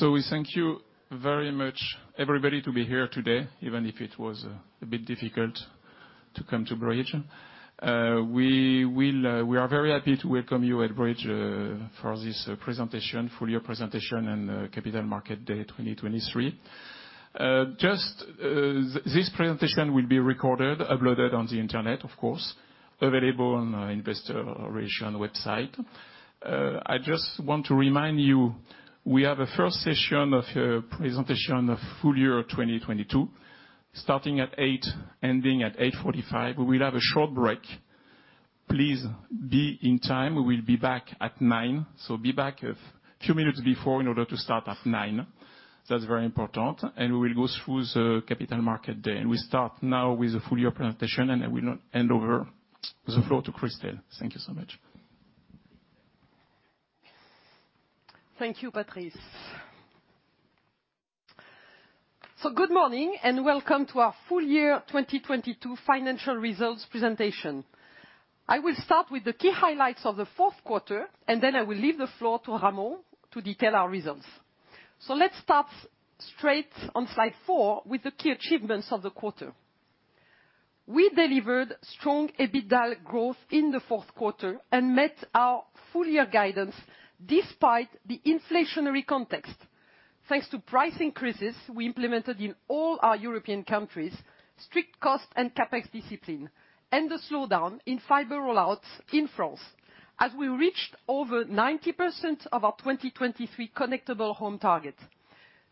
We thank you very much everybody to be here today, even if it was a bit difficult to come to Bridge. We are very happy to welcome you at Bridge for this presentation, full year presentation and Capital Market Day 2023. Just, this presentation will be recorded, uploaded on the internet, of course, available on investor relation website. I just want to remind you, we have a first session of your presentation of full year 2022, starting at eight, ending at 8:45. We will have a short break. Please be in time. We will be back at nine. Be back a few minutes before in order to start at nine. That's very important, we will go through the Capital Market Day. We start now with the full year presentation, and I will now hand over the floor to Christel. Thank you so much. Thank you, Patrice. Good morning, and welcome to our full year 2022 financial results presentation. I will start with the key highlights of the fourth quarter, and then I will leave the floor to Ramon to detail our results. Let's start straight on slide four with the key achievements of the quarter. We delivered strong EBITDA growth in the fourth quarter and met our full year guidance despite the inflationary context. Thanks to price increases we implemented in all our European countries, strict cost and CapEx discipline, and the slowdown in fiber rollouts in France, as we reached over 90% of our 2023 connectable home target.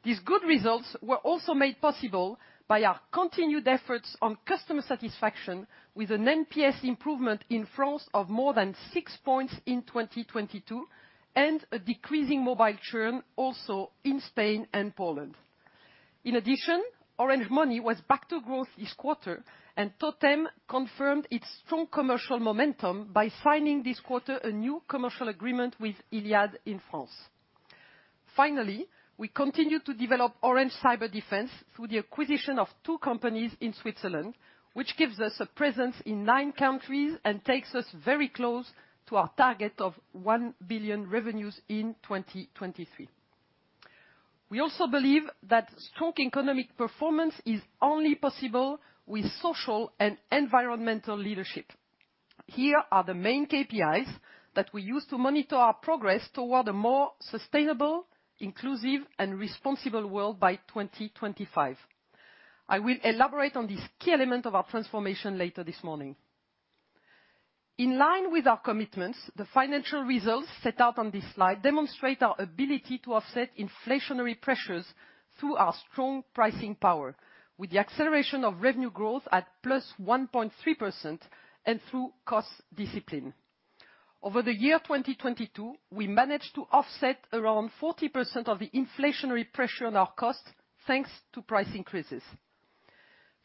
These good results were also made possible by our continued efforts on customer satisfaction with an NPS improvement in France of more than six points in 2022, and a decreasing mobile churn also in Spain and Poland. In addition, Orange Money was back to growth this quarter, and TOTEM confirmed its strong commercial momentum by signing this quarter a new commercial agreement with Iliad in France. Finally, we continue to develop Orange Cyberdefense through the acquisition of two companies in Switzerland, which gives us a presence in nine countries and takes us very close to our target of 1 billion revenues in 2023. We also believe that strong economic performance is only possible with social and environmental leadership. Here are the main KPIs that we use to monitor our progress toward a more sustainable, inclusive and responsible world by 2025. I will elaborate on this key element of our transformation later this morning. In line with our commitments, the financial results set out on this slide demonstrate our ability to offset inflationary pressures through our strong pricing power, with the acceleration of revenue growth at +1.3% and through cost discipline. Over the year 2022, we managed to offset around 40% of the inflationary pressure on our costs, thanks to price increases.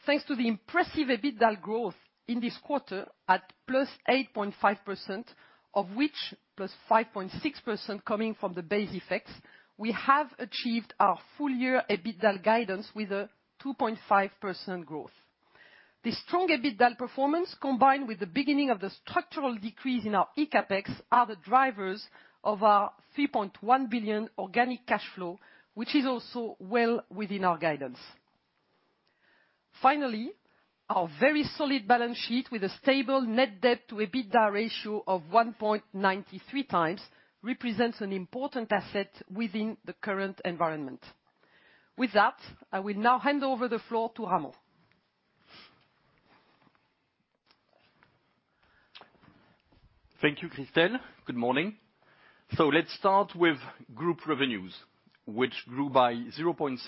Thanks to the impressive EBITDA growth in this quarter at +8.5%, of which +5.6% coming from the base effects, we have achieved our full year EBITDA guidance with a 2.5% growth. This strong EBITDA performance, combined with the beginning of the structural decrease in our ECAPEX are the drivers of our 3.1 billion organic cash flow, which is also well within our guidance. Finally, our very solid balance sheet with a stable net debt to EBITDA ratio of 1.93 times represents an important asset within the current environment. With that, I will now hand over the floor to Ramon. Thank you, Christel. Good morning. Let's start with group revenues, which grew by 0.6%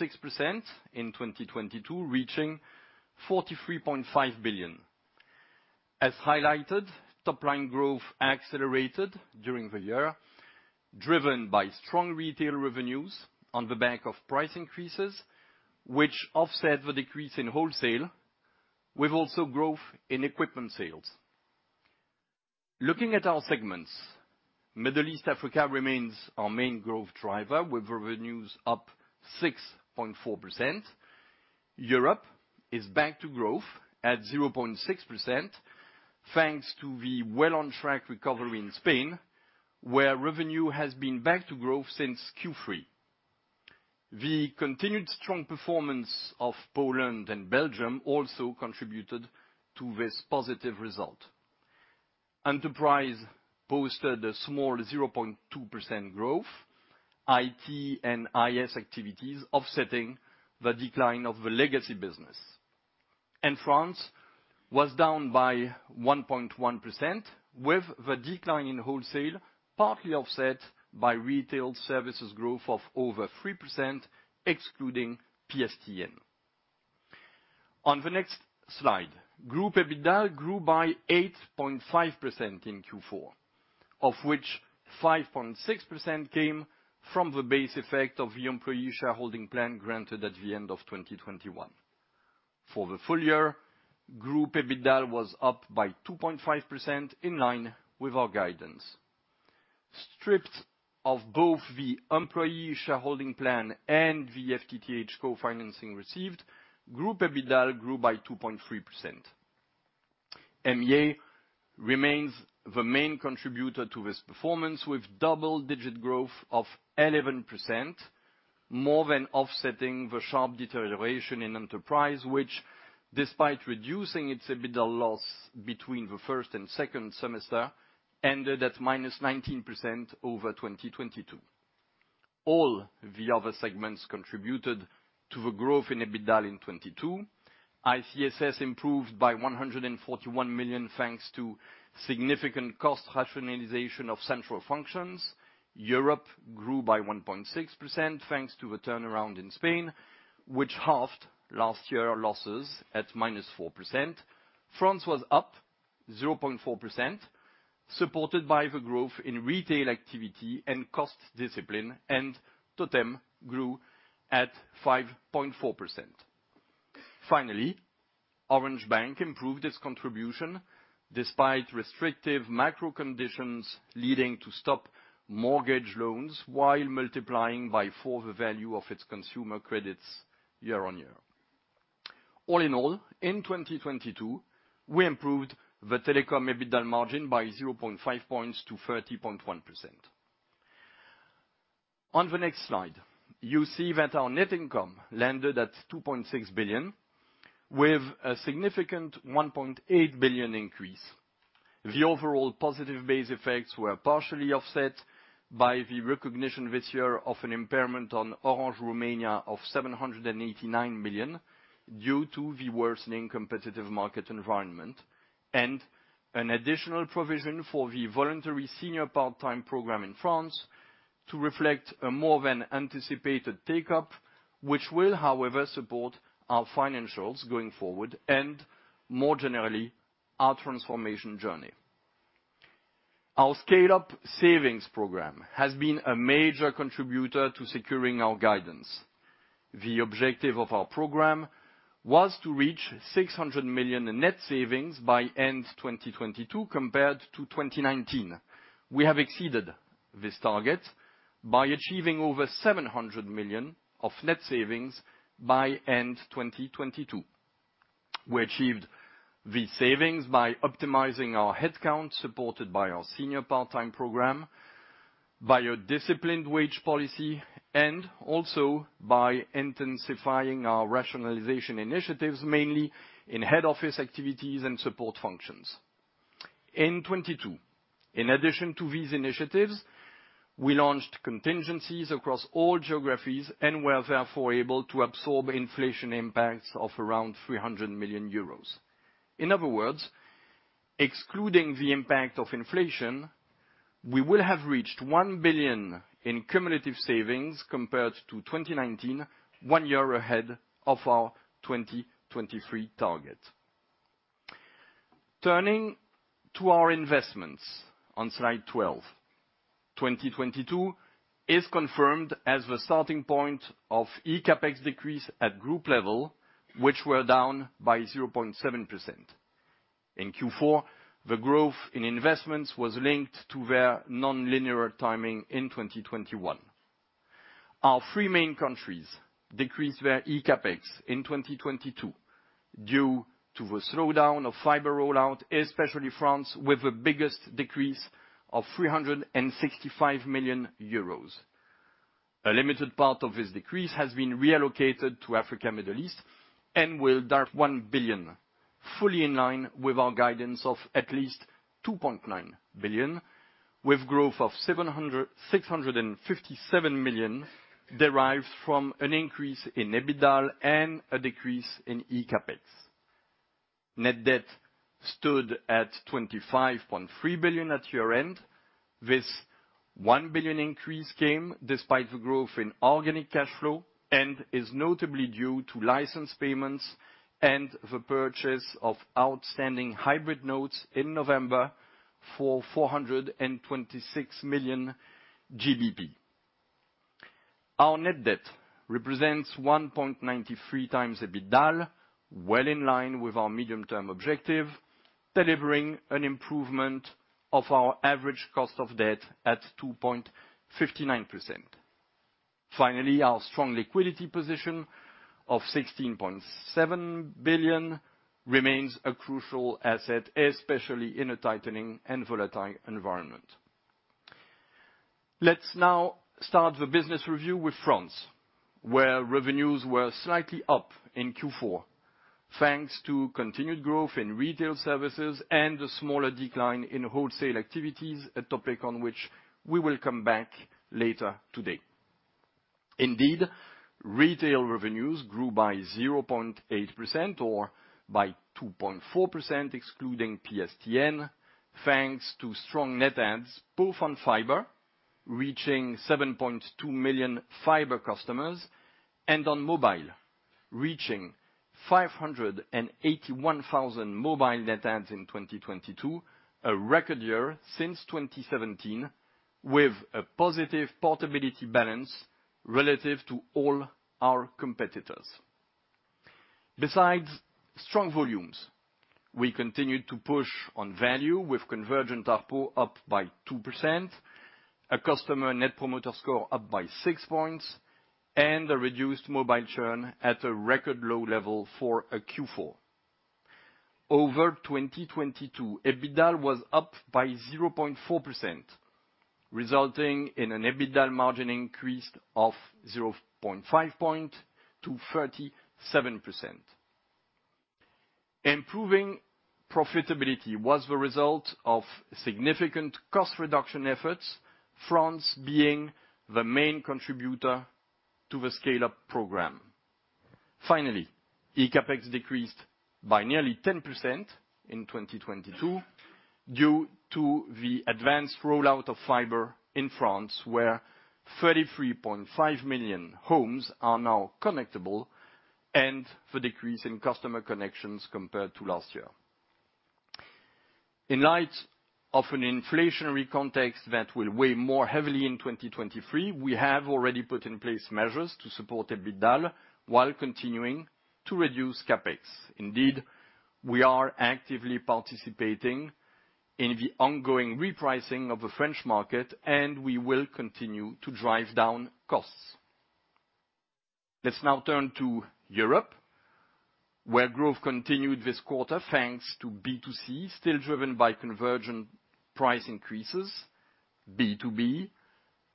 in 2022, reaching 43.5 billion. As highlighted, top line growth accelerated during the year, driven by strong retail revenues on the back of price increases, which offset the decrease in wholesale, with also growth in equipment sales. Looking at our segments, Middle East Africa remains our main growth driver with revenues up 6.4%. Europe is back to growth at 0.6% thanks to the well on track recovery in Spain, where revenue has been back to growth since Q3. The continued strong performance of Poland and Belgium also contributed to this positive result. Enterprise posted a small 0.2% growth, IT and IS activities offsetting the decline of the legacy business. France was down by 1.1%, with the decline in wholesale partly offset by retail services growth of over 3% excluding PSTN. On the next slide, group EBITDA grew by 8.5% in Q4, of which 5.6% came from the base effect of the employee shareholding plan granted at the end of 2021. For the full year, group EBITDA was up by 2.5%, in line with our guidance. Stripped of both the employee shareholding plan and the FTTH co-financing received, group EBITDA grew by 2.3%. MEA remains the main contributor to this performance, with double-digit growth of 11%, more than offsetting the sharp deterioration in enterprise, which despite reducing its EBITDA loss between the first and second semester, ended at -19% over 2022. All the other segments contributed to the growth in EBITDA in 2022. ICSS improved by 141 million, thanks to significant cost rationalization of central functions. Europe grew by 1.6%, thanks to the turnaround in Spain, which halved last year losses at -4%. France was up 0.4%, supported by the growth in retail activity and cost discipline. TOTEM grew at 5.4%. Finally, Orange Bank improved its contribution despite restrictive macro conditions leading to stop mortgage loans while multiplying by 4x the value of its consumer credits year-over-year. All in all, in 2022, we improved the telecom EBITDA margin by 0.5 points to 30.1%. On the next slide, you see that our net income landed at 2.6 billion with a significant 1.8 billion increase. The overall positive base effects were partially offset by the recognition this year of an impairment on Orange Romania of 789 million due to the worsening competitive market environment. An additional provision for the voluntary senior part-time program in France to reflect a more than anticipated take-up, which will, however, support our financials going forward and more generally, our transformation journey. Our Scale Up savings program has been a major contributor to securing our guidance. The objective of our program was to reach 600 million in net savings by end 2022 compared to 2019. We have exceeded this target by achieving over 700 million of net savings by end 2022. We achieved these savings by optimizing our headcount, supported by our senior part-time program, by a disciplined wage policy, and also by intensifying our rationalization initiatives, mainly in head office activities and support functions. In 2022, in addition to these initiatives, we launched contingencies across all geographies and were therefore able to absorb inflation impacts of around 300 million euros. In other words, excluding the impact of inflation, we will have reached 1 billion in cumulative savings compared to 2019, one year ahead of our 2023 target. Turning to our investments on slide 12. 2022 is confirmed as the starting point of ECAPEX decrease at group level, which were down by 0.7%. In Q4, the growth in investments was linked to their nonlinear timing in 2021. Our three main countries decreased their ECAPEX in 2022 due to the slowdown of fiber rollout, especially France, with the biggest decrease of 365 million euros. A limited part of this decrease has been reallocated to Africa, Middle East and will drive 1 billion, fully in line with our guidance of at least 2.9 billion, with growth of 657 million derived from an increase in EBITDA and a decrease in ECAPEX. Net debt stood at 25.3 billion at year-end. This 1 billion increase came despite the growth in organic cash flow and is notably due to license payments and the purchase of outstanding hybrid notes in November for GBP 426 million. Our net debt represents 1.93x EBITDA, well in line with our medium-term objective, delivering an improvement of our average cost of debt at 2.59%. Finally, our strong liquidity position of 16.7 billion remains a crucial asset, especially in a tightening and volatile environment. Let's now start the business review with France, where revenues were slightly up in Q4, thanks to continued growth in retail services and a smaller decline in wholesale activities, a topic on which we will come back later today. Indeed, retail revenues grew by 0.8% or by 2.4% excluding PSTN, thanks to strong net adds both on fiber, reaching 7.2 million fiber customers, and on mobile, reaching 581,000 mobile net adds in 2022, a record year since 2017, with a positive portability balance relative to all our competitors. Besides strong volumes, we continued to push on value with convergent ARPU up by 2%, a customer net promoter score up by six points. A reduced mobile churn at a record low level for a Q4. Over 2022, EBITDA was up by 0.4%, resulting in an EBITDA margin increase of 0.5 point to 37%. Improving profitability was the result of significant cost reduction efforts, France being the main contributor to the Scale Up program. ECAPEX decreased by nearly 10% in 2022 due to the advanced rollout of fiber in France, where 33.5 million homes are now connectable, and the decrease in customer connections compared to last year. In light of an inflationary context that will weigh more heavily in 2023, we have already put in place measures to support EBITDA while continuing to reduce CapEx. We are actively participating in the ongoing repricing of the French market, and we will continue to drive down costs. Let's now turn to Europe, where growth continued this quarter, thanks to B2C, still driven by convergent price increases, B2B,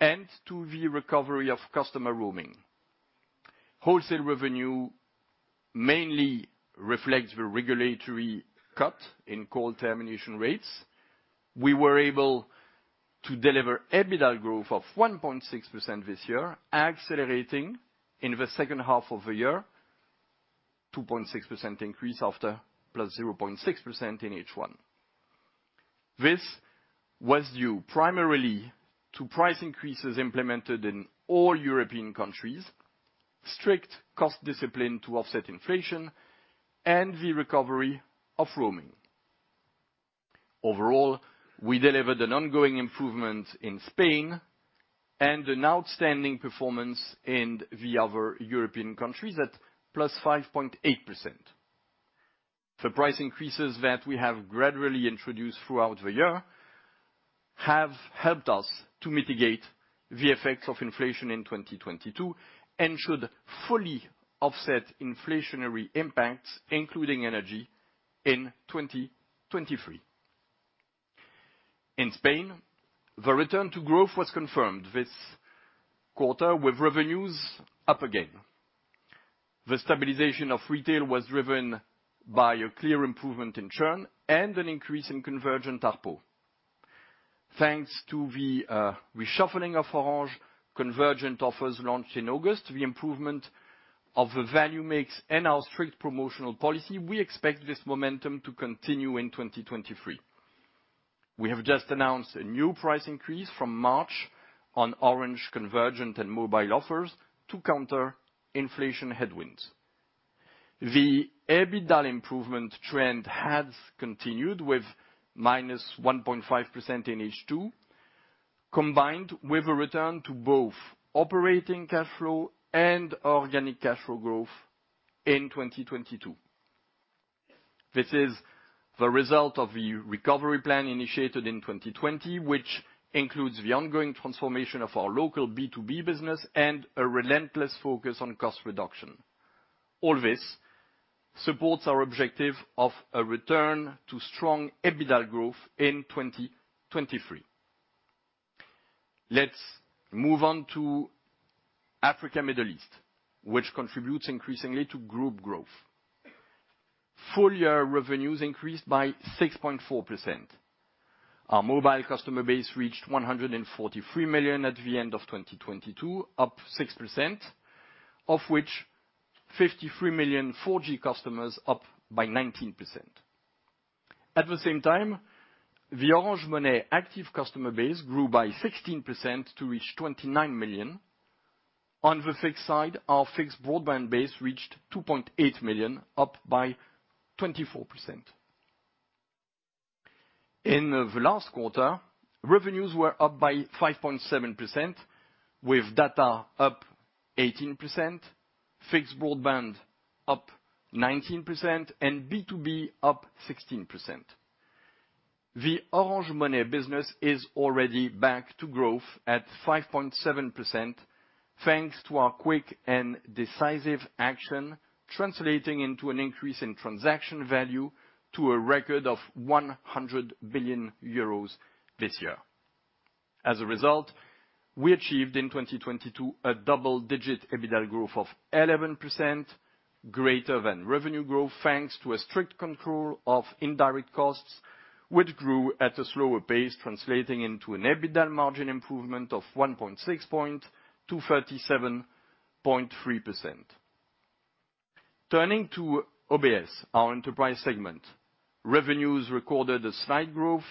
and to the recovery of customer roaming. Wholesale revenue mainly reflects the regulatory cut in call termination rates. We were able to deliver EBITDA growth of 1.6% this year, accelerating in the second half of the year, 2.6% increase after +0.6% in H1. This was due primarily to price increases implemented in all European countries, strict cost discipline to offset inflation, and the recovery of roaming. Overall, we delivered an ongoing improvement in Spain and an outstanding performance in the other European countries at +5.8%. The price increases that we have gradually introduced throughout the year have helped us to mitigate the effects of inflation in 2022 and should fully offset inflationary impacts, including energy, in 2023. In Spain, the return to growth was confirmed this quarter with revenues up again. The stabilization of retail was driven by a clear improvement in churn and an increase in convergent ARPU. Thanks to the reshuffling of Orange convergent offers launched in August, the improvement of the value mix and our strict promotional policy, we expect this momentum to continue in 2023. We have just announced a new price increase from March on Orange convergent and mobile offers to counter inflation headwinds. The EBITDA improvement trend has continued with -1.5% in H2, combined with a return to both operating cash flow and organic cash flow growth in 2022. This is the result of the recovery plan initiated in 2020, which includes the ongoing transformation of our local B2B business and a relentless focus on cost reduction. All this supports our objective of a return to strong EBITDA growth in 2023. Let's move on to Africa, Middle East, which contributes increasingly to group growth. Full year revenues increased by 6.4%. Our mobile customer base reached 143 million at the end of 2022, up 6%, of which 53 million 4G customers up by 19%. At the same time, the Orange Money active customer base grew by 16% to reach 29 million. On the fixed side, our fixed broadband base reached 2.8 million, up by 24%. In the last quarter, revenues were up by 5.7%, with data up 18%, fixed broadband up 19%, and B2B up 16%. The Orange Money business is already back to growth at 5.7%, thanks to our quick and decisive action, translating into an increase in transaction value to a record of 100 billion euros this year. We achieved in 2022 a double-digit EBITDA growth of 11%, greater than revenue growth, thanks to a strict control of indirect costs, which grew at a slower pace, translating into an EBITDA margin improvement of 1.6 point to 37.3%. Turning to OBS, our enterprise segment. Revenues recorded a slight growth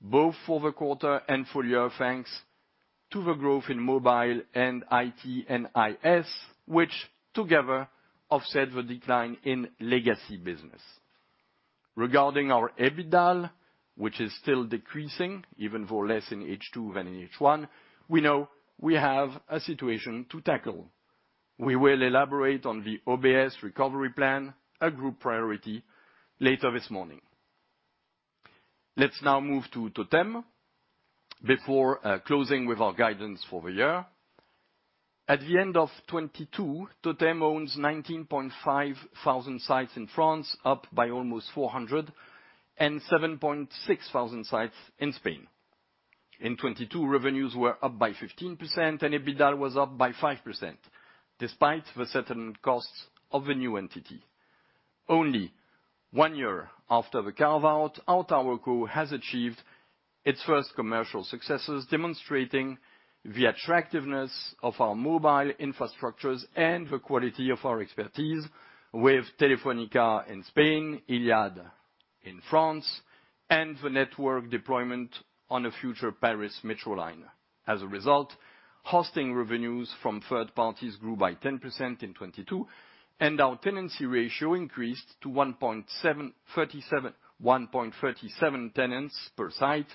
both for the quarter and full year, thanks to the growth in mobile and IT and IS, which together offset the decline in legacy business. Regarding our EBITDA, which is still decreasing, even though less in H2 than in H1, we know we have a situation to tackle. We will elaborate on the OBS recovery plan, a group priority, later this morning. Let's now move to TOTEM before closing with our guidance for the year. At the end of 2022, TOTEM owns 19,500 sites in France, up by almost 400, and 7,600 sites in Spain. In 2022, revenues were up by 15% and EBITDA was up by 5%, despite the certain costs of the new entity. Only one year after the carve-out, TowerCo has achieved its first commercial successes, demonstrating the attractiveness of our mobile infrastructures and the quality of our expertise with Telefónica in Spain, iliad in France, and the network deployment on a future Paris Metro line. As a result, hosting revenues from third parties grew by 10% in 2022, and our tenancy ratio increased to 1.37 tenants per site,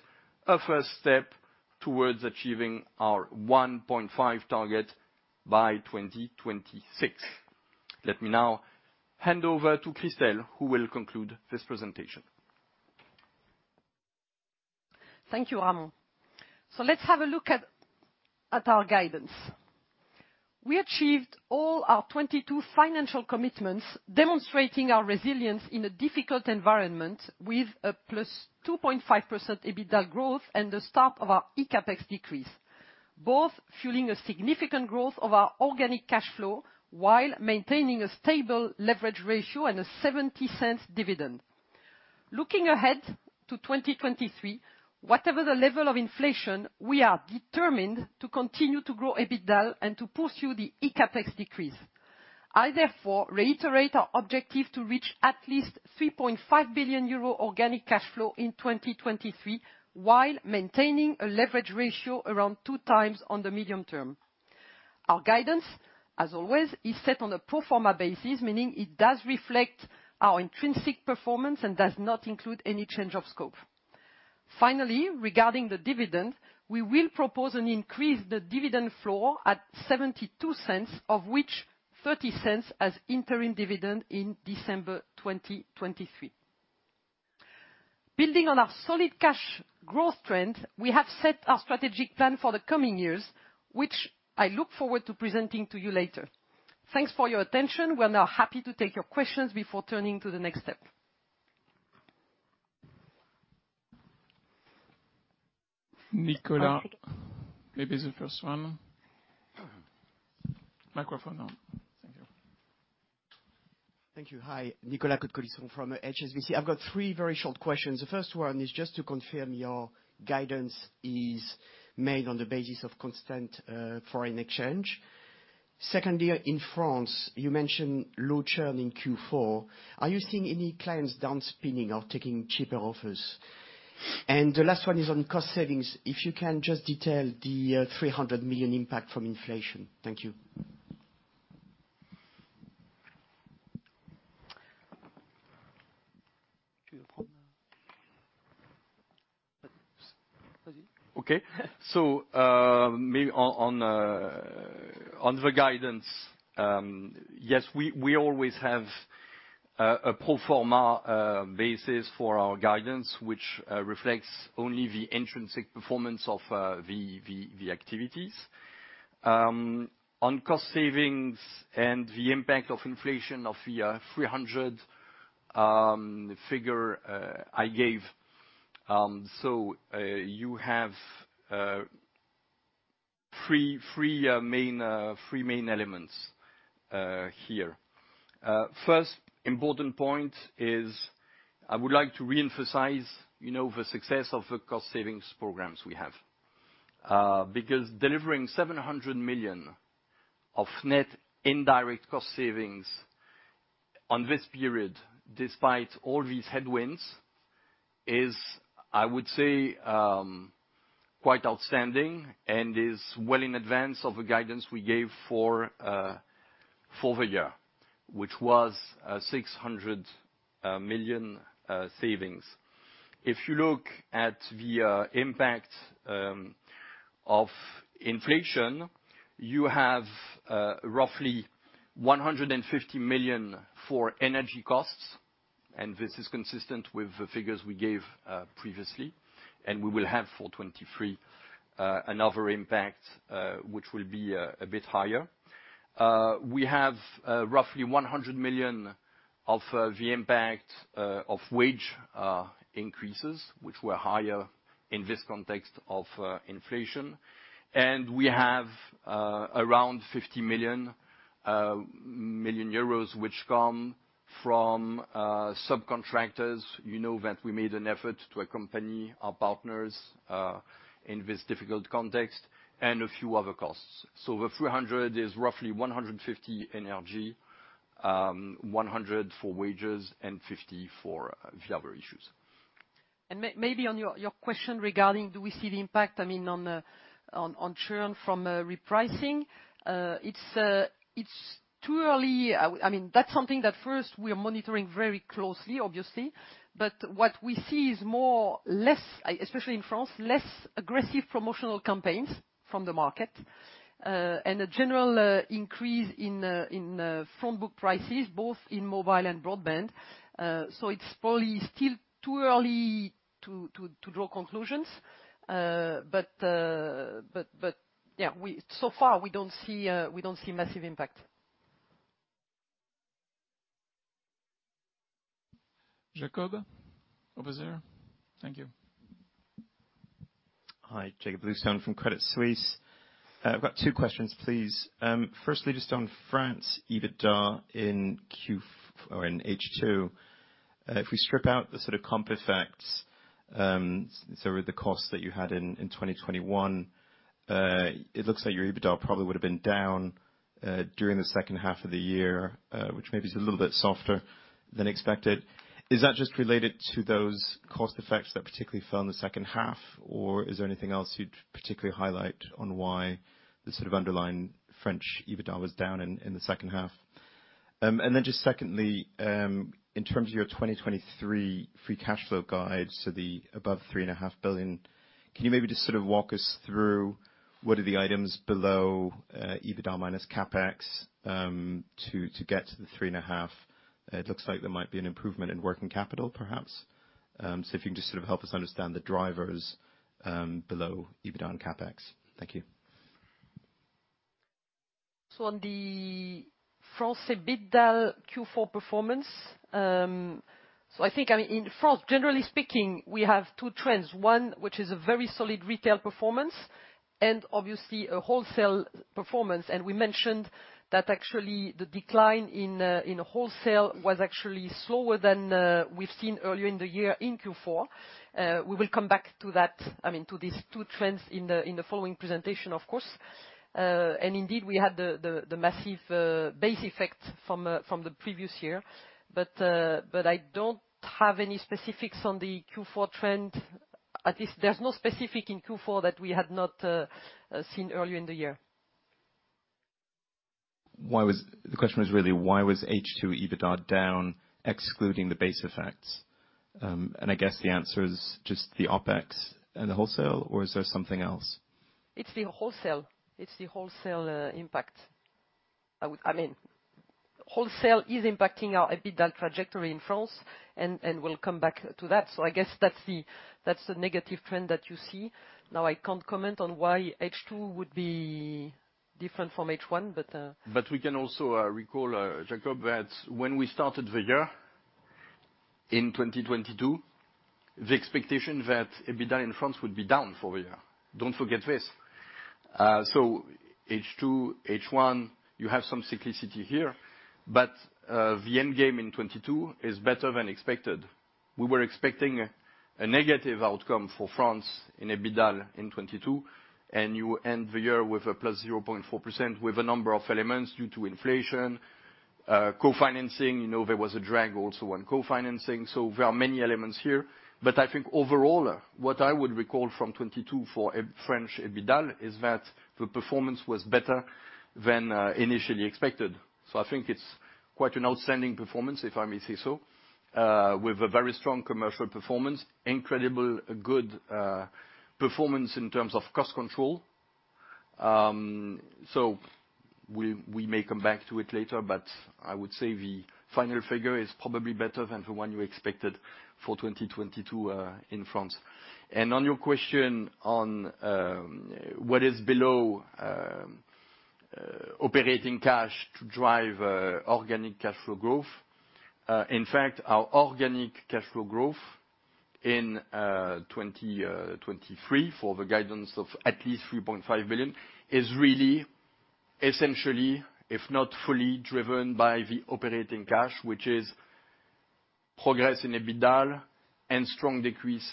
a first step towards achieving our 1.5 target by 2026. Let me now hand over to Christel, who will conclude this presentation. Thank you, Ramon. Let's have a look at our guidance. We achieved all our 2022 financial commitments, demonstrating our resilience in a difficult environment with a +2.5% EBITDA growth and the start of our ECAPEX decrease, both fueling a significant growth of our organic cash flow while maintaining a stable leverage ratio and a 0.70 dividend. Looking ahead to 2023, whatever the level of inflation, we are determined to continue to grow EBITDA and to pursue the ECAPEX decrease. I therefore reiterate our objective to reach at least 3.5 billion euro organic cash flow in 2023, while maintaining a leverage ratio around two times on the medium term. Our guidance, as always, is set on a pro forma basis, meaning it does reflect our intrinsic performance and does not include any change of scope. Finally, regarding the dividend, we will propose an increase the dividend flow at 0.72, of which 0.30 as interim dividend in December 2023. Building on our solid cash growth trend, we have set our strategic plan for the coming years, which I look forward to presenting to you later. Thanks for your attention. We are now happy to take your questions before turning to the next step. Nicolas, maybe the first one. Microphone on. Thank you. Thank you. Hi, Nicolas Cote-Colisson from HSBC. I've got three very short questions. The first one is just to confirm your guidance is made on the basis of constant foreign exchange. Secondly, in France, you mentioned low churn in Q4. Are you seeing any clients downspinning or taking cheaper offers? The last one is on cost savings. If you can just detail the 300 million impact from inflation. Thank you. Okay. On the guidance, yes, we always have a pro forma basis for our guidance, which reflects only the intrinsic performance of the activities. On cost savings and the impact of inflation of the 300 figure I gave, you have three main elements here. First important point is I would like to re-emphasize, you know, the success of the cost savings programs we have. Delivering 700 million of net indirect cost savings on this period, despite all these headwinds, is, I would say, quite outstanding and is well in advance of the guidance we gave for the year, which was 600 million savings. If you look at the impact of inflation, you have roughly 150 million for energy costs. This is consistent with the figures we gave previously. We will have for 2023 another impact which will be a bit higher. We have roughly 100 million of the impact of wage increases, which were higher in this context of inflation. We have around 50 million which come from subcontractors. You know that we made an effort to accompany our partners in this difficult context and a few other costs. The 300 million is roughly 150 million energy, 100 million for wages and 50 million for the other issues. May-maybe on your question regarding do we see the impact, I mean, on churn from repricing, it's too early. I mean, that's something that first we are monitoring very closely, obviously. What we see is more-- less, especially in France, less aggressive promotional campaigns from the market, and a general increase in front book prices, both in mobile and broadband. So it's probably still too early to draw conclusions. But yeah, we so far, we don't see massive impact. Jakob, over there. Thank you. Hi, Jakob Bluestone from Credit Suisse. Firstly, just on France EBITDA in H2. If we strip out the sort of comp effects, so the costs that you had in 2021, it looks like your EBITDA probably would've been down during the second half of the year, which maybe is a little bit softer than expected. Is that just related to those cost effects that particularly fell in the second half, or is there anything else you'd particularly highlight on why the sort of underlying French EBITDA was down in the second half? Then just secondly, in terms of your 2023 free cash flow guide, the above 3.5 billion, can you maybe just sort of walk us through what are the items below EBITDA minus CapEx, to get to the 3.5 billion? It looks like there might be an improvement in working capital, perhaps. If you can just sort of help us understand the drivers, below EBITDA and CapEx. Thank you. On the France EBITDA Q4 performance, I think, I mean, in France, generally speaking, we have two trends. One, which is a very solid retail performance and obviously a wholesale performance. We mentioned that actually the decline in wholesale was actually slower than we've seen earlier in the year in Q4. We will come back to that, I mean, to these two trends in the following presentation, of course. Indeed, we had the massive base effect from the previous year. I don't have any specifics on the Q4 trend. At least there's no specific in Q4 that we had not seen earlier in the year. The question was really why was H2 EBITDA down excluding the base effects? I guess the answer is just the OpEx and the wholesale, or is there something else? It's the wholesale impact. I mean, wholesale is impacting our EBITDA trajectory in France, and we'll come back to that. I guess that's the negative trend that you see. I can't comment on why H2 would be different from H1, but. We can also recall, Jacob, that when we started the year in 2022, the expectation that EBITDA in France would be down for the year. Don't forget this. So H2, H1, you have some cyclicity here, but the end game in 22 is better than expected. We were expecting a negative outcome for France in EBITDA in 22, and you end the year with a +0.4% with a number of elements due to inflation, co-financing. You know, there was a drag also on co-financing, so there are many elements here. I think overall, what I would recall from 22 for French EBITDA is that the performance was better than initially expected. I think it's quite an outstanding performance, if I may say so, with a very strong commercial performance, incredibly good performance in terms of cost control. We may come back to it later, but I would say the final figure is probably better than the one you expected for 2022 in France. On your question on, what is below operating cash to drive organic cash flow growth. In fact, our organic cash flow growth in 2023 for the guidance of at least 3.5 billion is really essentially, if not fully, driven by the operating cash, which is progress in EBITDA and strong decrease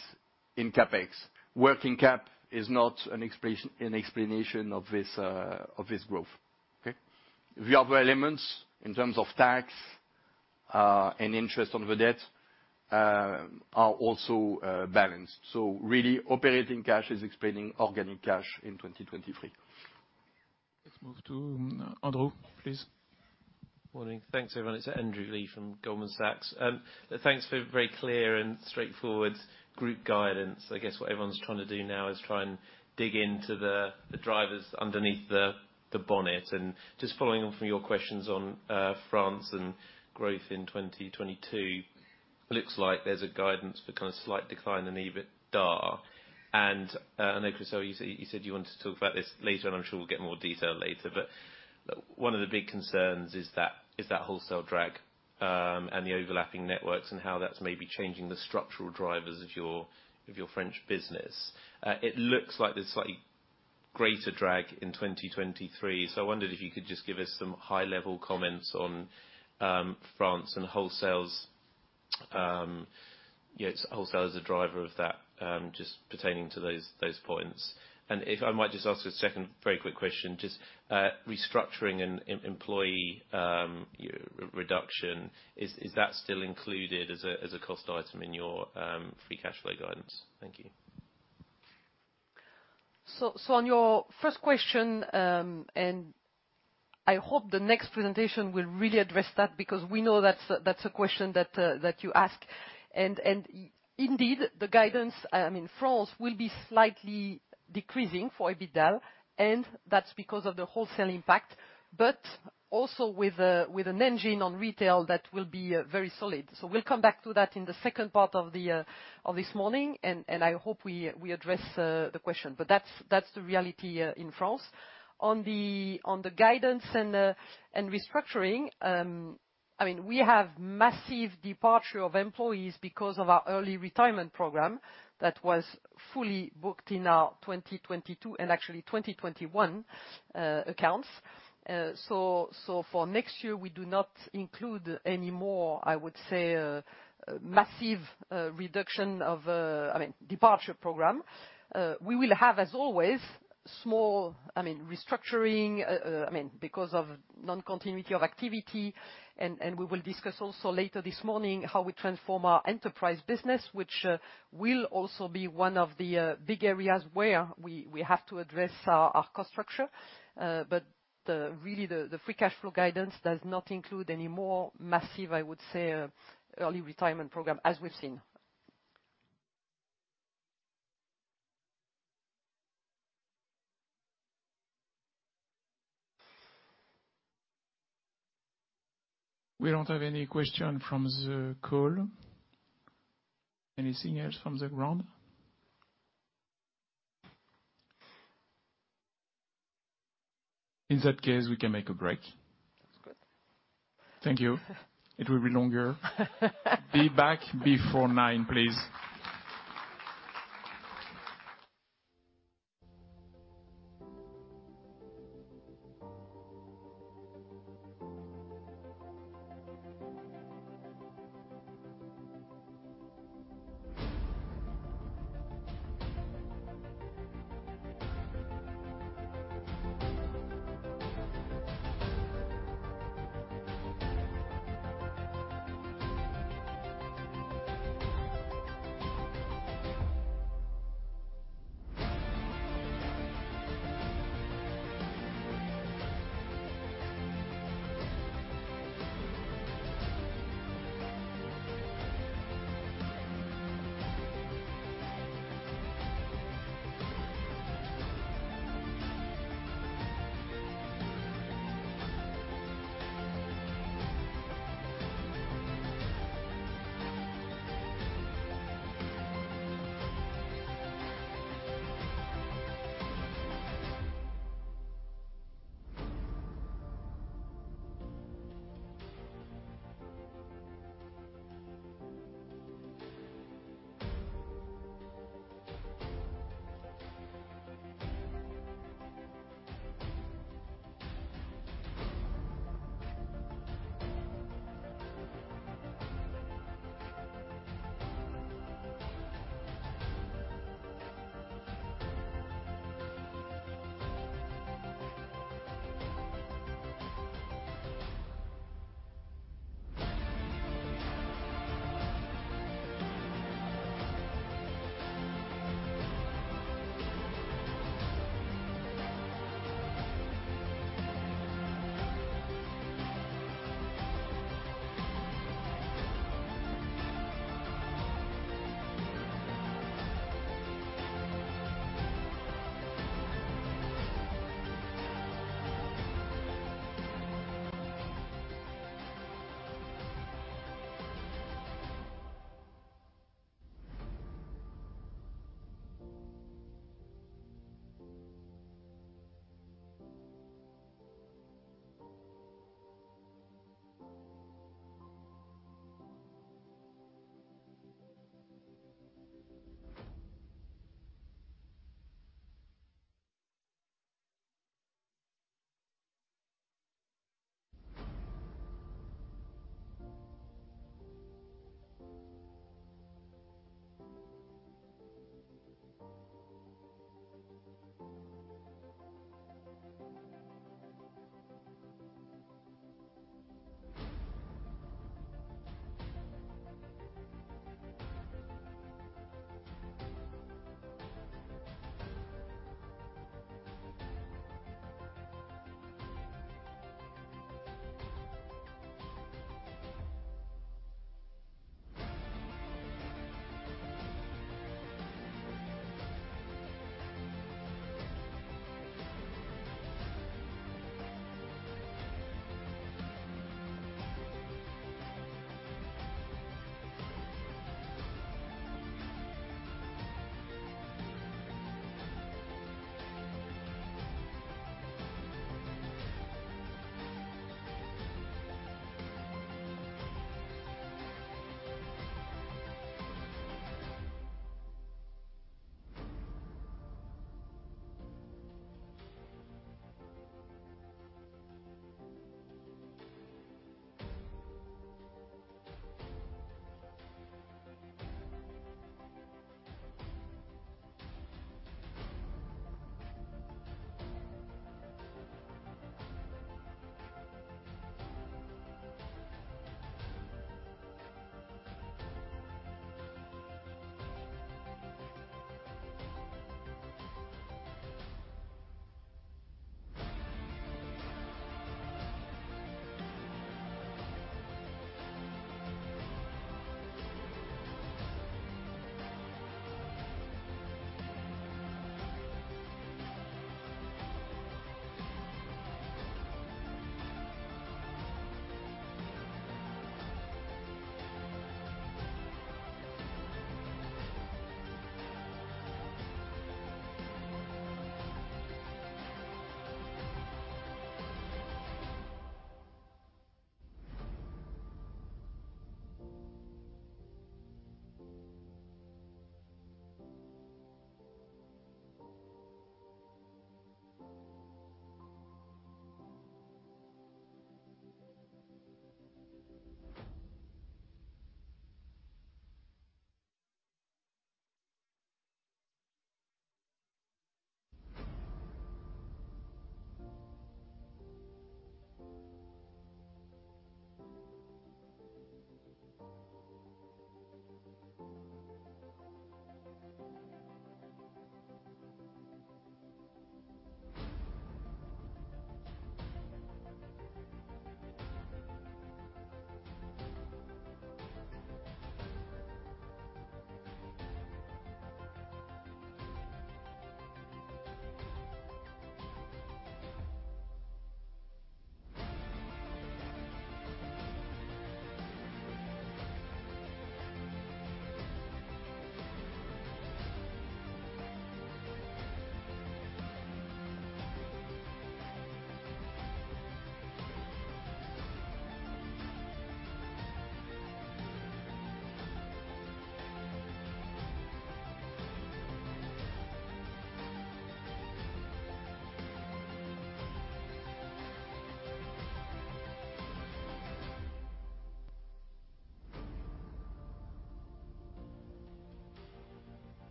in CapEx. Working cap is not an explanation of this growth, okay? The other elements in terms of tax and interest on the debt are also balanced. Really operating cash is explaining organic cash in 2023. Let's move to Andrew, please. Morning. Thanks, everyone. It's Andrew Lee from Goldman Sachs. Thanks for very clear and straightforward group guidance. I guess what everyone's trying to do now is try and dig into the drivers underneath the bonnet. Just following on from your questions on France and growth in 2022, looks like there's a guidance for kind of slight decline in EBITDA. I know, Christel, you said you wanted to talk about this later, and I'm sure we'll get more detail later, but one of the big concerns is that wholesale drag and the overlapping networks and how that's maybe changing the structural drivers of your French business. It looks like there's slightly greater drag in 2023. I wondered if you could just give us some high level comments on France and wholesales, you know, wholesale as a driver of that, just pertaining to those points. If I might just ask a second very quick question, just restructuring and employee reduction, is that still included as a cost item in your free cash flow guidance? Thank you. On your first question, I hope the next presentation will really address that because we know that's a question that you ask. Indeed, the guidance in France will be slightly decreasing for EBITDA, and that's because of the wholesale impact. Also with an engine on retail that will be very solid. We'll come back to that in the second part of this morning, and I hope we address the question. That's the reality in France. On the guidance and restructuring, I mean, we have massive departure of employees because of our early retirement program that was fully booked in our 2022 and actually 2021 accounts. For next year, we do not include any more, I would say, massive reduction of departure program. We will have, as always, small restructuring because of non-continuity of activity. We will discuss also later this morning how we transform our enterprise business, which will also be one of the big areas where we have to address our cost structure. Really the free cash flow guidance does not include any more massive, I would say, early retirement program as we've seen. We don't have any question from the call. Anything else from the ground? In that case, we can make a break. That's good. Thank you. It will be longer. Be back before 9:00 A.M., please.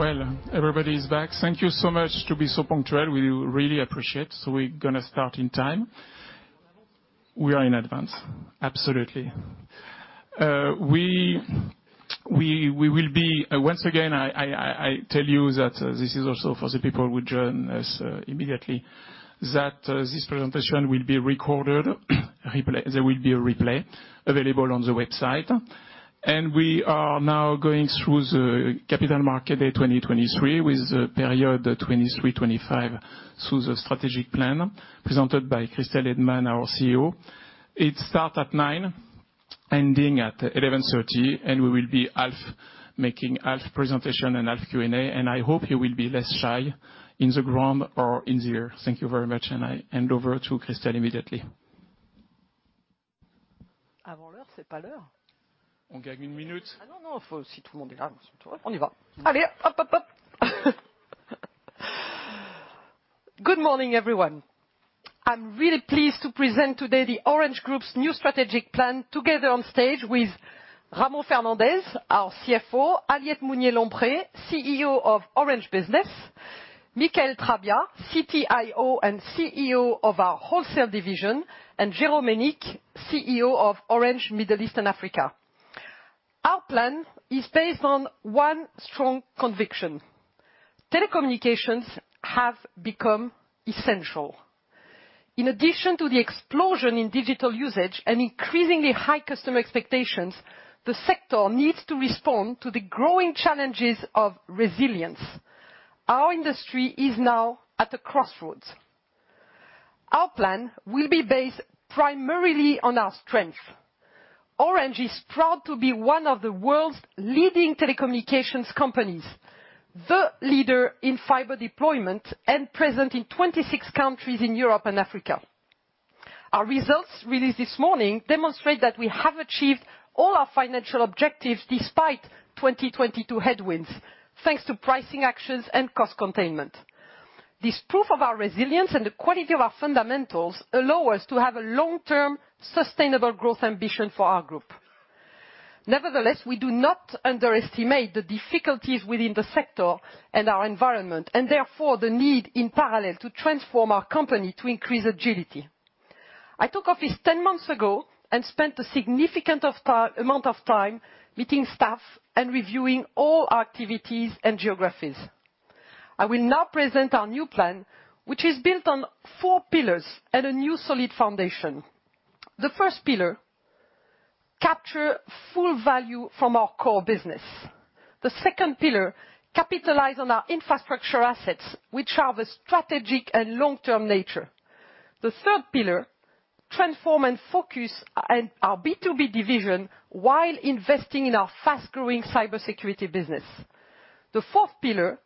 Well, everybody is back. Thank you so much to be so punctual. We really appreciate, so we're gonna start in time. We are in advance, absolutely. We will be... Once again, I tell you that this is also for the people who join us immediately, that this presentation will be recorded. Replay. There will be a replay available on the website. We are now going through the Capital Market Day 2023, with the period 23-25 through the strategic plan presented by Christel Heydemann, our CEO. It start at 9:00 A.M., ending at 11:30 A.M., and we will be making half presentation and half Q&A, and I hope you will be less shy in the ground or in the air. Thank you very much, and I hand over to Christel immediately. Good morning, everyone. I'm really pleased to present today the Orange Group's new strategic plan together on stage with Ramon Fernandez, our CFO, Aliette Mousnier-Lompré, CEO of Orange Business, Michaël Trabbia, CTIO and CEO of our wholesale division, and Jérôme Hénique, CEO of Orange Middle East and Africa. Our plan is based on one strong conviction. Telecommunications have become essential. In addition to the explosion in digital usage and increasingly high customer expectations, the sector needs to respond to the growing challenges of resilience. Our industry is now at a crossroads. Our plan will be based primarily on our strength. Orange is proud to be one of the world's leading telecommunications companies, the leader in fiber deployment and present in 26 countries in Europe and Africa. Our results released this morning demonstrate that we have achieved all our financial objectives despite 2022 headwinds, thanks to pricing actions and cost containment. This proof of our resilience and the quality of our fundamentals allow us to have a long-term sustainable growth ambition for our group. We do not underestimate the difficulties within the sector and our environment, and therefore, the need in parallel to transform our company to increase agility. I took office 10 months ago and spent a significant amount of time meeting staff and reviewing all our activities and geographies. I will now present our new plan, which is built on four pillars and a new solid foundation. The first pillar, capture full value from our core business. The second pillar, capitalize on our infrastructure assets, which are the strategic and long-term nature. The third pillar, transform and focus our B2B division while investing in our fast-growing cybersecurity business. The fourth pillar,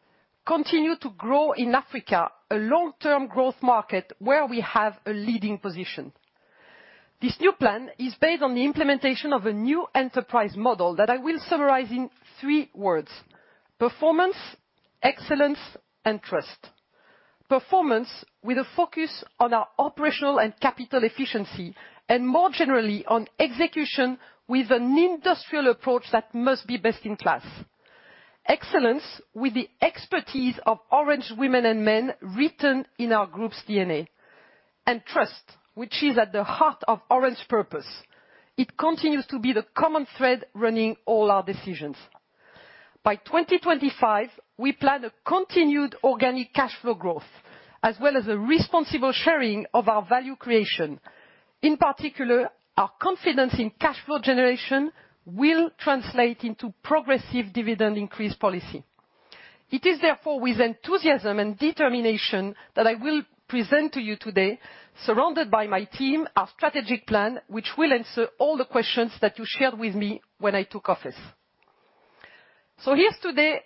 continue to grow in Africa, a long-term growth market where we have a leading position. This new plan is based on the implementation of a new enterprise model that I will summarize in three words: performance, excellence, and trust. Performance with a focus on our operational and capital efficiency, and more generally, on execution with an industrial approach that must be best in class. Excellence with the expertise of Orange women and men written in our group's DNA. Trust, which is at the heart of Orange purpose. It continues to be the common thread running all our decisions. By 2025, we plan a continued organic cash flow growth, as well as a responsible sharing of our value creation. In particular, our confidence in cash flow generation will translate into progressive dividend increase policy. It is therefore with enthusiasm and determination that I will present to you today, surrounded by my team, our strategic plan, which will answer all the questions that you shared with me when I took office. Here's today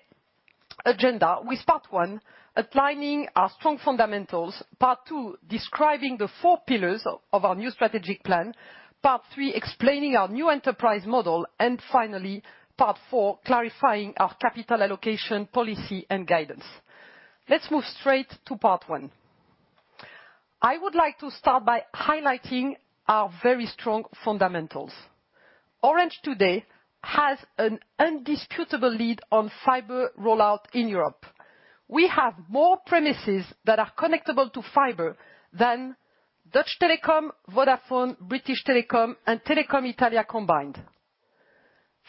agenda with part one, outlining our strong fundamentals, part two, describing the four pillars of our new strategic plan, part three, explaining our new enterprise model, and finally, part four, clarifying our capital allocation policy and guidance. Let's move straight to part one. I would like to start by highlighting our very strong fundamentals. Orange today has an undisputable lead on fiber rollout in Europe. We have more premises that are connectable to fiber than Dutch Telecom, Vodafone, British Telecom, and Telecom Italia combined.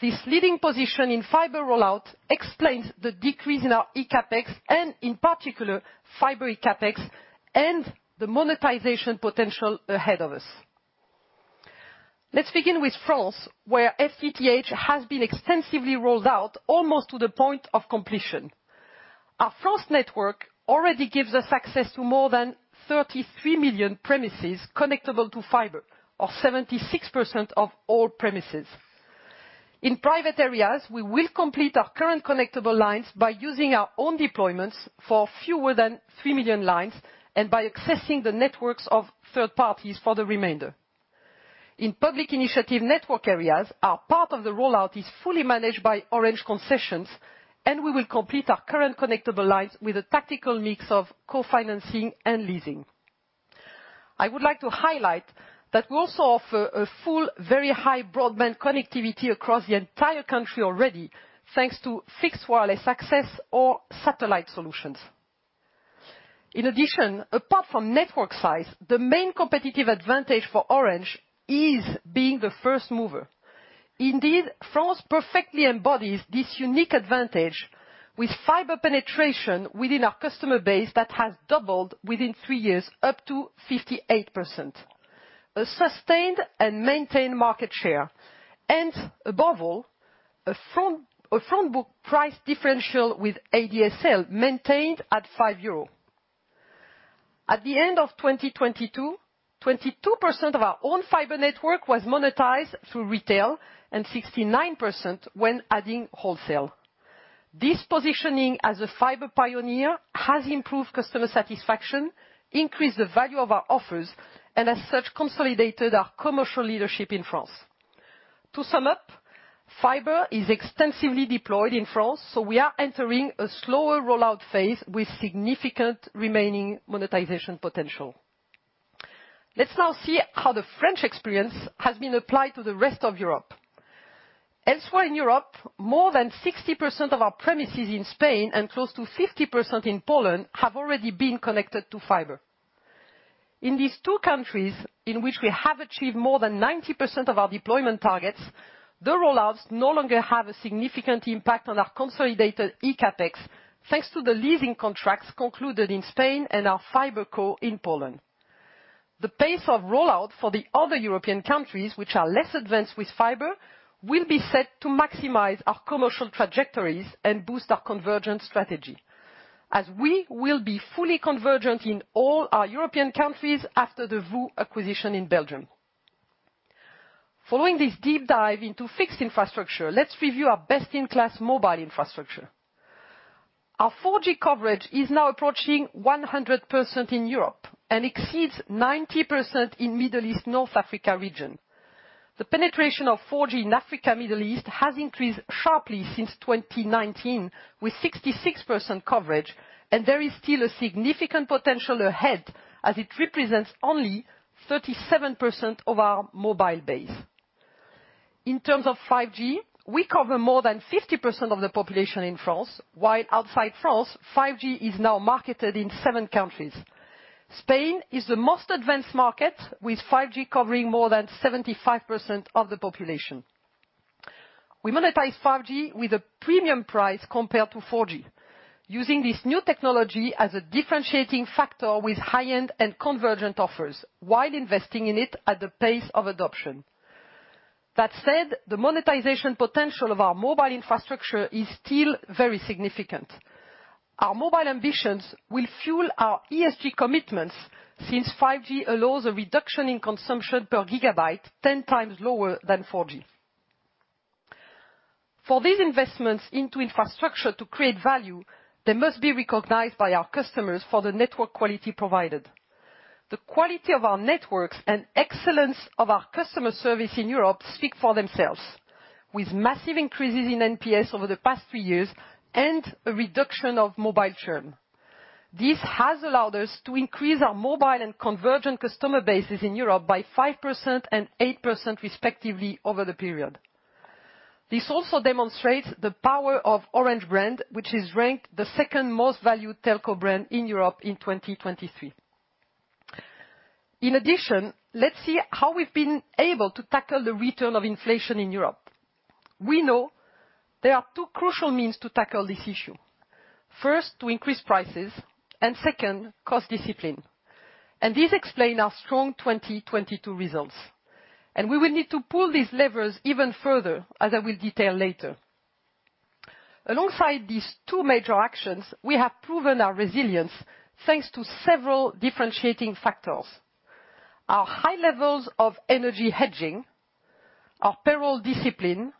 This leading position in fiber rollout explains the decrease in our ECAPEX, in particular, fiber ECAPEX and the monetization potential ahead of us. Let's begin with France, where FTTH has been extensively rolled out almost to the point of completion. Our first network already gives us access to more than 33 million premises connectable to fiber or 76% of all premises. In private areas, we will complete our current connectable lines by using our own deployments for fewer than 3 million lines, by accessing the networks of third parties for the remainder. In public initiative network areas, our part of the rollout is fully managed by Orange Concessions, we will complete our current connectable lines with a tactical mix of co-financing and leasing. I would like to highlight that we also offer a full, very high broadband connectivity across the entire country already, thanks to fixed wireless access or satellite solutions. In addition, apart from network size, the main competitive advantage for Orange is being the first mover. Indeed, France perfectly embodies this unique advantage with fiber penetration within our customer base that has doubled within three years up to 58%. A sustained and maintained market share, and above all, a front book price differential with ADSL maintained at 5 euro. At the end of 2022, 22% of our own fiber network was monetized through retail, and 69% when adding wholesale. This positioning as a fiber pioneer has improved customer satisfaction, increased the value of our offers, and as such, consolidated our commercial leadership in France. To sum up, fiber is extensively deployed in France, so we are entering a slower rollout phase with significant remaining monetization potential. Let's now see how the French experience has been applied to the rest of Europe. Elsewhere in Europe, more than 60% of our premises in Spain and close to 50% in Poland have already been connected to fiber. In these two countries, in which we have achieved more than 90% of our deployment targets, the roll-outs no longer have a significant impact on our consolidated ECAPEX, thanks to the leasing contracts concluded in Spain and our FiberCo in Poland. The pace of rollout for the other European countries, which are less advanced with fiber, will be set to maximize our commercial trajectories and boost our convergent strategy. We will be fully convergent in all our European countries after the VOO acquisition in Belgium. Following this deep dive into fixed infrastructure, let's review our best-in-class mobile infrastructure. Our 4G coverage is now approaching 100% in Europe and exceeds 90% in Middle East, North Africa region. The penetration of 4G in Africa, Middle East has increased sharply since 2019 with 66% coverage. There is still a significant potential ahead as it represents only 37% of our mobile base. In terms of 5G, we cover more than 50% of the population in France, while outside France, 5G is now marketed in seven countries. Spain is the most advanced market, with 5G covering more than 75% of the population. We monetize 5G with a premium price compared to 4G. Using this new technology as a differentiating factor with high-end and convergent offers while investing in it at the pace of adoption. That said, the monetization potential of our mobile infrastructure is still very significant. Our mobile ambitions will fuel our ESG commitments since 5G allows a reduction in consumption per gigabyte ten times lower than 4G. For these investments into infrastructure to create value, they must be recognized by our customers for the network quality provided. The quality of our networks and excellence of our customer service in Europe speak for themselves. With massive increases in NPS over the past three years and a reduction of mobile churn. This has allowed us to increase our mobile and convergent customer bases in Europe by 5% and 8% respectively over the period. This also demonstrates the power of Orange brand, which is ranked the second most valued telco brand in Europe in 2023. Let's see how we've been able to tackle the return of inflation in Europe. We know there are two crucial means to tackle this issue. First, to increase prices, and second, cost discipline. These explain our strong 2022 results. We will need to pull these levers even further, as I will detail later. Alongside these two major actions, we have proven our resilience thanks to several differentiating factors. Our high levels of energy hedging, our payroll discipline,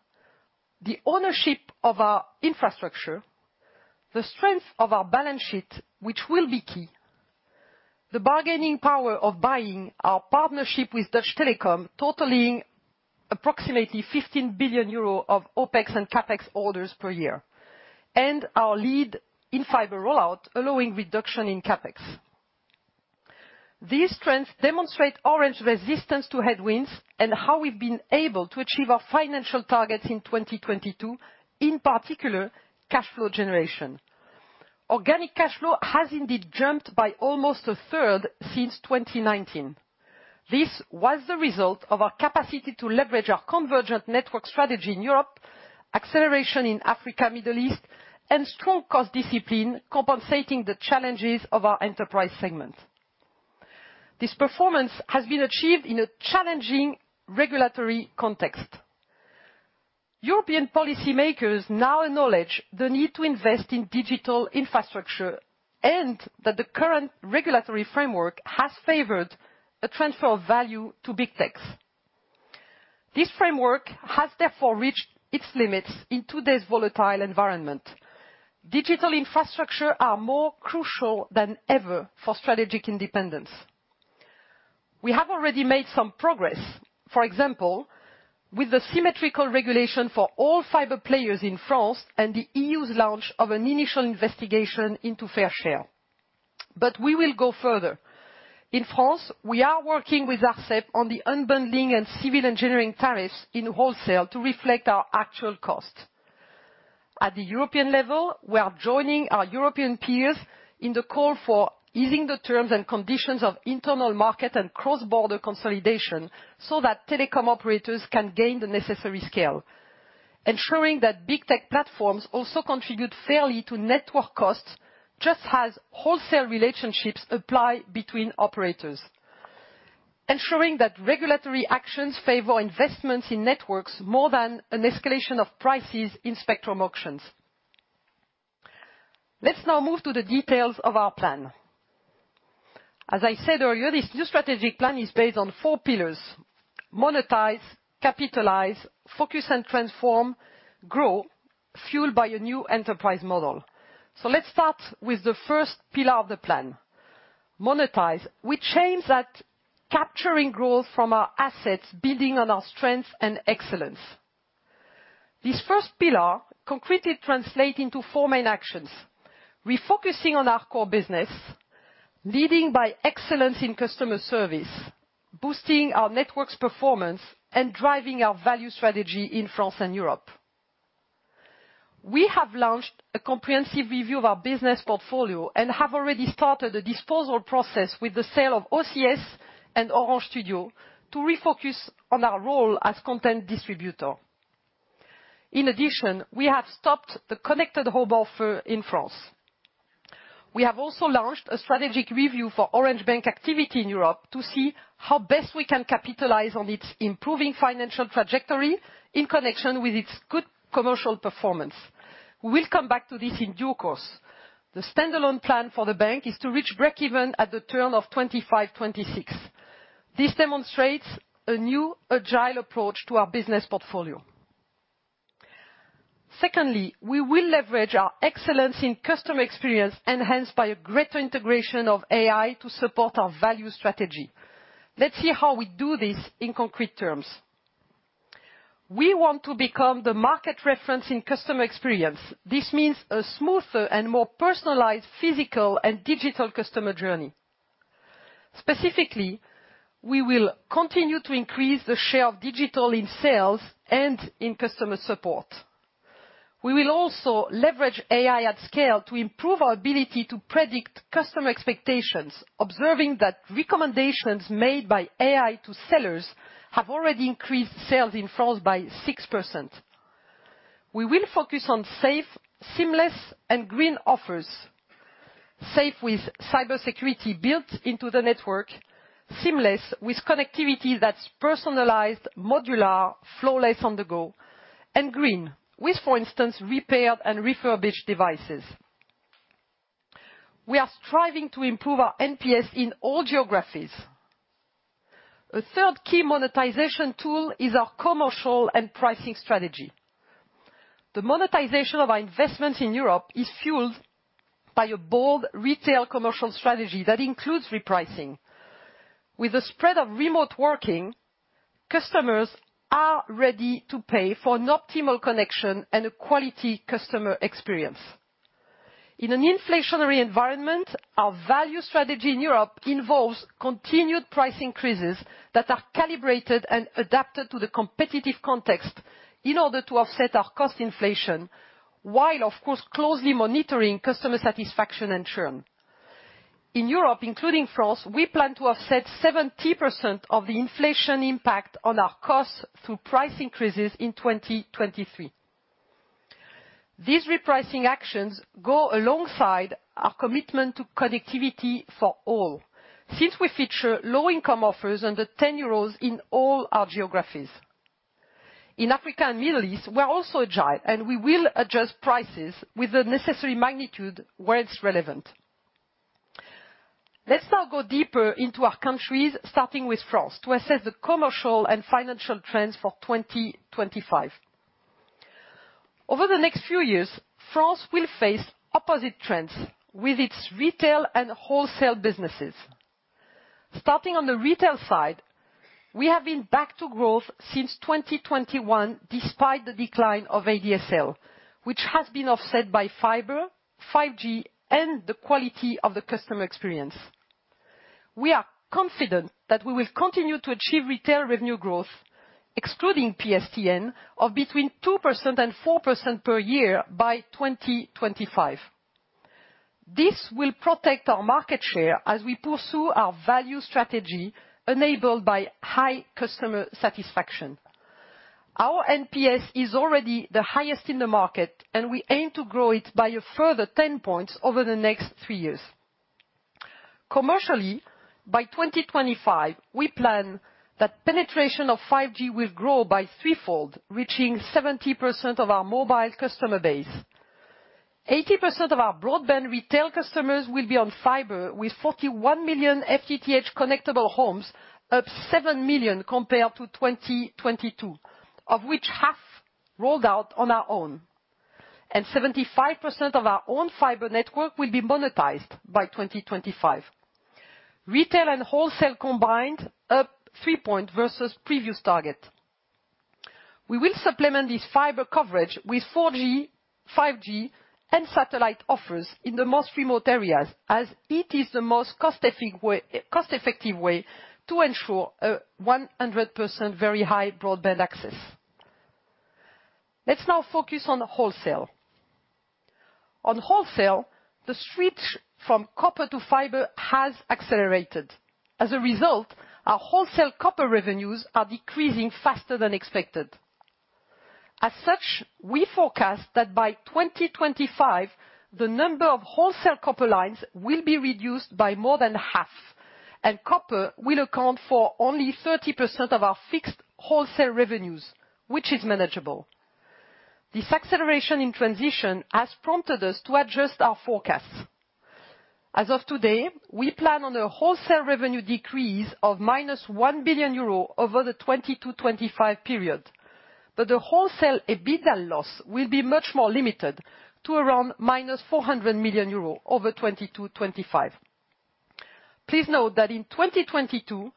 the ownership of our infrastructure. The strength of our balance sheet, which will be key. The bargaining power of buying our partnership with Dutch Telecom, totaling approximately 15 billion euro of OpEx and CapEx orders per year. Our lead in fiber rollout, allowing reduction in CapEx. These trends demonstrate Orange resistance to headwinds and how we've been able to achieve our financial targets in 2022, in particular, cash flow generation. Organic cash flow has indeed jumped by almost a third since 2019. This was the result of our capacity to leverage our convergent network strategy in Europe, acceleration in Africa, Middle East, and strong cost discipline compensating the challenges of our enterprise segment. This performance has been achieved in a challenging regulatory context. European policymakers now acknowledge the need to invest in digital infrastructure, and that the current regulatory framework has favored a transfer of value to big techs. This framework has therefore reached its limits in today's volatile environment. Digital infrastructure are more crucial than ever for strategic independence. We have already made some progress, for example, with the symmetrical regulation for all fiber players in France and the EU's launch of an initial investigation into fair share. We will go further. In France, we are working with ARCEP on the unbundling and civil engineering tariffs in wholesale to reflect our actual cost. At the European level, we are joining our European peers in the call for easing the terms and conditions of internal market and cross-border consolidation so that telecom operators can gain the necessary scale. Ensuring that big tech platforms also contribute fairly to network costs, just as wholesale relationships apply between operators. Ensuring that regulatory actions favor investments in networks more than an escalation of prices in spectrum auctions. Let's now move to the details of our plan. As I said earlier, this new strategic plan is based on four pillars: Monetize, capitalize, focus and transform, grow, fueled by a new enterprise model. Let's start with the first pillar of the plan. Monetize, which aims at capturing growth from our assets, building on our strengths and excellence. This first pillar concretely translate into four main actions: Refocusing on our core business, leading by excellence in customer service, boosting our network's performance, and driving our value strategy in France and Europe. We have launched a comprehensive review of our business portfolio and have already started a disposal process with the sale of OCS and Orange Studio to refocus on our role as content distributor. In addition, we have stopped the connected hub offer in France. We have also launched a strategic review for Orange Bank activity in Europe to see how best we can capitalize on its improving financial trajectory in connection with its good commercial performance. We'll come back to this in due course. The stand-alone plan for the bank is to reach break even at the turn of 2025, 2026. This demonstrates a new agile approach to our business portfolio. Secondly, we will leverage our excellence in customer experience, enhanced by a greater integration of AI to support our value strategy. Let's see how we do this in concrete terms. We want to become the market reference in customer experience. This means a smoother and more personalized physical and digital customer journey. Specifically, we will continue to increase the share of digital in sales and in customer support. We will also leverage AI at scale to improve our ability to predict customer expectations, observing that recommendations made by AI to sellers have already increased sales in France by 6%. We will focus on safe, seamless, and green offers. Safe with cybersecurity built into the network. Seamless with connectivity that's personalized, modular, flawless on the go. Green with, for instance, repaired and refurbished devices. We are striving to improve our NPS in all geographies. A third key monetization tool is our commercial and pricing strategy. The monetization of our investment in Europe is fueled by a bold retail commercial strategy that includes repricing. With the spread of remote working, customers are ready to pay for an optimal connection and a quality customer experience. In an inflationary environment, our value strategy in Europe involves continued price increases that are calibrated and adapted to the competitive context in order to offset our cost inflation while, of course, closely monitoring customer satisfaction and churn. In Europe, including France, we plan to offset 70% of the inflation impact on our costs through price increases in 2023. These repricing actions go alongside our commitment to connectivity for all. Since we feature low income offers under 10 euros in all our geographies. In Africa and Middle East, we're also agile, and we will adjust prices with the necessary magnitude where it's relevant. Let's now go deeper into our countries, starting with France, to assess the commercial and financial trends for 2025. Over the next few years, France will face opposite trends with its retail and wholesale businesses. Starting on the retail side, we have been back to growth since 2021 despite the decline of ADSL, which has been offset by fiber, 5G, and the quality of the customer experience. We are confident that we will continue to achieve retail revenue growth, excluding PSTN, of between 2% and 4% per year by 2025. This will protect our market share as we pursue our value strategy enabled by high customer satisfaction. Our NPS is already the highest in the market, and we aim to grow it by a further 10 points over the next three years. Commercially, by 2025, we plan that penetration of 5G will grow by threefold, reaching 70% of our mobile customer base. 80% of our broadband retail customers will be on fiber with 41 million FTTH connectable homes, up 7 million compared to 2022, of which half rolled out on our own. 75% of our own fiber network will be monetized by 2025. Retail and wholesale combined up three point versus previous target. We will supplement this fiber coverage with 4G, 5G and satellite offers in the most remote areas as it is the most cost-effective way to ensure a 100% very high broadband access. Let's now focus on the wholesale. On wholesale, the switch from copper to fiber has accelerated. As a result, our wholesale copper revenues are decreasing faster than expected. As such, we forecast that by 2025, the number of wholesale copper lines will be reduced by more than half, and copper will account for only 30% of our fixed wholesale revenues, which is manageable. This acceleration in transition has prompted us to adjust our forecasts. As of today, we plan on a wholesale revenue decrease of -1 billion euro over the 2020-2025 period, but the wholesale EBITDA loss will be much more limited to around -400 million euros over 2020-2025. Please note that in 2022,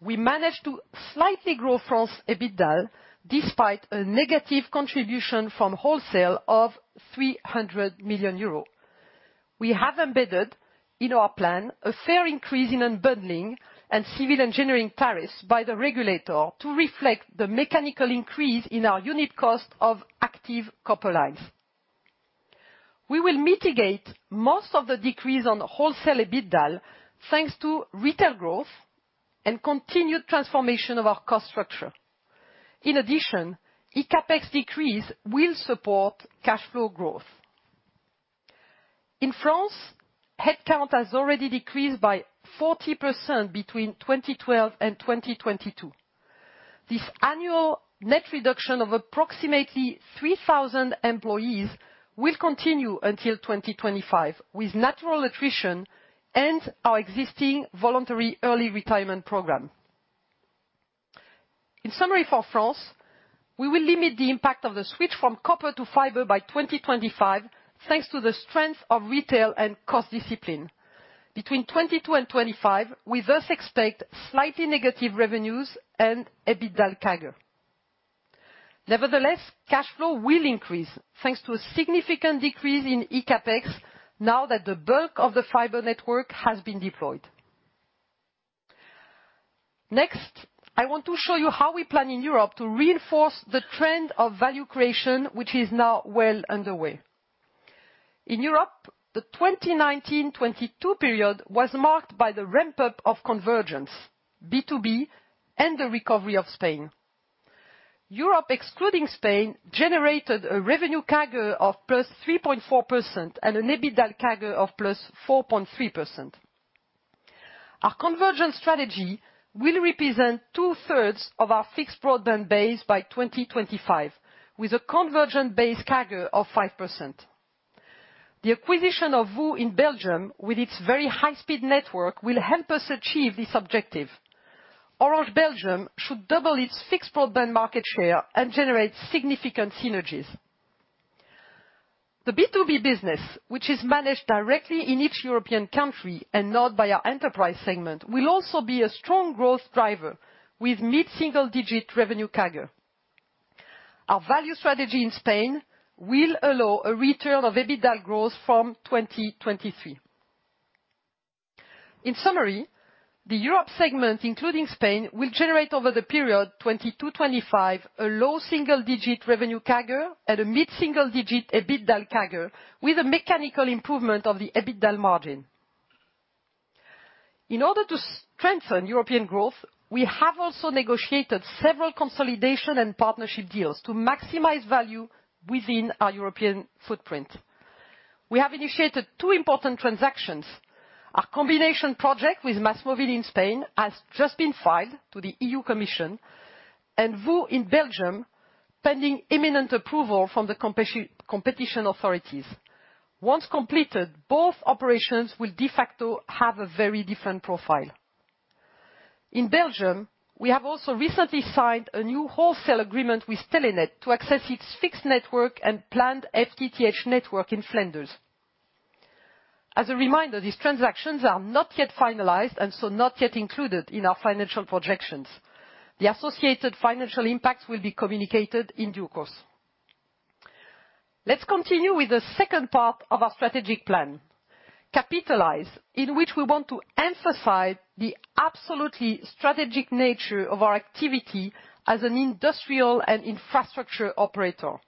we managed to slightly grow France EBITDA despite a negative contribution from wholesale of 300 million euro. We have embedded in our plan a fair increase in unbundling and civil engineering tariffs by the regulator to reflect the mechanical increase in our unit cost of active copper lines. We will mitigate most of the decrease on wholesale EBITDA thanks to retail growth and continued transformation of our cost structure. ECAPEX decrease will support cash flow growth. In France, headcount has already decreased by 40% between 2012 and 2022. This annual net reduction of approximately 3,000 employees will continue until 2025 with natural attrition and our existing voluntary early retirement program. In summary for France, we will limit the impact of the switch from copper to fiber by 2025 thanks to the strength of retail and cost discipline. Between 2022 and 2025, we thus expect slightly negative revenues and EBITDA CAGR. Nevertheless, cash flow will increase thanks to a significant decrease in ECAPEX now that the bulk of the fiber network has been deployed. Next, I want to show you how we plan in Europe to reinforce the trend of value creation, which is now well underway. In Europe, the 2019/2022 period was marked by the ramp-up of convergence, B2B, and the recovery of Spain. Europe, excluding Spain, generated a revenue CAGR of +3.4% and an EBITDA CAGR of +4.3%. Our convergence strategy will represent two-thirds of our fixed broadband base by 2025, with a convergent base CAGR of 5%. The acquisition of VOO in Belgium with its very high speed network will help us achieve this objective. Orange Belgium should double its fixed broadband market share and generate significant synergies. The B2B business, which is managed directly in each European country and not by our enterprise segment, will also be a strong growth driver with mid-single digit revenue CAGR. Our value strategy in Spain will allow a return of EBITDA growth from 2023. In summary, the Europe segment, including Spain, will generate over the period 2022-2025 a low single digit revenue CAGR and a mid-single digit EBITDA CAGR with a mechanical improvement of the EBITDA margin. In order to strengthen European growth, we have also negotiated several consolidation and partnership deals to maximize value within our European footprint. We have initiated two important transactions. A combination project with MásMóvil in Spain has just been filed to the EU Commission and VOO in Belgium, pending imminent approval from the competition authorities. Once completed, both operations will de facto have a very different profile. In Belgium, we have also recently signed a new wholesale agreement with Telenet to access its fixed network and planned FTTH network in Flanders. As a reminder, these transactions are not yet finalized and so not yet included in our financial projections. The associated financial impacts will be communicated in due course. Let's continue with the second part of our strategic plan, capitalize, in which we want to emphasize the absolutely strategic nature of our activity as an industrial and infrastructure operator.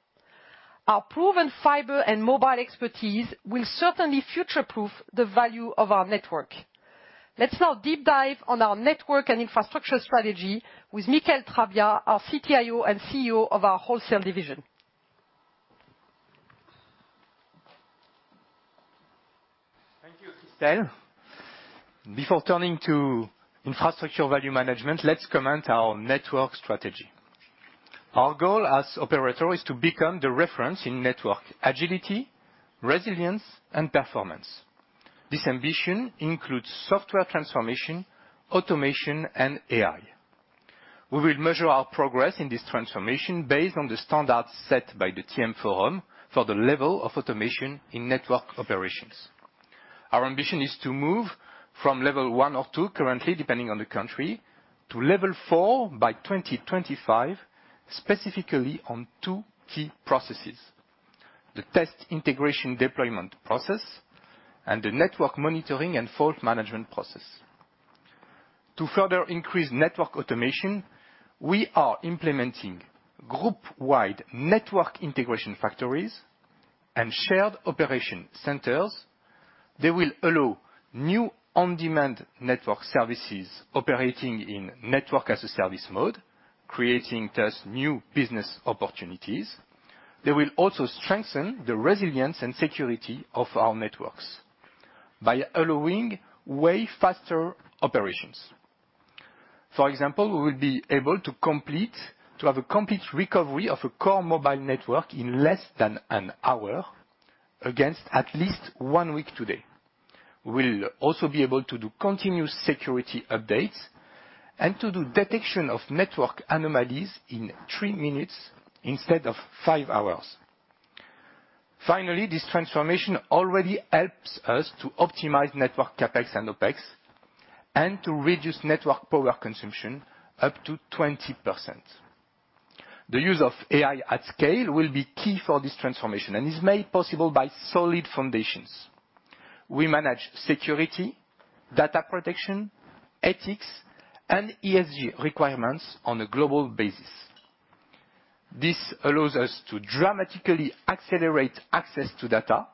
Our proven fiber and mobile expertise will certainly future-proof the value of our network. Let's now deep dive on our network and infrastructure strategy with Michaël Trabbia, our CTIO and CEO of our wholesale division. Thank you, Christel. Before turning to infrastructure value management, let's comment our network strategy. Our goal as operator is to become the reference in network agility, resilience, and performance. This ambition includes software transformation, automation, and AI. We will measure our progress in this transformation based on the standards set by the TM Forum for the level of automation in network operations. Our ambition is to move from level one or two currently, depending on the country, to level four by 2025, specifically on two key processes: the test integration deployment process and the network monitoring and fault management process. To further increase network automation, we are implementing group-wide network integration factories and shared operation centers. They will allow new on-demand network services operating in network as a service mode, creating test new business opportunities. They will also strengthen the resilience and security of our networks by allowing way faster operations. For example, we will be able to have a complete recovery of a core mobile network in less than an hour, against at least one week today. We'll also be able to do continuous security updates and to do detection of network anomalies in three minutes instead of five hours. Finally, this transformation already helps us to optimize network CapEx and OpEx and to reduce network power consumption up to 20%. The use of AI at scale will be key for this transformation and is made possible by solid foundations. We manage security, data protection, ethics, and ESG requirements on a global basis. This allows us to dramatically accelerate access to data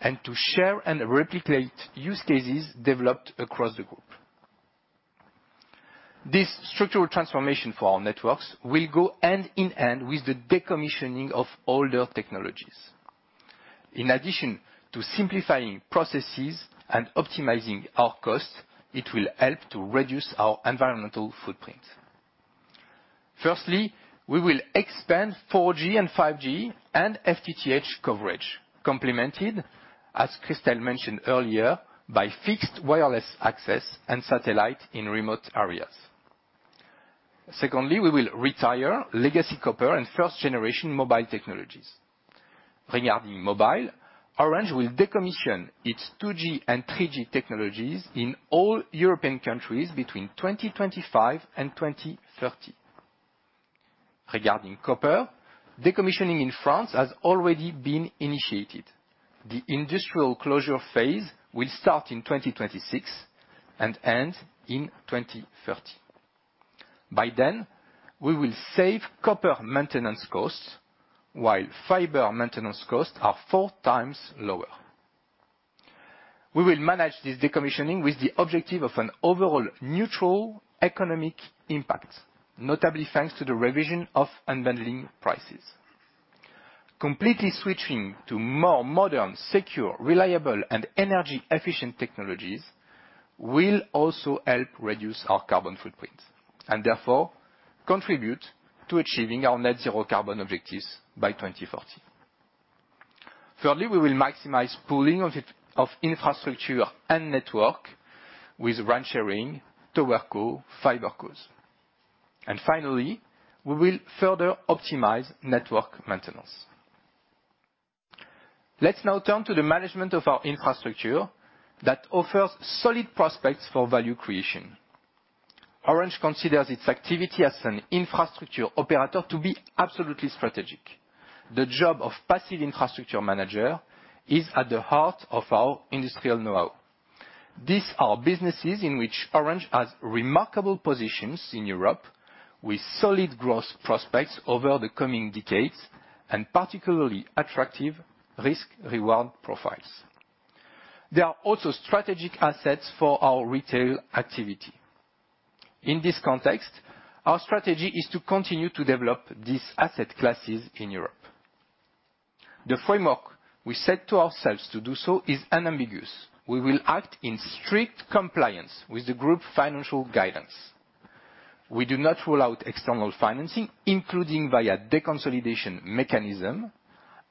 and to share and replicate use cases developed across the group. This structural transformation for our networks will go hand in hand with the decommissioning of older technologies. In addition to simplifying processes and optimizing our costs, it will help to reduce our environmental footprint. Firstly, we will expand 4G and 5G and FTTH coverage, complemented, as Christel mentioned earlier, by fixed wireless access and satellite in remote areas. Secondly, we will retire legacy copper and first generation mobile technologies. Regarding mobile, Orange will decommission its 2G and 3G technologies in all European countries between 2025 and 2030. Regarding copper, decommissioning in France has already been initiated. The industrial closure phase will start in 2026 and end in 2030. By then, we will save copper maintenance costs while fiber maintenance costs are four times lower. We will manage this decommissioning with the objective of an overall neutral economic impact, notably thanks to the revision of unbundling prices. Completely switching to more modern, secure, reliable, and energy-efficient technologies will also help reduce our carbon footprint, and therefore contribute to achieving our Net Zero Carbon objectives by 2030. Thirdly, we will maximize pooling of it, of infrastructure and network with brand sharing, TowerCo, FiberCos. Finally, we will further optimize network maintenance. Let's now turn to the management of our infrastructure that offers solid prospects for value creation. Orange considers its activity as an infrastructure operator to be absolutely strategic. The job of passive infrastructure manager is at the heart of our industrial know-how. These are businesses in which Orange has remarkable positions in Europe, with solid growth prospects over the coming decades, and particularly attractive risk-reward profiles. There are also strategic assets for our retail activity. In this context, our strategy is to continue to develop these asset classes in Europe. The framework we set to ourselves to do so is unambiguous. We will act in strict compliance with the group financial guidance. We do not rule out external financing, including via deconsolidation mechanism,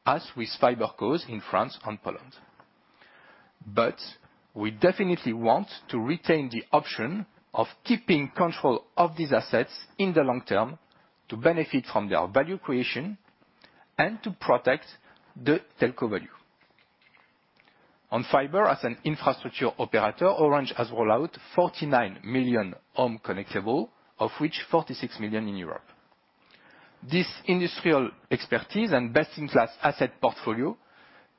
as with fiber cos in France and Poland. We definitely want to retain the option of keeping control of these assets in the long term to benefit from their value creation and to protect the telco value. On fiber as an infrastructure operator, Orange has rolled out 49 million home connectable, of which 46 million in Europe. This industrial expertise and best-in-class asset portfolio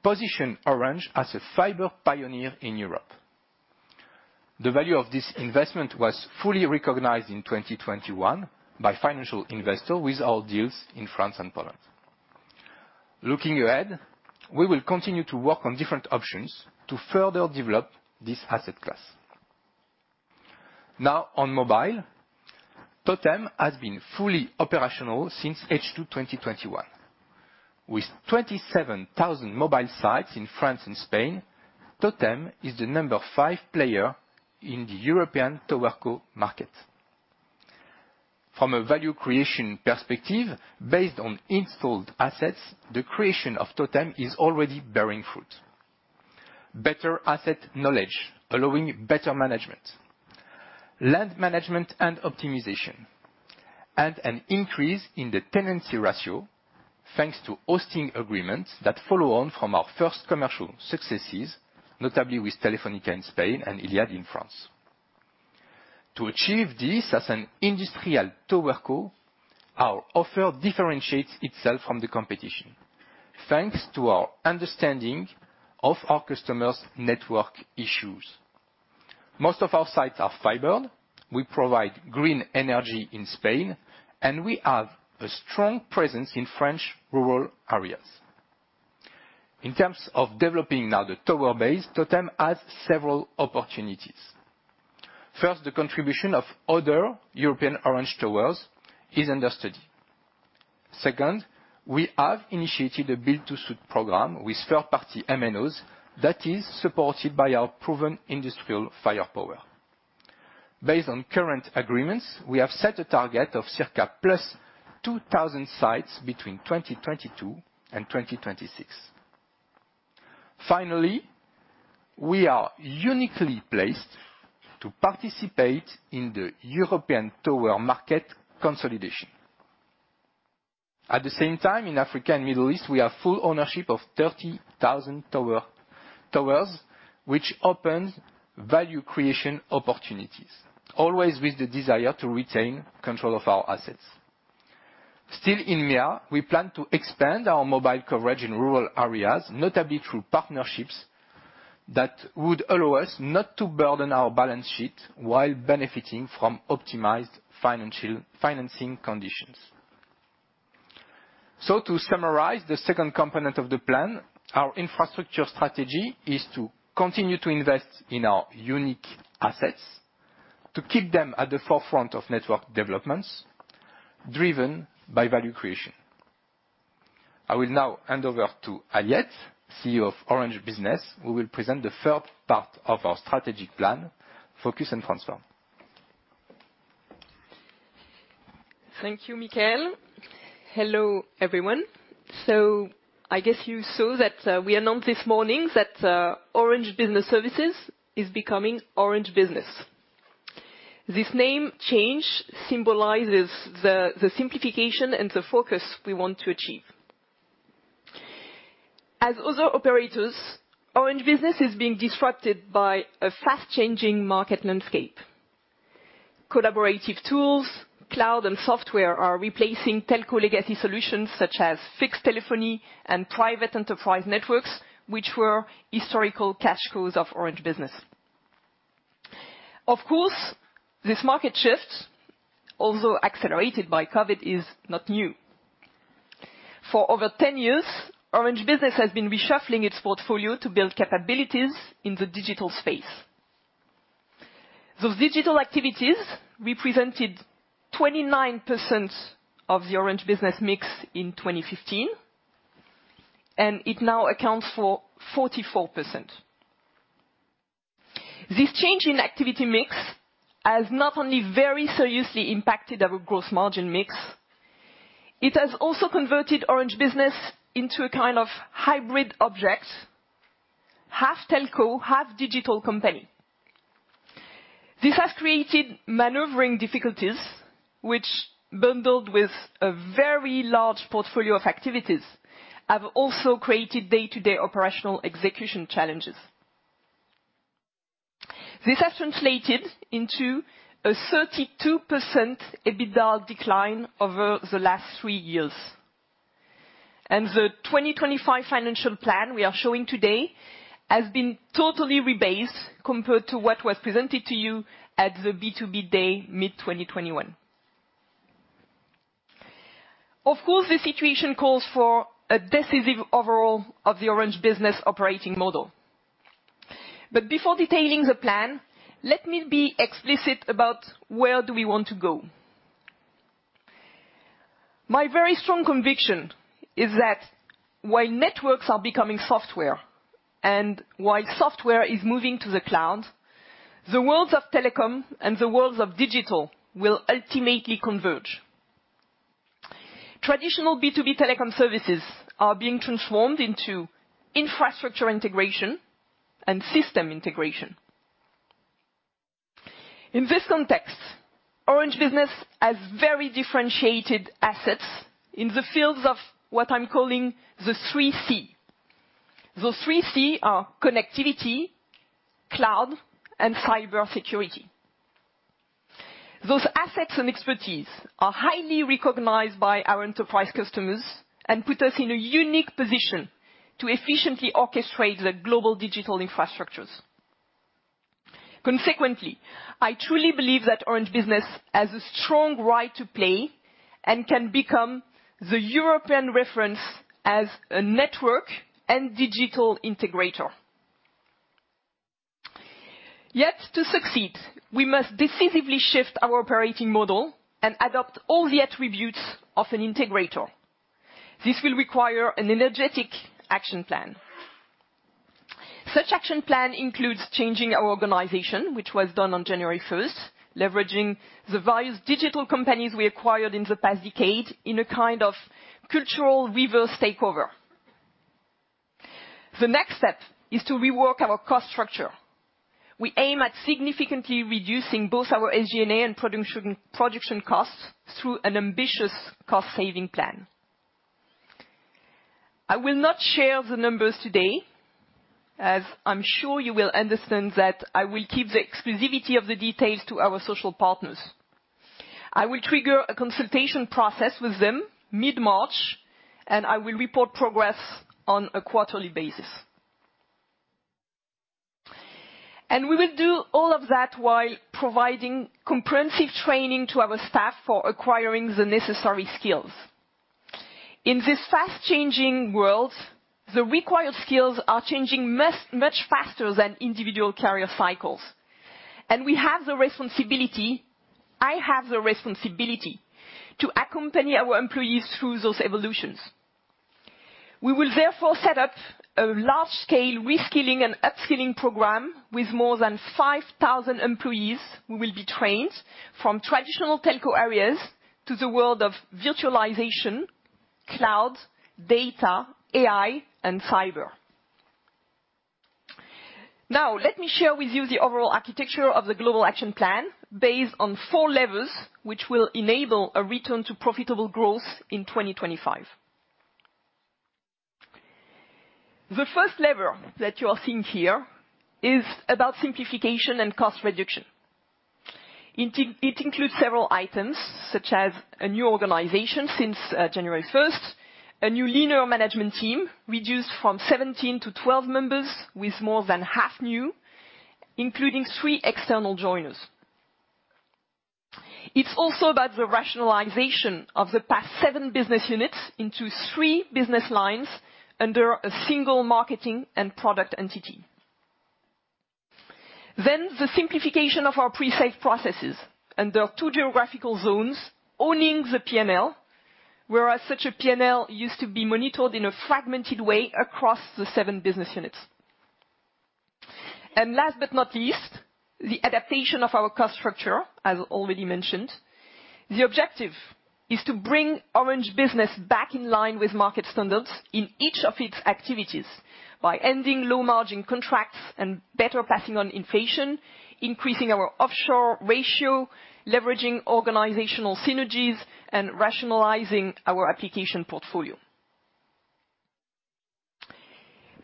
position Orange as a fiber pioneer in Europe. The value of this investment was fully recognized in 2021 by financial investor with our deals in France and Poland. Looking ahead, we will continue to work on different options to further develop this asset class. Now on mobile, TOTEM has been fully operational since H2 2021. With 27,000 mobile sites in France and Spain, TOTEM is the number five player in the European TowerCo market. From a value creation perspective based on installed assets, the creation of TOTEM is already bearing fruit. Better asset knowledge allowing better management, land management and optimization, and an increase in the tenancy ratio, thanks to hosting agreements that follow on from our first commercial successes, notably with Telefónica in Spain and iliad in France. To achieve this as an industrial TowerCo, our offer differentiates itself from the competition, thanks to our understanding of our customers' network issues. Most of our sites are fiber. We provide green energy in Spain, and we have a strong presence in French rural areas. In terms of developing now the tower base, TOTEM has several opportunities. First, the contribution of other European Orange towers is under study. Second, we have initiated a build-to-suit program with third-party MNOs that is supported by our proven industrial firepower. Based on current agreements, we have set a target of circa +2,000 sites between 2022 and 2026. We are uniquely placed to participate in the European tower market consolidation. At the same time, in Africa and Middle East, we have full ownership of 30,000 towers, which opens value creation opportunities, always with the desire to retain control of our assets. Still in MEA, we plan to expand our mobile coverage in rural areas, notably through partnerships that would allow us not to burden our balance sheet while benefiting from optimized financing conditions. To summarize the second component of the plan, our infrastructure strategy is to continue to invest in our unique assets, to keep them at the forefront of network developments driven by value creation. I will now hand over to Aliette, CEO of Orange Business, who will present the third part of our strategic plan, focus and transform. Thank you, Michaël. Hello, everyone. I guess you saw that we announced this morning that Orange Business Services is becoming Orange Business. This name change symbolizes the simplification and the focus we want to achieve. As other operators, Orange Business is being disrupted by a fast changing market landscape. Collaborative tools, cloud and software are replacing telco legacy solutions such as fixed telephony and private enterprise networks, which were historical cash cows of Orange Business. Of course, this market shift, although accelerated by COVID, is not new. For over 10 years, Orange Business has been reshuffling its portfolio to build capabilities in the digital space. Those digital activities represented 29% of the Orange Business mix in 2015, and it now accounts for 44%. This change in activity mix has not only very seriously impacted our growth margin mix, it has also converted Orange Business into a kind of hybrid object, half telco, half digital company. This has created maneuvering difficulties, which bundled with a very large portfolio of activities, have also created day-to-day operational execution challenges. This has translated into a 32% EBITDA decline over the last three years. The 2025 financial plan we are showing today has been totally rebased compared to what was presented to you at the B2B day, mid-2021. Of course, the situation calls for a decisive overhaul of the Orange Business operating model. Before detailing the plan, let me be explicit about where do we want to go. My very strong conviction is that while networks are becoming software, and while software is moving to the cloud, the worlds of telecom and the worlds of digital will ultimately converge. Traditional B2B telecom services are being transformed into infrastructure integration and system integration. In this context, Orange Business has very differentiated assets in the fields of what I'm calling the three C. The three C are connectivity, cloud, and cybersecurity. Those assets and expertise are highly recognized by our enterprise customers and put us in a unique position to efficiently orchestrate the global digital infrastructures. Consequently, I truly believe that Orange Business has a strong right to play and can become the European reference as a network and digital integrator. To succeed, we must decisively shift our operating model and adopt all the attributes of an integrator. This will require an energetic action plan. Such action plan includes changing our organization, which was done on January first, leveraging the various digital companies we acquired in the past decade in a kind of cultural reverse takeover. The next step is to rework our cost structure. We aim at significantly reducing both our SG&A and production costs through an ambitious cost-saving plan. I will not share the numbers today, as I'm sure you will understand that I will keep the exclusivity of the details to our social partners. I will trigger a consultation process with them mid-March, and I will report progress on a quarterly basis. We will do all of that while providing comprehensive training to our staff for acquiring the necessary skills. In this fast changing world, the required skills are changing much faster than individual career cycles. We have the responsibility, I have the responsibility to accompany our employees through those evolutions. We will therefore set up a large-scale reskilling and upskilling program with more than 5,000 employees who will be trained from traditional telco areas to the world of virtualization, cloud, data, AI, and cyber. Let me share with you the overall architecture of the global action plan based on four levers, which will enable a return to profitable growth in 2025. The first lever that you are seeing here is about simplification and cost reduction. It includes several items, such as a new organization since January 1st, a new linear management team reduced from 17-12 members with more than half new, including three external joiners. It's also about the rationalization of the past seven business units into three business lines under a single marketing and product entity. The simplification of our pre-sales processes under two geographical zones owning the P&L, whereas such a P&L used to be monitored in a fragmented way across the seven business units. Last but not least, the adaptation of our cost structure, as already mentioned. The objective is to bring Orange Business back in line with market standards in each of its activities by ending low-margin contracts and better passing on inflation, increasing our offshore ratio, leveraging organizational synergies, and rationalizing our application portfolio.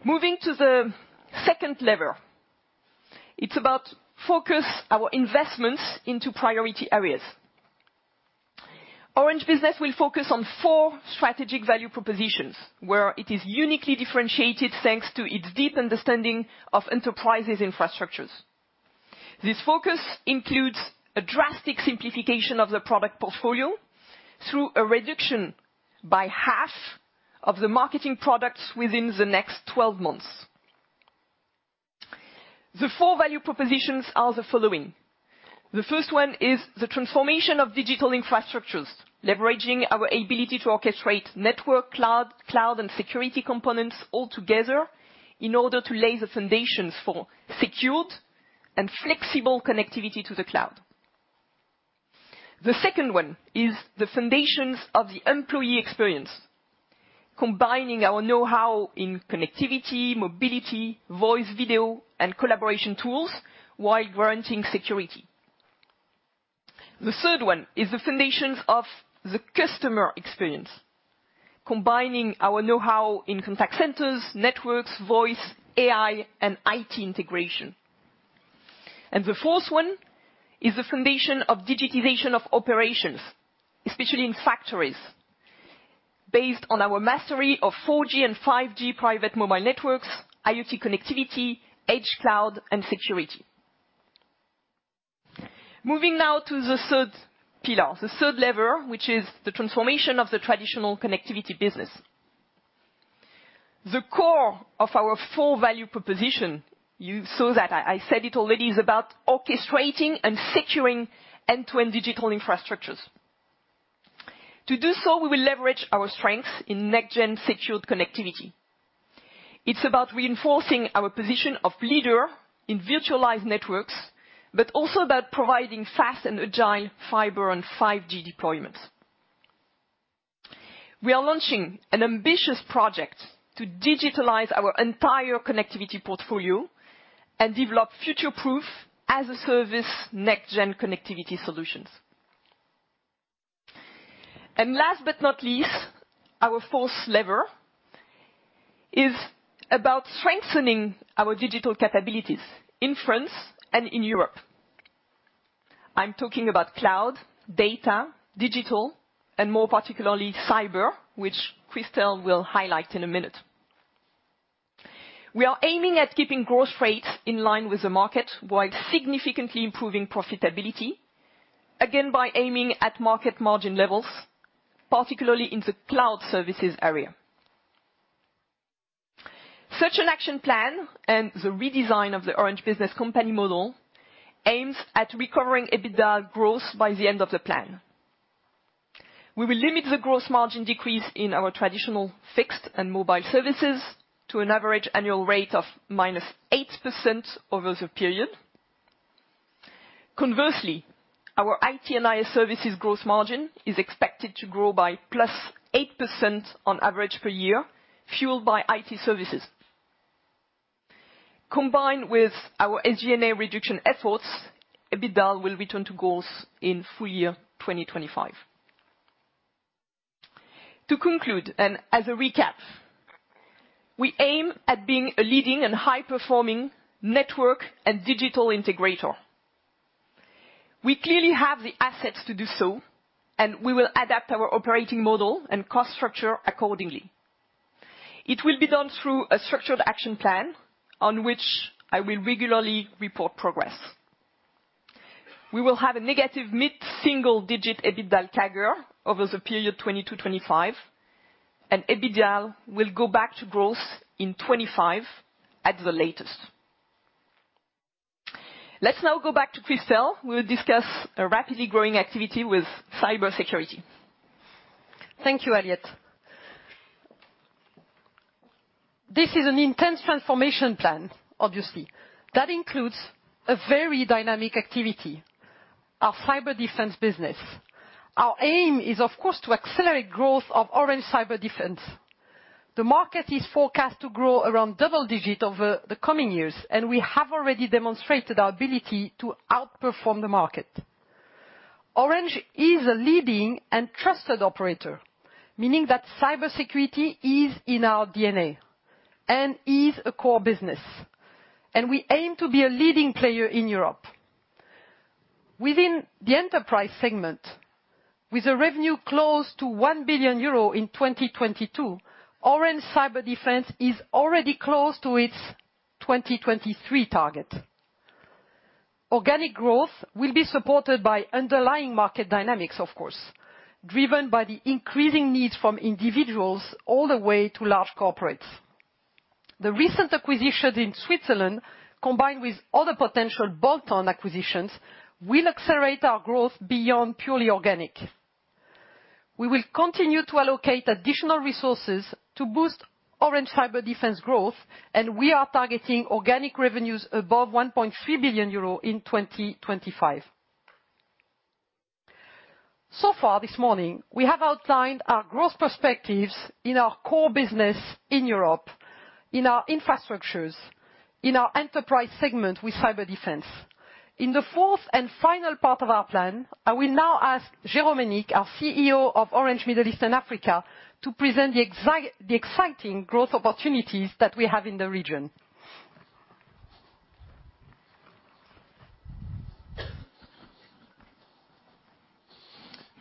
Moving to the second lever. It's about focus our investments into priority areas. Orange Business will focus on four strategic value propositions, where it is uniquely differentiated thanks to its deep understanding of enterprises' infrastructures. This focus includes a drastic simplification of the product portfolio through a reduction by half of the marketing products within the next 12 months. The four value propositions are the following. The first one is the transformation of digital infrastructures, leveraging our ability to orchestrate network, cloud and security components all together in order to lay the foundations for secured and flexible connectivity to the cloud. The second one is the foundations of the employee experience, combining our know-how in connectivity, mobility, voice, video, and collaboration tools while granting security. The third one is the foundations of the customer experience, combining our know-how in contact centers, networks, voice, AI, and IT integration. The fourth one is the foundation of digitization of operations, especially in factories, based on our mastery of 4G and 5G private mobile networks, IoT connectivity, edge cloud and security. Moving now to the third pillar, the third lever, which is the transformation of the traditional connectivity business. The core of our full value proposition, you saw that, I said it already, is about orchestrating and securing end-to-end digital infrastructures. To do so, we will leverage our strengths in next gen secured connectivity. It's about reinforcing our position of leader in virtualized networks, but also about providing fast and agile fiber on 5G deployments. We are launching an ambitious project to digitalize our entire connectivity portfolio and develop future-proof as-a-service next gen connectivity solutions. Last but not least, our fourth lever is about strengthening our digital capabilities in France and in Europe. I'm talking about cloud, data, digital, and more particularly cyber, which Christel will highlight in a minute. We are aiming at keeping growth rates in line with the market while significantly improving profitability, again, by aiming at market margin levels, particularly in the cloud services area. Such an action plan and the redesign of the Orange Business company model aims at recovering EBITDA growth by the end of the plan. We will limit the growth margin decrease in our traditional fixed and mobile services to an average annual rate of -8% over the period. Conversely, our IT and IS services growth margin is expected to grow by +8% on average per year, fueled by IT services. Combined with our SG&A reduction efforts, EBITDA will return to growth in full year 2025. To conclude, as a recap, we aim at being a leading and high-performing network and digital integrator. We clearly have the assets to do so, and we will adapt our operating model and cost structure accordingly. It will be done through a structured action plan on which I will regularly report progress. We will have a negative mid-single digit EBITDA CAGR over the period 2022-2025, and EBITDA will go back to growth in 2025 at the latest. Let's now go back to Christel, who will discuss a rapidly growing activity with cybersecurity. Thank you, Aliette. This is an intense transformation plan, obviously, that includes a very dynamic activity, our Cyberdefense business. Our aim is, of course, to accelerate growth of Orange Cyberdefense. The market is forecast to grow around double digit over the coming years, and we have already demonstrated our ability to outperform the market. Orange is a leading and trusted operator, meaning that cybersecurity is in our DNA and is a core business, and we aim to be a leading player in Europe. Within the enterprise segment, with a revenue close to 1 billion euro in 2022, Orange Cyberdefense is already close to its 2023 target. Organic growth will be supported by underlying market dynamics, of course, driven by the increasing needs from individuals all the way to large corporates. The recent acquisitions in Switzerland, combined with other potential bolt-on acquisitions, will accelerate our growth beyond purely organic. We will continue to allocate additional resources to boost Orange Cyberdefense growth, we are targeting organic revenues above 1.3 billion euro in 2025. Far this morning, we have outlined our growth perspectives in our core business in Europe, in our infrastructures, in our enterprise segment with Cyberdefense. In the fourth and final part of our plan, I will now ask Jérôme Hénique, our CEO of Orange Middle East and Africa, to present the exciting growth opportunities that we have in the region.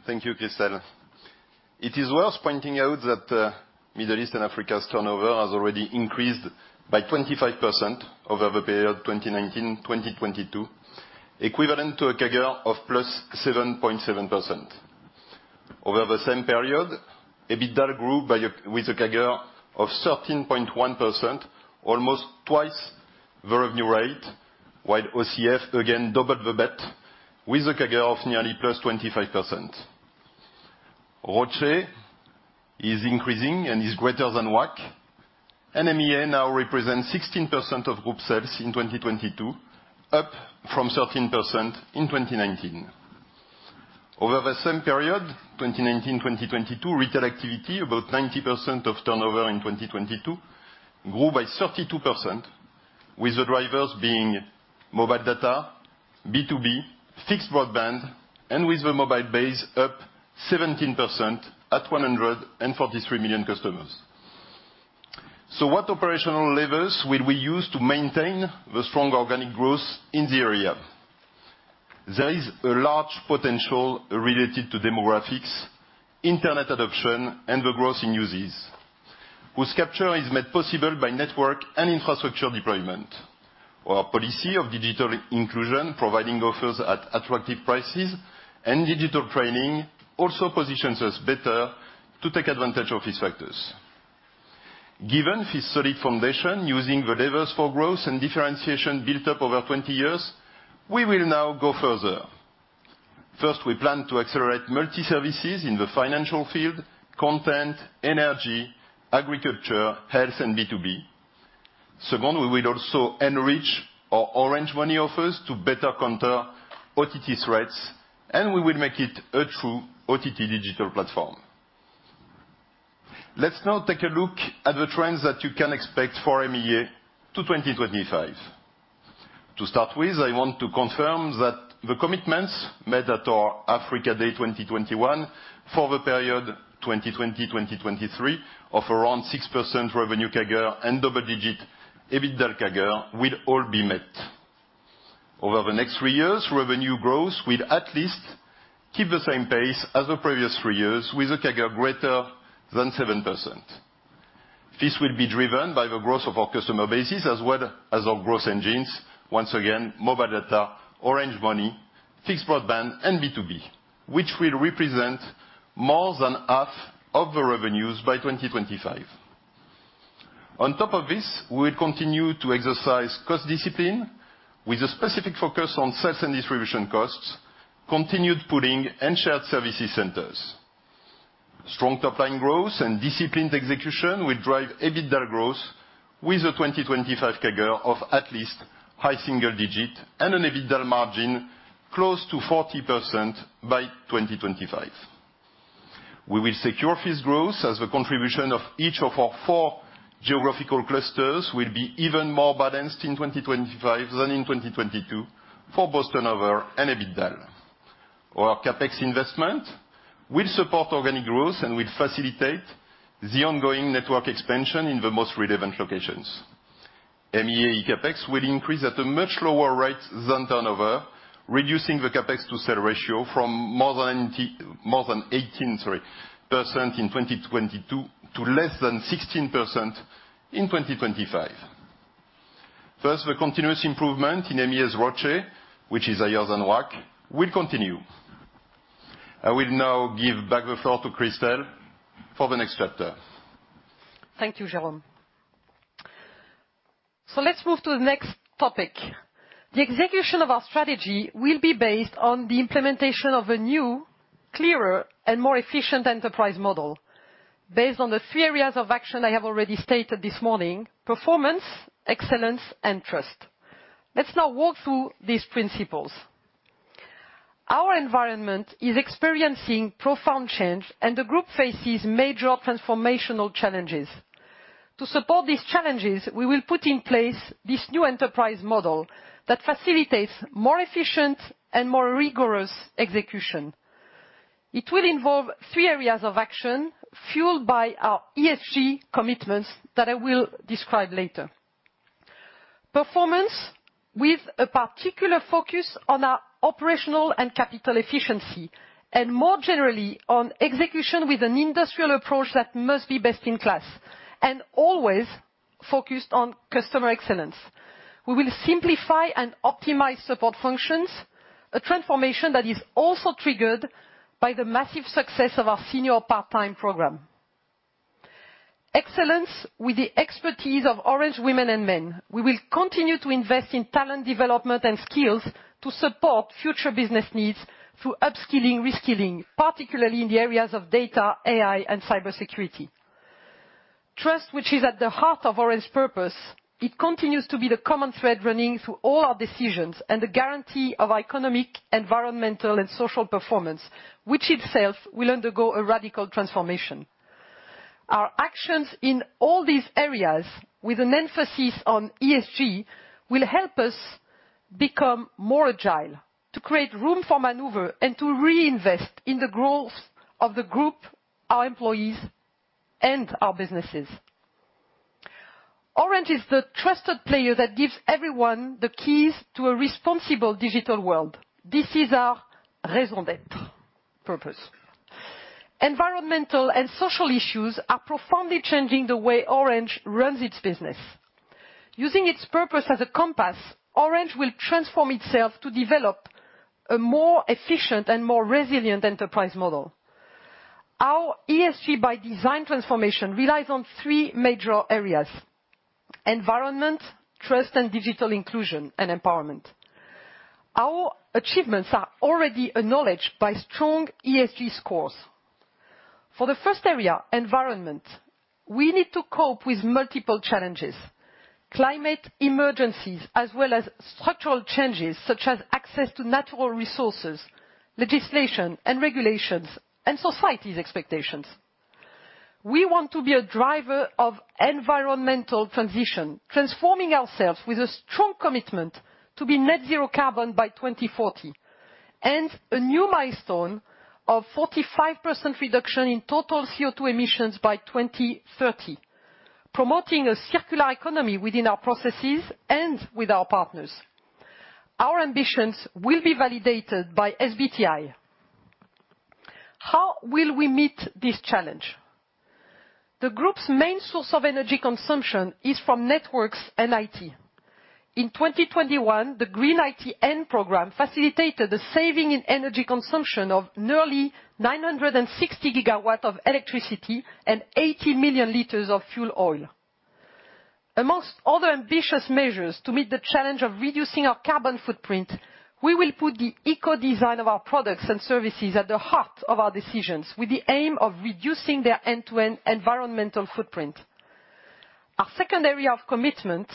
Thank you, Christel. It is worth pointing out that Middle East and Africa's turnover has already increased by 25% over the period 2019-2022, equivalent to a CAGR of +7.7%. Over the same period, EBITDA grew with a CAGR of 13.1%, almost twice the revenue rate, while OCF again doubled the bet with a CAGR of nearly +25%. ROCE is increasing and is greater than WACC. MEA now represents 16% of group sales in 2022, up from 13% in 2019. Over the same period, 2019-2022, retail activity, about 90% of turnover in 2022, grew by 32%, with the drivers being mobile data, B2B, fixed broadband, and with the mobile base up 17% at 143 million customers. What operational levers will we use to maintain the strong organic growth in the area? There is a large potential related to demographics, internet adoption, and the growth in users, whose capture is made possible by network and infrastructure deployment. Our policy of digital inclusion, providing offers at attractive prices and digital training also positions us better to take advantage of these factors. Given this solid foundation, using the levers for growth and differentiation built up over 20 years, we will now go further. First, we plan to accelerate multi-services in the financial field, content, energy, agriculture, health and B2B. Second, we will also enrich our Orange Money offers to better counter OTT threats, and we will make it a true OTT digital platform. Let's now take a look at the trends that you can expect for MEA to 2025. To start with, I want to confirm that the commitments made at our Africa Day 2021 for the period 2020-2023 of around 6% revenue CAGR and double-digit EBITDA CAGR will all be met. Over the next three years, revenue growth will at least keep the same pace as the previous three years with a CAGR greater than 7%. This will be driven by the growth of our customer bases as well as our growth engines, once again, mobile data, Orange Money, fixed broadband and B2B, which will represent more than half of the revenues by 2025. On top of this, we'll continue to exercise cost discipline with a specific focus on sales and distribution costs, continued pooling, and shared services centers. Strong top-line growth and disciplined execution will drive EBITDA growth with a 2025 CAGR of at least high single digit and an EBITDA margin close to 40% by 2025. We will secure this growth as the contribution of each of our four geographical clusters will be even more balanced in 2025 than in 2022 for both turnover and EBITDA. Our CapEx investment will support organic growth and will facilitate the ongoing network expansion in the most relevant locations. MEA CapEx will increase at a much lower rate than turnover, reducing the CapEx to sales ratio from more than 18% in 2022 to less than 16% in 2025. The continuous improvement in MEA's ROCE, which is higher than WACC, will continue. I will now give back the floor to Christel for the next chapter. Thank you, Jérôme. Let's move to the next topic. The execution of our strategy will be based on the implementation of a new, clearer and more efficient enterprise model based on the three areas of action I have already stated this morning: performance, excellence, and trust. Let's now walk through these principles. Our environment is experiencing profound change, and the group faces major transformational challenges. To support these challenges, we will put in place this new enterprise model that facilitates more efficient and more rigorous execution. It will involve three areas of action fueled by our ESG commitments that I will describe later. Performance with a particular focus on our operational and capital efficiency, and more generally, on execution with an industrial approach that must be best in class and always focused on customer excellence. We will simplify and optimize support functions, a transformation that is also triggered by the massive success of our senior part-time program. Excellence with the expertise of Orange women and men. We will continue to invest in talent development and skills to support future business needs through upskilling, reskilling, particularly in the areas of data, AI, and cybersecurity. Trust, which is at the heart of Orange purpose, it continues to be the common thread running through all our decisions and the guarantee of economic, environmental, and social performance, which itself will undergo a radical transformation. Our actions in all these areas, with an emphasis on ESG, will help us become more agile, to create room for maneuver and to reinvest in the growth of the group, our employees, and our businesses. Orange is the trusted player that gives everyone the keys to a responsible digital world. This is our raison d'être, purpose. Environmental and social issues are profoundly changing the way Orange runs its business. Using its purpose as a compass, Orange will transform itself to develop a more efficient and more resilient enterprise model. Our ESG by design transformation relies on three major areas: environment, trust, and digital inclusion and empowerment. Our achievements are already acknowledged by strong ESG scores. For the first area, environment, we need to cope with multiple challenges, climate emergencies, as well as structural changes such as access to natural resources, legislation and regulations, and society's expectations. We want to be a driver of environmental transition, transforming ourselves with a strong commitment to be Net Zero Carbon by 2040, and a new milestone of 45% reduction in total CO2 emissions by 2030, promoting a circular economy within our processes and with our partners. Our ambitions will be validated by SBTi. How will we meet this challenge? The group's main source of energy consumption is from networks and IT. In 2021, the Green ITN program facilitated the saving in energy consumption of nearly 960 gigawatt of electricity and 80 million liters of fuel oil. Amongst other ambitious measures to meet the challenge of reducing our carbon footprint, we will put the eco-design of our products and services at the heart of our decisions, with the aim of reducing their end-to-end environmental footprint. Our second area of commitment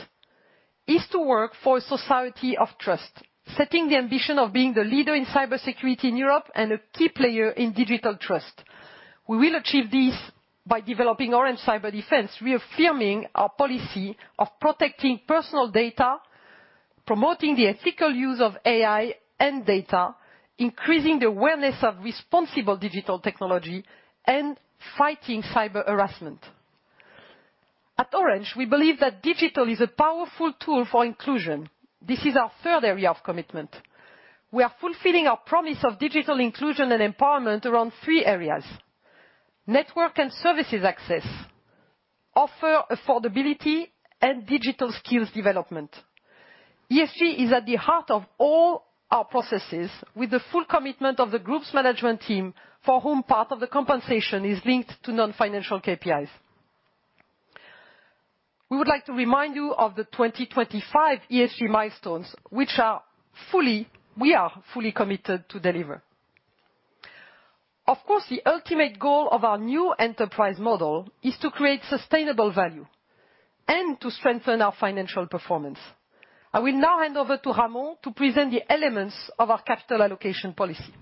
is to work for a society of trust, setting the ambition of being the leader in cybersecurity in Europe and a key player in digital trust. We will achieve this by developing Orange Cyberdefense, reaffirming our policy of protecting personal data, promoting the ethical use of AI and data, increasing the awareness of responsible digital technology, and fighting cyber harassment. At Orange, we believe that digital is a powerful tool for inclusion. This is our third area of commitment. We are fulfilling our promise of digital inclusion and empowerment around three areas. Network and services access, offer affordability, and digital skills development. ESG is at the heart of all our processes with the full commitment of the group's management team, for whom part of the compensation is linked to non-financial KPIs. We would like to remind you of the 2025 ESG milestones, which we are fully committed to deliver. Of course, the ultimate goal of our new enterprise model is to create sustainable value and to strengthen our financial performance. I will now hand over to Ramon to present the elements of our capital allocation policy.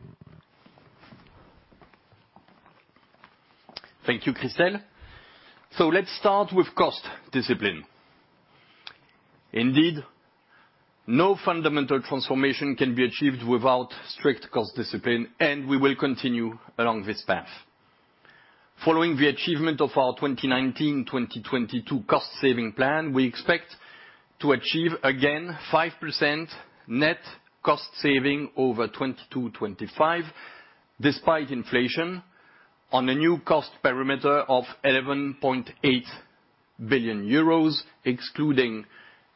Thank you, Christel. Let's start with cost discipline. Indeed, no fundamental transformation can be achieved without strict cost discipline, and we will continue along this path. Following the achievement of our 2019, 2022 cost saving plan, we expect to achieve again 5% net cost saving over 2022, 2025, despite inflation on a new cost perimeter of 11.8 billion euros, excluding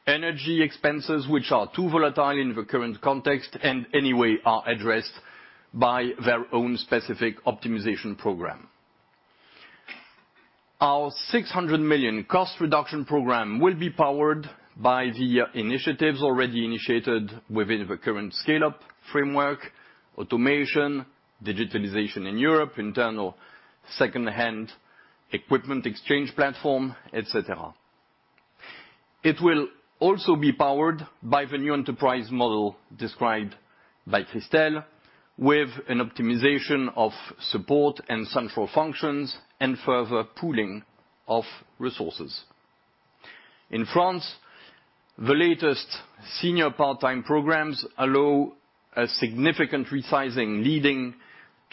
energy expenses, which are too volatile in the current context and anyway are addressed by their own specific optimization program. Our 600 million cost reduction program will be powered by the initiatives already initiated within the current Scale-up framework, automation, digitalization in Europe, internal secondhand equipment exchange platform, et cetera. It will also be powered by the new enterprise model described by Christel with an optimization of support and central functions and further pooling of resources. In France, the latest senior part-time programs allow a significant resizing, leading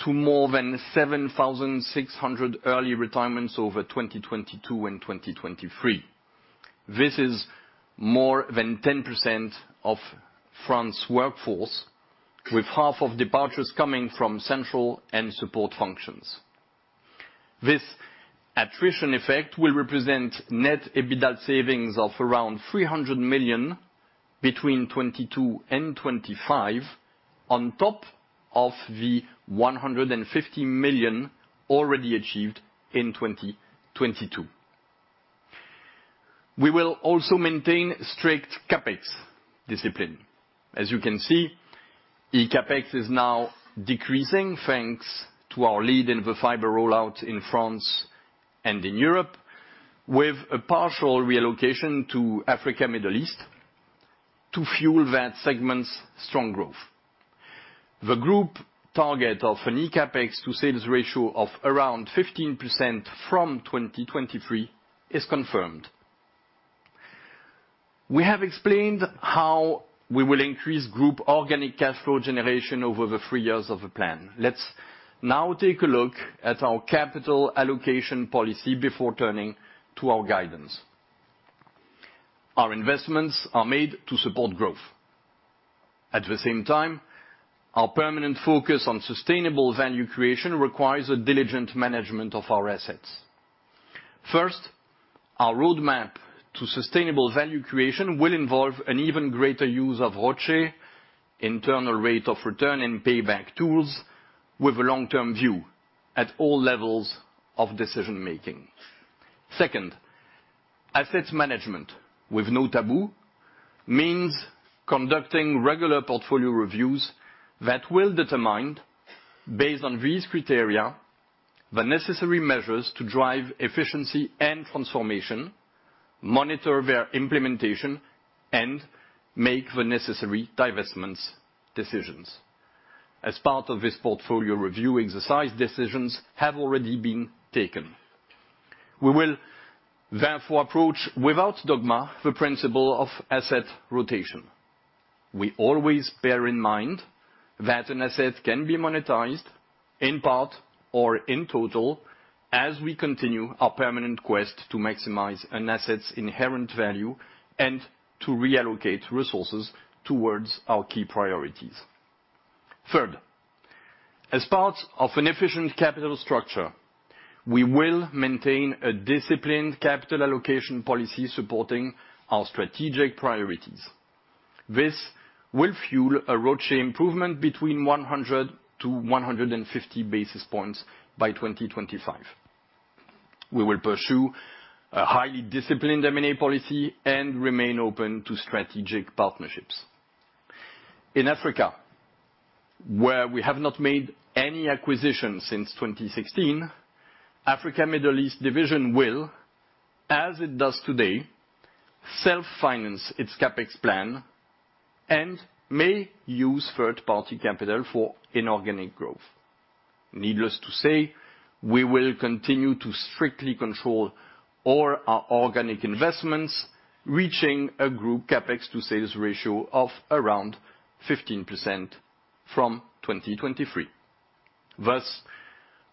to more than 7,600 early retirements over 2022 and 2023. This is more than 10% of France workforce, with half of departures coming from central and support functions. This attrition effect will represent net EBITDA savings of around 300 million between 2022 and 2025 on top of the 150 million already achieved in 2022. We will also maintain strict CapEx discipline. As you can see, E-CapEx is now decreasing, thanks to our lead in the fiber rollout in France and in Europe, with a partial reallocation to Africa, Middle East to fuel that segment's strong growth. The group target of an E-CapEx to sales ratio of around 15% from 2023 is confirmed. We have explained how we will increase group organic cash flow generation over the 3 years of the plan. Let's now take a look at our capital allocation policy before turning to our guidance. Our investments are made to support growth. At the same time, our permanent focus on sustainable value creation requires a diligent management of our assets. First, our roadmap to sustainable value creation will involve an even greater use of ROCE, internal rate of return, and payback tools with a long-term view at all levels of decision-making. Second, assets management with no taboo means conducting regular portfolio reviews that will determine, based on these criteria, the necessary measures to drive efficiency and transformation, monitor their implementation, and make the necessary divestments decisions. As part of this portfolio review exercise, decisions have already been taken. We will therefore approach without dogma the principle of asset rotation. We always bear in mind that an asset can be monetized in part or in total as we continue our permanent quest to maximize an asset's inherent value and to reallocate resources towards our key priorities. Third, as part of an efficient capital structure, we will maintain a disciplined capital allocation policy supporting our strategic priorities. This will fuel a ROCE improvement between 100-150 basis points by 2025. We will pursue a highly disciplined M&A policy and remain open to strategic partnerships. In Africa, where we have not made any acquisitions since 2016, Africa, Middle East division will, as it does today, self-finance its CapEx plan and may use third-party capital for inorganic growth. Needless to say, we will continue to strictly control all our organic investments, reaching a group CapEx to sales ratio of around 15% from 2023.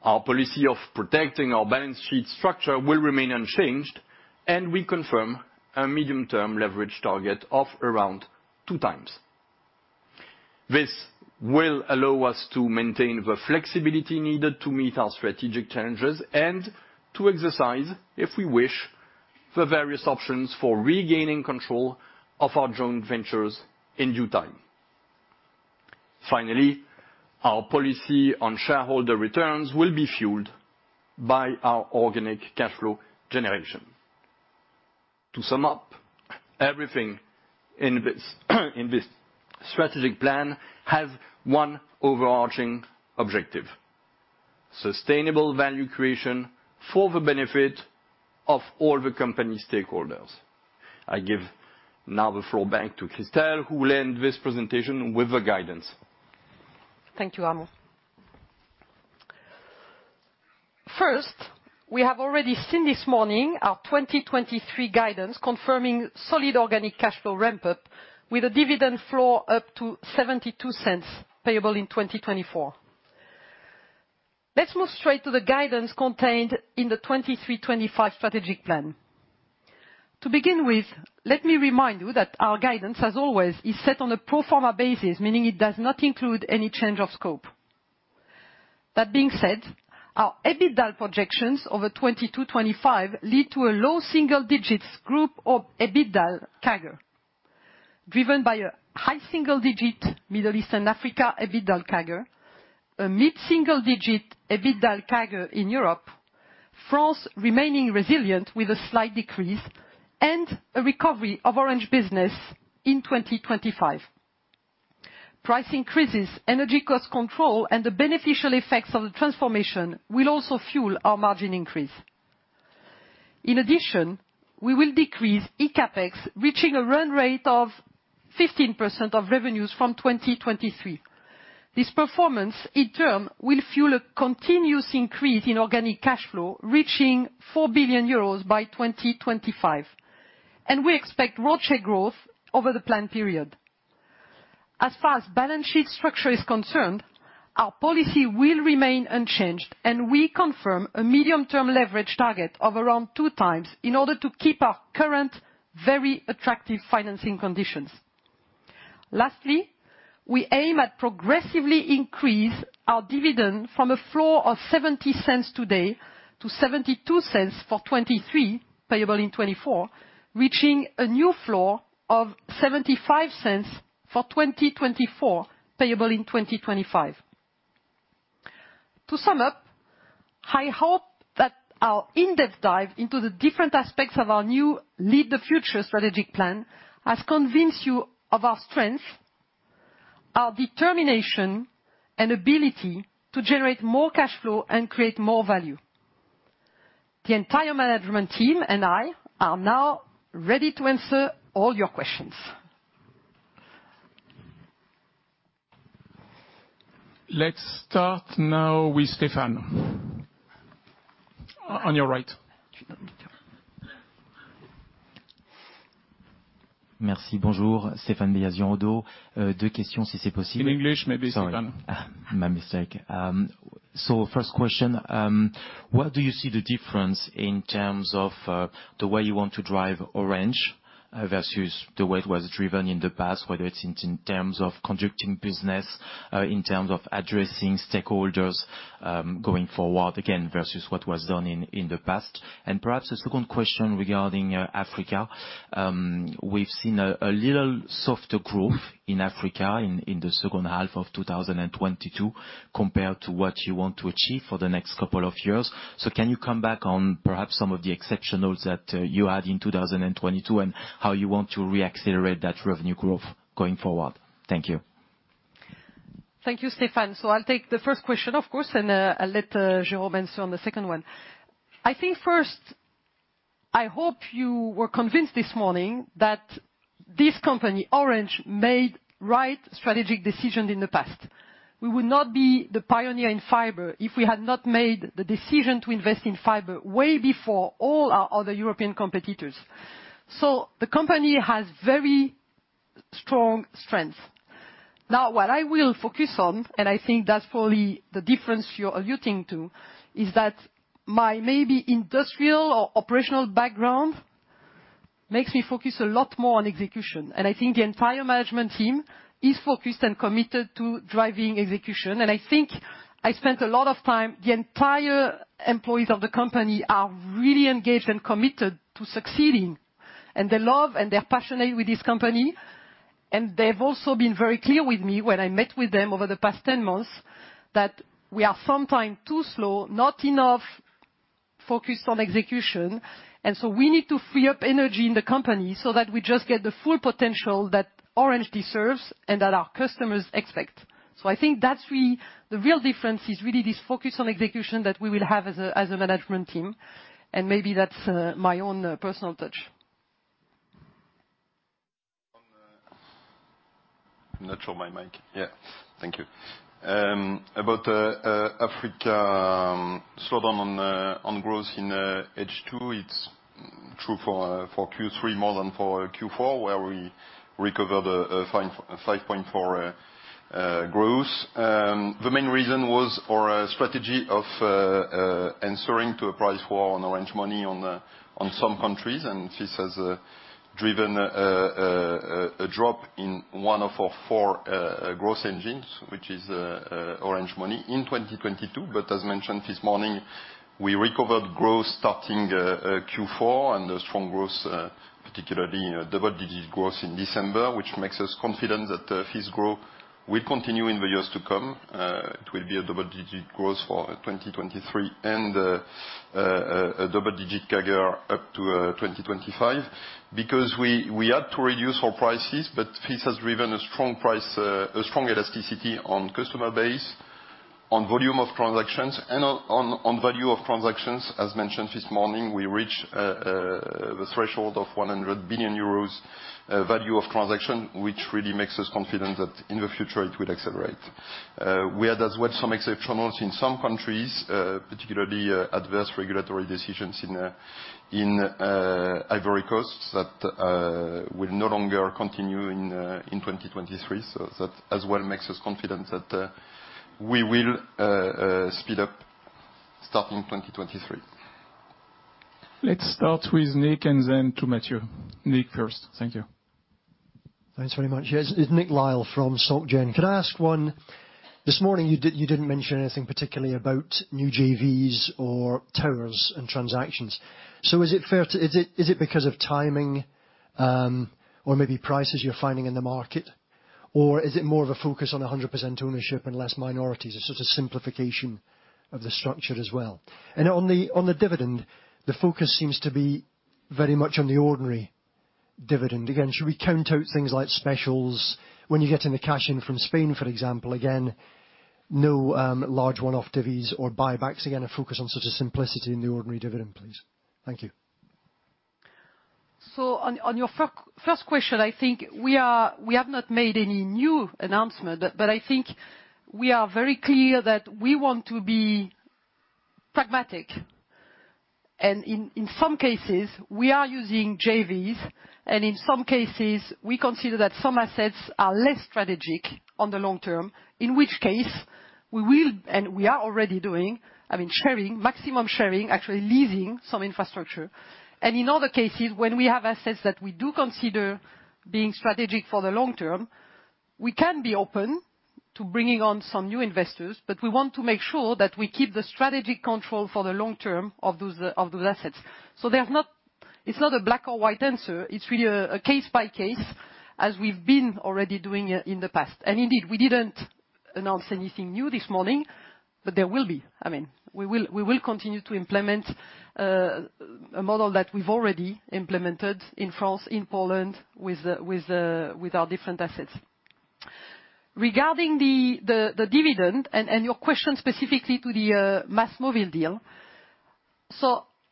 Our policy of protecting our balance sheet structure will remain unchanged, and we confirm a medium-term leverage target of around two times. This will allow us to maintain the flexibility needed to meet our strategic challenges and to exercise, if we wish, the various options for regaining control of our joint ventures in due time. Our policy on shareholder returns will be fueled by our organic cash flow generation. Everything in this strategic plan have 1 overarching objective, sustainable value creation for the benefit of all the company stakeholders. I give now the floor back to Christel, who will end this presentation with the guidance. Thank you, Ramon. First, we have already seen this morning our 2023 guidance confirming solid organic cash flow ramp-up with a dividend floor up to 0.72 payable in 2024. Let's move straight to the guidance contained in the 2023-2025 strategic plan. To begin with, let me remind you that our guidance, as always, is set on a pro forma basis, meaning it does not include any change of scope. That being said, our EBITDA projections over 2022-2025 lead to a low single-digits group of EBITDA CAGR, driven by a high single-digit Middle East and Africa EBITDA CAGR, a mid-single-digit EBITDA CAGR in Europe, France remaining resilient with a slight decrease, and a recovery of Orange Business in 2025. Price increases, energy cost control, and the beneficial effects of the transformation will also fuel our margin increase. We will decrease ECAPEX, reaching a run rate of 15% of revenues from 2023. This performance in turn will fuel a continuous increase in organic cash flow, reaching 4 billion euros by 2025, and we expect ROCE growth over the plan period. As far as balance sheet structure is concerned, our policy will remain unchanged, and we confirm a medium-term leverage target of around 2 times in order to keep our current very attractive financing conditions. We aim at progressively increase our dividend from a floor of 0.70 today to 0.72 for 2023, payable in 2024, reaching a new floor of 0.75 for 2024, payable in 2025. To sum up, I hope that our in-depth dive into the different aspects of our new Lead the Future strategic plan has convinced you of our strength, our determination, and ability to generate more cash flow and create more value. The entire management team and I are now ready to answer all your questions. Let's start now with Stephan. On your right. Merci. Bonjour. Stéphane Beyazian, the question, In English maybe, Stephan. Sorry. My mistake. First question. Where do you see the difference in terms of the way you want to drive Orange- Versus the way it was driven in the past, whether it's in terms of conducting business, in terms of addressing stakeholders, going forward, again, versus what was done in the past. Perhaps a second question regarding Africa. We've seen a little softer growth in Africa in the second half of 2022 compared to what you want to achieve for the next couple of years. Can you come back on perhaps some of the exceptionals that you had in 2022, and how you want to re-accelerate that revenue growth going forward? Thank you. I'll take the first question, of course, and I'll let Jérôme answer on the second one. I think first, I hope you were convinced this morning that this company, Orange, made right strategic decisions in the past. We would not be the pioneer in fiber if we had not made the decision to invest in fiber way before all our other European competitors. The company has very strong strength. What I will focus on, and I think that's probably the difference you're alluding to, is that my maybe industrial or operational background makes me focus a lot more on execution. I think the entire management team is focused and committed to driving execution. I think I spent a lot of time. The entire employees of the company are really engaged and committed to succeeding. They love and they're passionate with this company, they've also been very clear with me when I met with them over the past 10 months that we are sometimes too slow, not enough focused on execution. We need to free up energy in the company so that we just get the full potential that Orange deserves and that our customers expect. I think that's really the real difference is really this focus on execution that we will have as a management team, and maybe that's my own personal touch. On, I'm not sure my mic. Yeah. Thank you. About Africa, slowdown on growth in H2, it's true for Q3 more than for Q4, where we recovered a 5.4% growth. The main reason was our strategy of answering to a price war on Orange Money on some countries, this has driven a drop in one of our four growth engines, which is Orange Money in 2022. As mentioned this morning, we recovered growth starting Q4, and a strong growth, particularly, you know, double-digit growth in December, which makes us confident that this growth will continue in the years to come. It will be a double-digit growth for 2023, and a double-digit CAGR up to 2025. We had to reduce our prices, but this has driven a strong price, a strong elasticity on customer base, on volume of transactions, and on value of transactions. As mentioned this morning, we reached the threshold of 100 billion euros value of transaction, which really makes us confident that in the future it will accelerate. We had as well some exceptionals in some countries, particularly adverse regulatory decisions in Ivory Coast that will no longer continue in 2023. That as well makes us confident that we will speed up starting 2023. Let's start with Nick and then to Matthew. Nick first. Thank you. Thanks very much. Yes, it's Nick Lyall from Salt Gen. Can I ask one? This morning you didn't mention anything particularly about new JVs or towers and transactions. Is it because of timing or maybe prices you're finding in the market? Is it more of a focus on 100% ownership and less minorities, a sort of simplification of the structure as well? On the dividend, the focus seems to be very much on the ordinary dividend. Again, should we count out things like specials when you're getting the cash in from Spain, for example? Again, no large one-off divvies or buybacks. Again, a focus on sort of simplicity in the ordinary dividend, please. Thank you. On your first question, I think we have not made any new announcement, but I think we are very clear that we want to be pragmatic. In some cases, we are using JVs, and in some cases, we consider that some assets are less strategic on the long term, in which case we will, and we are already doing, I mean, sharing, maximum sharing, actually leasing some infrastructure. In other cases, when we have assets that we do consider being strategic for the long term, we can be open to bringing on some new investors, but we want to make sure that we keep the strategic control for the long term of those assets. There's not... It's not a black or white answer. It's really a case by case as we've been already doing it in the past. Indeed, we didn't announce anything new this morning, but there will be. I mean, we will continue to implement a model that we've already implemented in France, in Poland, with our different assets. Regarding the dividend and your question specifically to the MásMóvil deal.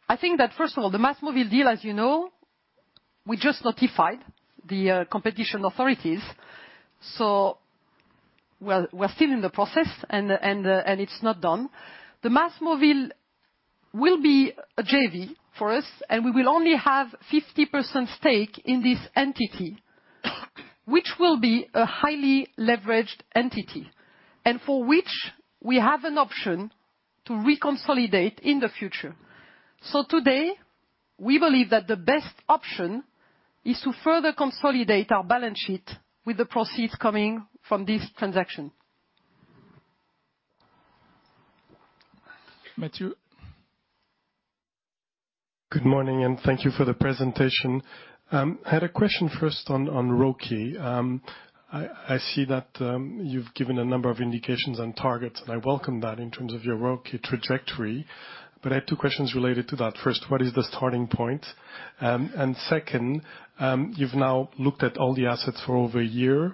I think that first of all, the MásMóvil deal, as you know, we just notified the competition authorities. We're still in the process and it's not done. The MásMóvil will be a JV for us, and we will only have 50% stake in this entity, which will be a highly leveraged entity, and for which we have an option to reconsolidate in the future. Today, we believe that the best option is to further consolidate our balance sheet with the proceeds coming from this transaction. Matthew? Good morning, and thank you for the presentation. I had a question first on ROCE. I see that you've given a number of indications on targets, and I welcome that in terms of your ROCE trajectory. I had two questions related to that. First, what is the starting point? Second, you've now looked at all the assets for over a year.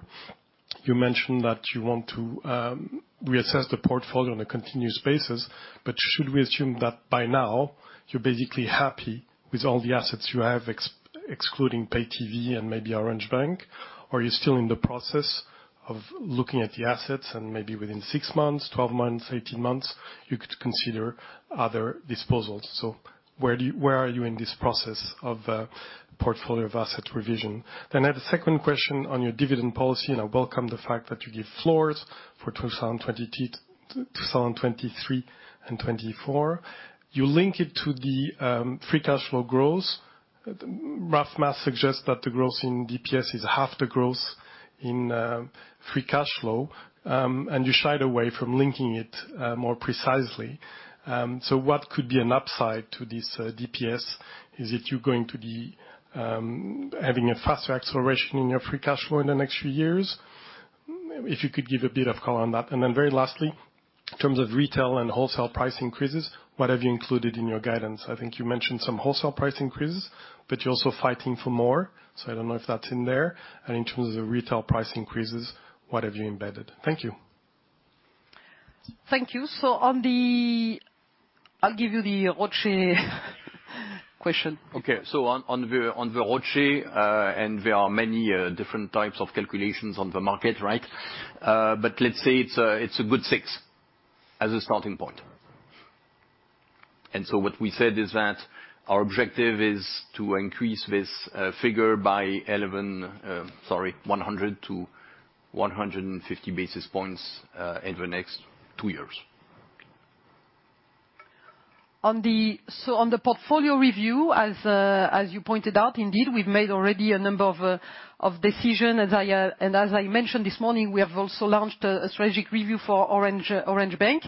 You mentioned that you want to reassess the portfolio on a continuous basis. Should we assume that by now you're basically happy with all the assets you have, ex-excluding pay TV and maybe Orange Bank? Are you still in the process of looking at the assets and maybe within six months, 12 months, 18 months, you could consider other disposals. Where are you in this process of portfolio of asset revision? I have a second question on your dividend policy, and I welcome the fact that you give floors for 2022, 2023 and 2024. You link it to the free cash flow growth. Rough math suggests that the growth in DPS is half the growth in free cash flow, and you shied away from linking it more precisely. What could be an upside to this DPS? Is it you're going to be having a faster acceleration in your free cash flow in the next few years? If you could give a bit of color on that. Very lastly, in terms of retail and wholesale price increases, what have you included in your guidance? I think you mentioned some wholesale price increases, but you're also fighting for more, so I don't know if that's in there. In terms of retail price increases, what have you embedded? Thank you. Thank you. I'll give you the ROCE question. Okay. On the ROCE, there are many different types of calculations on the market, right? Let's say it's a good six as a starting point. What we said is that our objective is to increase this figure by 11, sorry, 100-150 basis points, in the next two years. On the portfolio review, as you pointed out, indeed, we've made already a number of decision. As I mentioned this morning, we have also launched a strategic review for Orange Bank.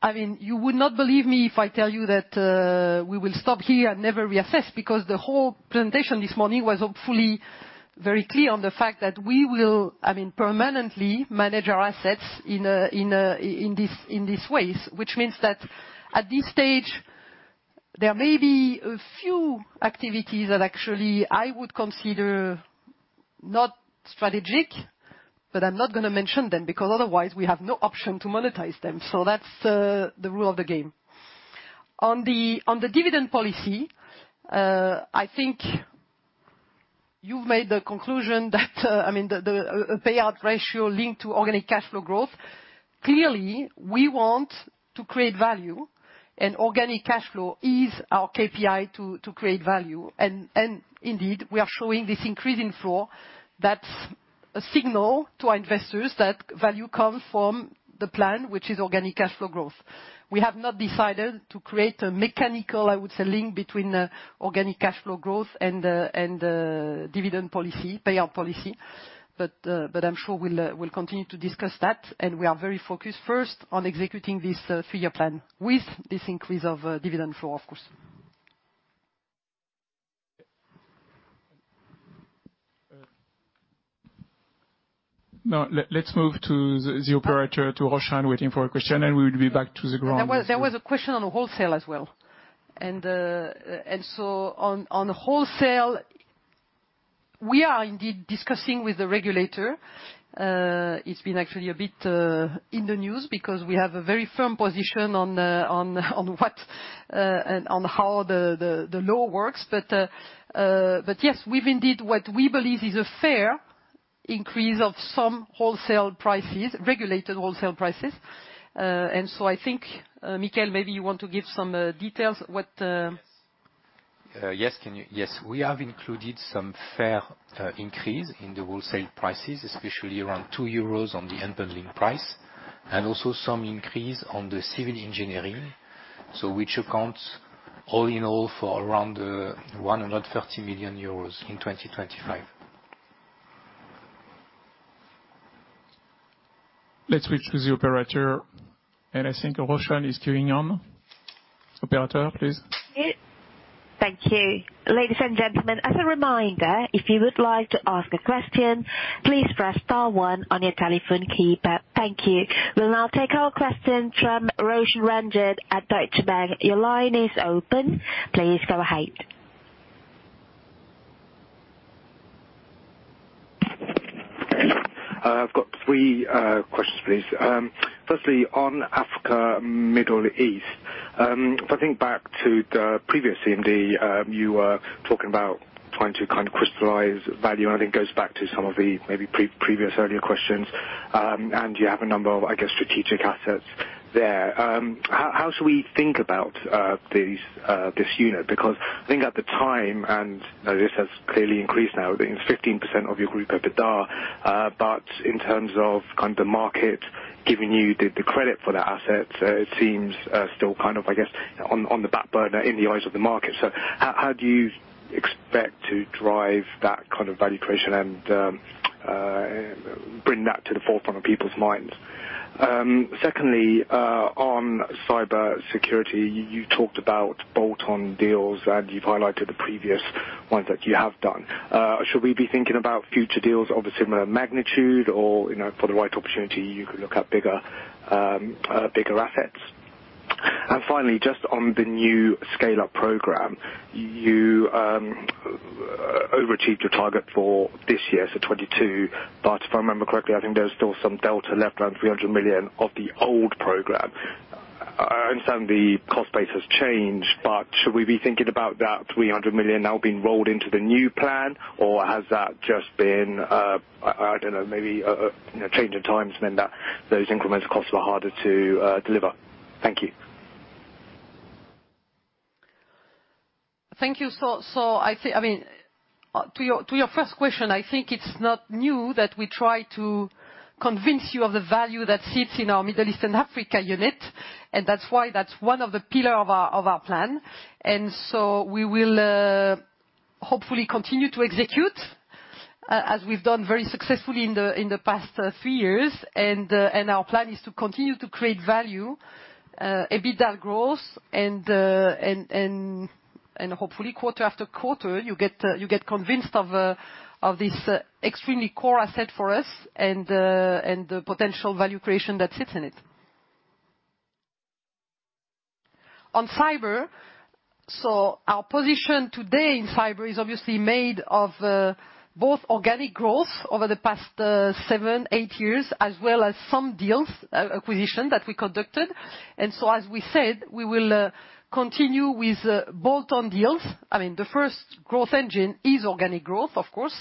I mean, you would not believe me if I tell you that we will stop here and never reassess, because the whole presentation this morning was hopefully very clear on the fact that we will, I mean, permanently manage our assets in these ways. Means that at this stage, there may be a few activities that actually I would consider not strategic, I'm not gonna mention them because otherwise we have no option to monetize them. That's the rule of the game. On the dividend policy, I think you've made the conclusion that, I mean, the, a payout ratio linked to organic cash flow growth. Clearly, we want to create value, and organic cash flow is our KPI to create value. Indeed, we are showing this increase in flow. That's a signal to our investors that value comes from the plan, which is organic cash flow growth. We have not decided to create a mechanical, I would say, link between organic cash flow growth and dividend policy, payout policy. I'm sure we'll continue to discuss that, and we are very focused first on executing this three-year plan with this increase of dividend flow, of course. Let's move to the operator, to Roshan waiting for a question, and we will be back to the ground. There was a question on wholesale as well. On wholesale, we are indeed discussing with the regulator. It's been actually a bit in the news because we have a very firm position on what and on how the law works. Yes, we've indeed what we believe is a fair increase of some wholesale prices, regulated wholesale prices. I think, Michaël, maybe you want to give some details. Yes. Yes, can you? We have included some fair increase in the wholesale prices, especially around 2 euros on the unbundling price, and also some increase on the civil engineering, so which accounts all in all for around 130 million euros in 2025. Let's switch to the operator, and I think Roshan is queuing on. Operator, please. Thank you. Ladies and gentlemen, as a reminder, if you would like to ask a question, please press star one on your telephone keypad. Thank you. We will now take our question from Roshan Ranjit at Deutsche Bank. Your line is open. Please go ahead. I've got three questions, please. Firstly, on Africa, Middle East, if I think back to the previous CMD, you were talking about trying to kind of crystallize value, and I think it goes back to some of the maybe pre-previous earlier questions. You have a number of, I guess, strategic assets there. How should we think about these this unit? Because I think at the time, and, you know, this has clearly increased now, I think it's 15% of your group EBITDA, but in terms of kind of the market giving you the credit for that asset, it seems still kind of, I guess, on the back burner in the eyes of the market. How, how do you expect to drive that kind of value creation and bring that to the forefront of people's minds? Secondly, on cybersecurity, you talked about bolt-on deals, and you've highlighted the previous ones that you have done. Should we be thinking about future deals of a similar magnitude, or, you know, for the right opportunity, you could look at bigger assets? Finally, just on the new Scale-up program, you overachieved your target for this year, so 2022. If I remember correctly, I think there's still some delta left, around 300 million of the old program. I understand the cost base has changed. Should we be thinking about that 300 million now being rolled into the new plan, or has that just been, I don't know, maybe a, you know, change of times meant that those incremental costs were harder to deliver? Thank you. Thank you. I think, I mean, to your first question, I think it's not new that we try to convince you of the value that sits in our Middle East and Africa unit, and that's why that's one of the pillar of our plan. We will hopefully continue to execute as we've done very successfully in the past three years. Our plan is to continue to create value, EBITDA growth, and hopefully quarter after quarter, you get convinced of this extremely core asset for us and the potential value creation that sits in it. Our position today in cyber is obviously made of both organic growth over the past 7, 8 years, as well as some deals, acquisition that we conducted. As we said, we will continue with bolt-on deals. I mean, the first growth engine is organic growth, of course,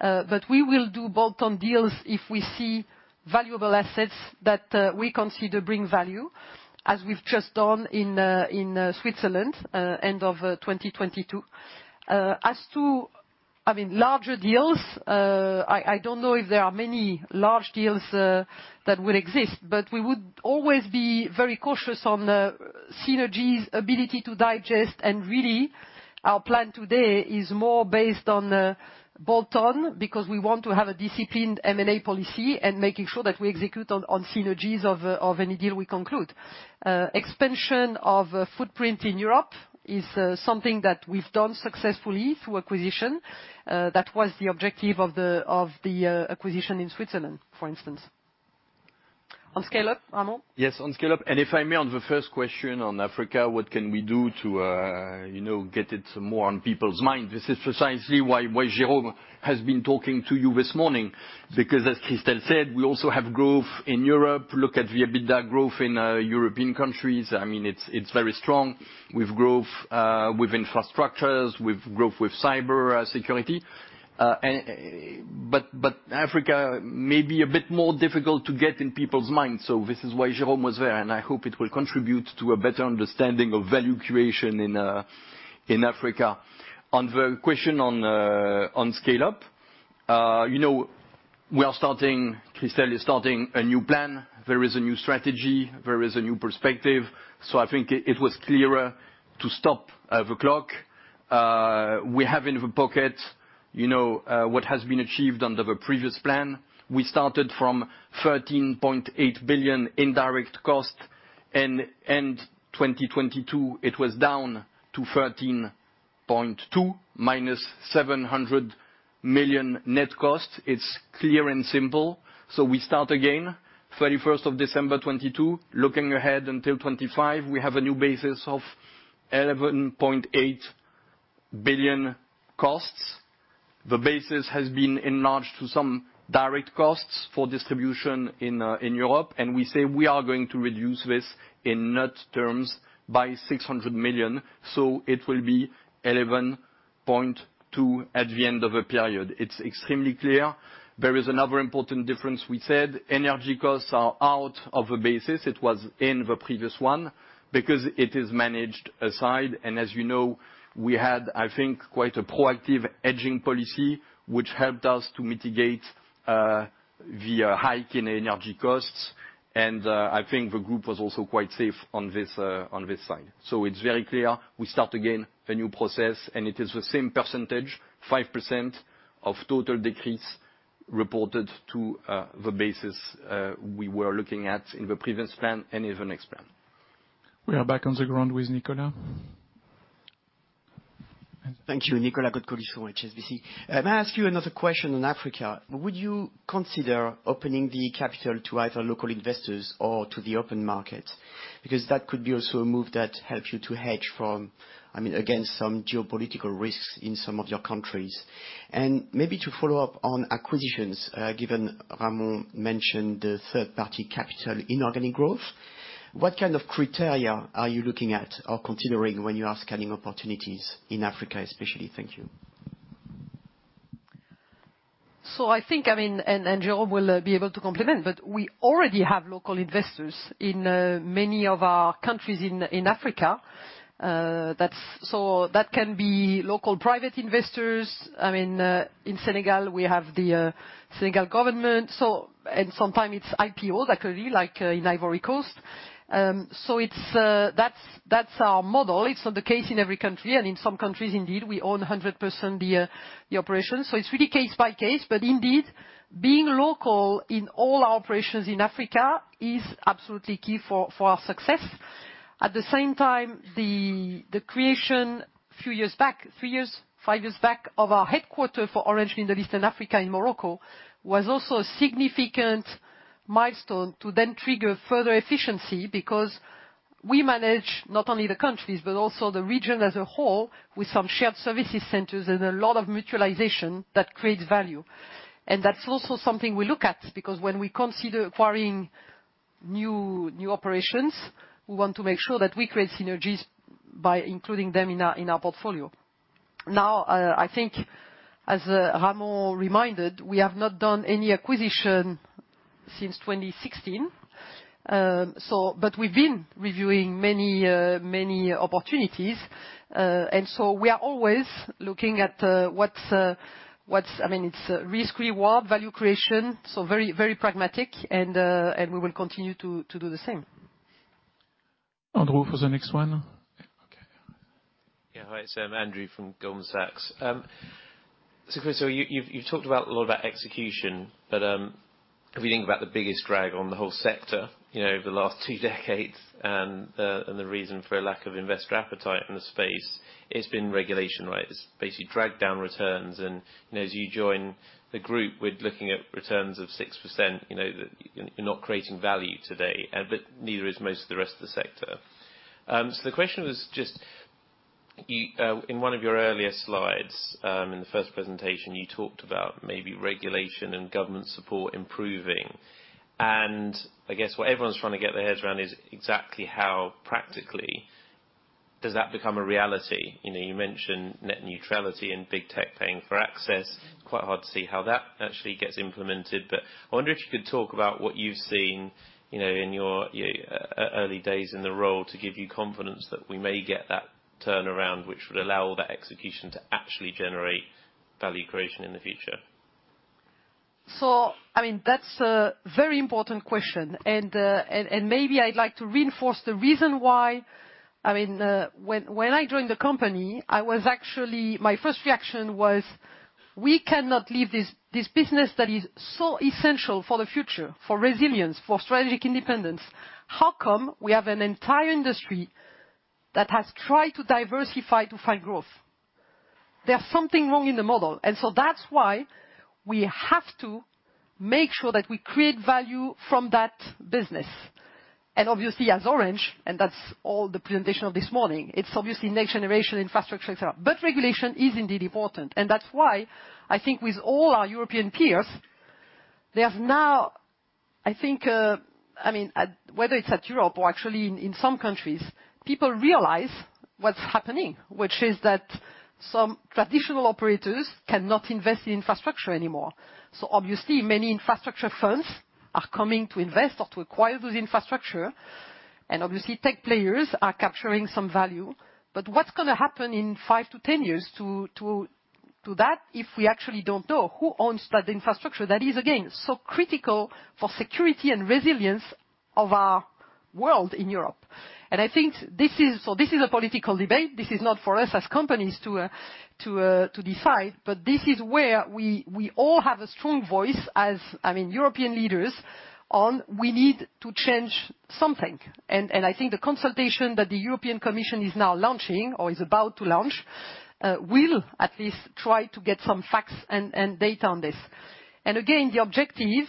but we will do bolt-on deals if we see valuable assets that we consider bring value, as we've just done in Switzerland end of 2022. As to, I mean, larger deals, I don't know if there are many large deals that will exist, but we would always be very cautious on synergies, ability to digest. Really, our plan today is more based on bolt-on, because we want to have a disciplined M&A policy and making sure that we execute on synergies of any deal we conclude. Expansion of footprint in Europe is something that we've done successfully through acquisition. That was the objective of the, of the acquisition in Switzerland, for instance. On Scale-up, Ramon? Yes, on Scale-Up. If I may, on the first question on Africa, what can we do to, you know, get it more on people's mind? This is precisely why Jérôme has been talking to you this morning. As Christel said, we also have growth in Europe. Look at the EBITDA growth in European countries. I mean, it's very strong. We've growth with infrastructures, with growth with cyber security. But Africa may be a bit more difficult to get in people's minds, so this is why Jérôme was there, and I hope it will contribute to a better understanding of value creation in Africa. On the question on Scale-Up, you know, we are starting, Christel is starting a new plan. There is a new strategy. There is a new perspective. I think it was clearer to stop the clock. We have in the pocket, you know, what has been achieved under the previous plan. We started from 13.8 billion in direct costs. In end 2022, it was down to 13.2 billion, minus 700 million net costs. It's clear and simple. we start again 31st of December 2022. Looking ahead until 2025, we have a new basis of 11.8 billion costs. The basis has been enlarged to some direct costs for distribution in Europe. we say we are going to reduce this in net terms by 600 million. it will be 11.2 billion at the end of a period. It's extremely clear. There is another important difference, we said. Energy costs are out of the basis. It was in the previous one because it is managed aside. As you know, we had, I think, quite a proactive hedging policy, which helped us to mitigate the hike in energy costs. I think the group was also quite safe on this on this side. It's very clear. We start again a new process, and it is the same percentage, 5% of total decrease reported to the basis we were looking at in the previous plan and in the next plan. We are back on the ground with Nicolas. Thank you. Nicolas Cote-Colisson for HSBC. May I ask you another question on Africa? Would you consider opening the capital to either local investors or to the open market? That could be also a move that helps you to hedge from, I mean, against some geopolitical risks in some of your countries. Maybe to follow up on acquisitions, given Ramon mentioned the third-party capital inorganic growth, what kind of criteria are you looking at or considering when you are scanning opportunities in Africa especially? Thank you. I think, I mean, and Jerome will be able to complement, but we already have local investors in many of our countries in Africa. That can be local private investors. I mean, in Senegal, we have the Senegal government. Sometime it's IPO that could be like in Ivory Coast. That's our model. It's not the case in every country. In some countries, indeed, we own 100% the operation. It's really case by case. Indeed, being local in all our operations in Africa is absolutely key for our success. At the same time, the creation few years back, three years, five years back, of our headquarter for Orange in the East and Africa in Morocco was also a significant milestone to then trigger further efficiency. We manage not only the countries, but also the region as a whole, with some shared services centers and a lot of mutualization that creates value. That's also something we look at, because when we consider acquiring new operations, we want to make sure that we create synergies by including them in our portfolio. I think as Ramon reminded, we have not done any acquisition since 2016. But we've been reviewing many opportunities, we are always looking at. I mean, it's risk reward, value creation, so very, very pragmatic, and we will continue to do the same. Andrew for the next one. Yeah. Okay. Yeah. Hi, it's Andrew from Goldman Sachs. Christophe, you've talked a lot about execution, but if we think about the biggest drag on the whole sector, you know, over the last two decades, and the reason for a lack of investor appetite in the space, it's been regulation, right? It's basically dragged down returns. And, you know, as you join the group, we're looking at returns of 6%. You know that you're not creating value today, but neither is most of the rest of the sector. The question was just, you, in one of your earlier slides, in the first presentation, you talked about maybe regulation and government support improving. And I guess what everyone's trying to get their heads around is exactly how practically does that become a reality. You know, you mentioned net neutrality and big tech paying for access. It's quite hard to see how that actually gets implemented. I wonder if you could talk about what you've seen, you know, in your early days in the role to give you confidence that we may get that turnaround, which would allow all that execution to actually generate value creation in the future? I mean, that's a very important question. Maybe I'd like to reinforce the reason why. I mean, when I joined the company, my first reaction was, we cannot leave this business that is so essential for the future, for resilience, for strategic independence. How come we have an entire industry that has tried to diversify to find growth? There's something wrong in the model. That's why we have to make sure that we create value from that business. Obviously as Orange, and that's all the presentation of this morning, it's obviously next generation infrastructure itself. Regulation is indeed important. That's why I think with all our European peers, there's now, I mean, whether it's at Europe or actually in some countries, people realize what's happening, which is that some traditional operators cannot invest in infrastructure anymore. Obviously many infrastructure funds are coming to invest or to acquire those infrastructure, and obviously tech players are capturing some value. What's gonna happen in 5-10 years to that if we actually don't know who owns that infrastructure? That is again, so critical for security and resilience of our world in Europe. I think this is a political debate. This is not for us as companies to decide. This is where we all have a strong voice as, I mean, European leaders on we need to change something. I think the consultation that the European Commission is now launching or is about to launch will at least try to get some facts and data on this. Again, the objective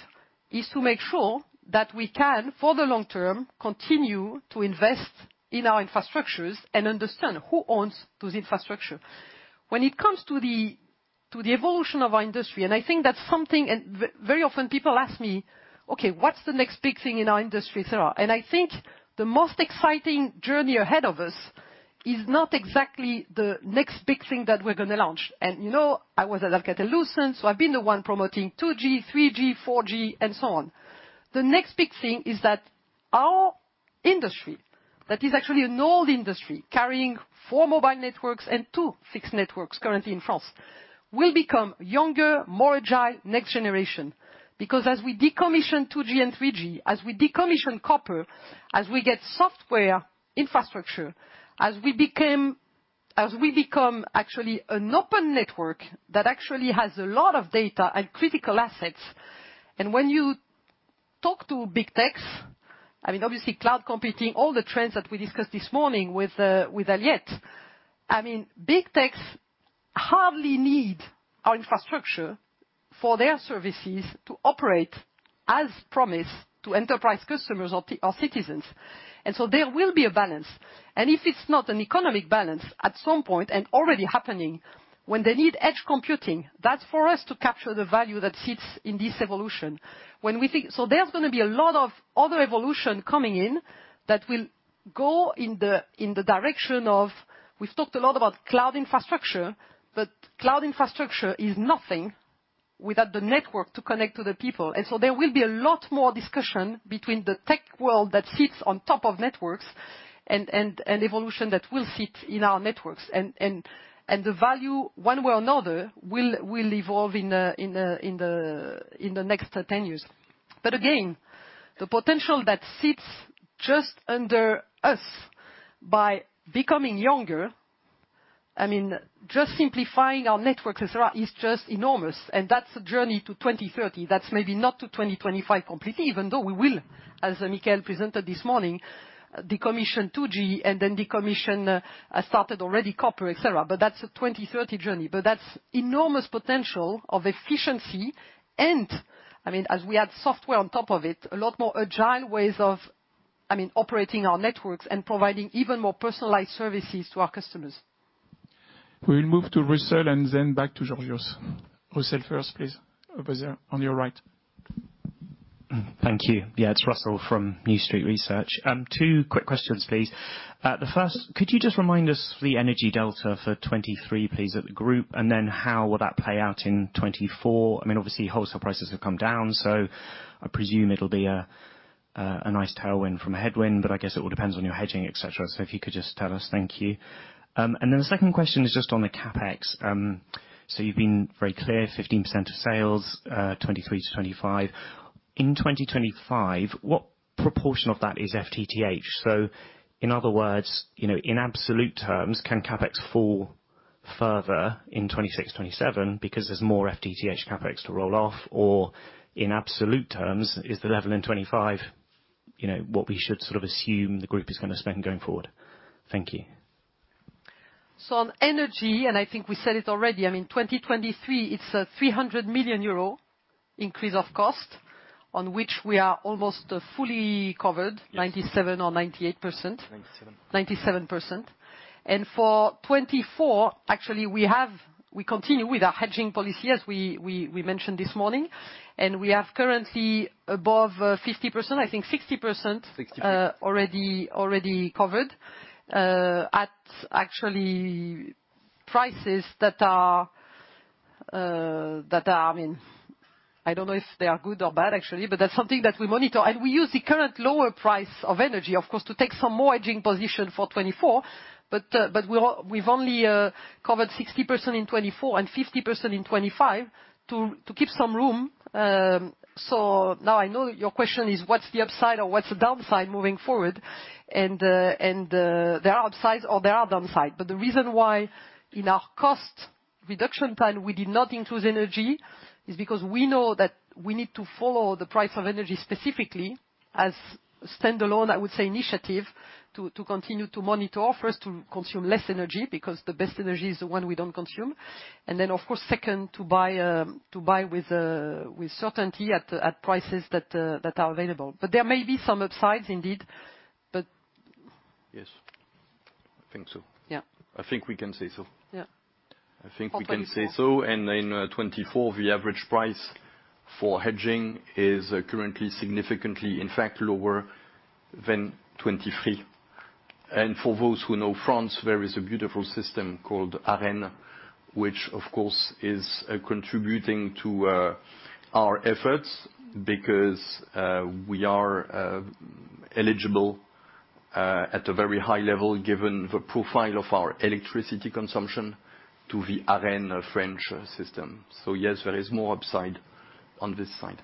is to make sure that we can, for the long term, continue to invest in our infrastructures and understand who owns those infrastructure. When it comes to the evolution of our industry, I think that's something. Very often people ask me, "Okay, what's the next big thing in our industry?" I think the most exciting journey ahead of us is not exactly the next big thing that we're gonna launch. You know, I was at Catalyson, so I've been the one promoting 2G, 3G, 4G and so on. The next big thing is that our industry, that is actually an old industry carrying four mobile networks and two fixed networks currently in France, will become younger, more agile next generation. As we decommission 2G and 3G, as we decommission copper, as we get software infrastructure, as we become actually an open network that actually has a lot of data and critical assets. When you talk to big techs, I mean, obviously cloud computing, all the trends that we discussed this morning with Aliette. I mean, big techs hardly need our infrastructure for their services to operate as promised to enterprise customers or citizens. There will be a balance. If it's not an economic balance, at some point, and already happening, when they need edge computing, that's for us to capture the value that sits in this evolution. There's going to be a lot of other evolution coming in that will go in the direction of. We've talked a lot about cloud infrastructure, but cloud infrastructure is nothing without the network to connect to the people. There will be a lot more discussion between the tech world that sits on top of networks and evolution that will sit in our networks. The value, one way or another, will evolve in the next 10 years. Again, the potential that sits just under us by becoming younger, I mean, just simplifying our network et cetera, is just enormous. That's a journey to 2030. That's maybe not to 2025 completely, even though we will, as Michaël presented this morning, decommission 2G and then decommission, started already copper, et cetera. That's a 2030 journey. That's enormous potential of efficiency. I mean, as we add software on top of it, a lot more agile ways of, I mean, operating our networks and providing even more personalized services to our customers. We'll move to Russell and then back to Georgios. Russell first, please. Over there, on your right. Thank you. Yeah, it's Russell from New Street Research. Two quick questions, please. The first, could you just remind us the energy delta for 23, please, at the group? How will that play out in 24? I mean, obviously, wholesale prices have come down, I presume it'll be a nice tailwind from a headwind, but I guess it all depends on your hedging, et cetera. If you could just tell us. Thank you. The second question is just on the CapEx. You've been very clear, 15% of sales, 23-25. In 2025, what proportion of that is FTTH? In other words, you know, in absolute terms, can CapEx fall further in 26, 27 because there's more FTTH CapEx to roll off? In absolute terms, is the level in 2025, you know, what we should sort of assume the group is going to spend going forward? Thank you. On energy, and I think we said it already, I mean, 2023, it's a 300 million euro increase of cost on which we are almost fully covered. Yes. 97% or 98%. 97. 97%. For 2024, actually we continue with our hedging policy, as we mentioned this morning. We have currently above 50%, I think 60%. 60%. already covered at actually prices that are, that are, I mean, I don't know if they are good or bad actually, but that's something that we monitor. We use the current lower price of energy, of course, to take some more hedging position for 2024. We've only covered 60% in 2024 and 50% in 2025 to keep some room. Now I know your question is what's the upside or what's the downside moving forward? There are upsides or there are downside. The reason why in our cost reduction plan we did not include energy is because we know that we need to follow the price of energy specifically as standalone, I would say, initiative to continue to monitor. First, to consume less energy, because the best energy is the one we don't consume. Of course, second, to buy, to buy with certainty at prices that are available. There may be some upsides indeed, but. Yes. I think so. Yeah. I think we can say so. Yeah. I think we can say so. For 2024. In 2024, the average price for hedging is currently significantly, in fact, lower than 2023. For those who know France, there is a beautiful system called ARENH, which of course is contributing to our efforts because we are eligible at a very high level, given the profile of our electricity consumption to the ARENH French system. Yes, there is more upside on this side.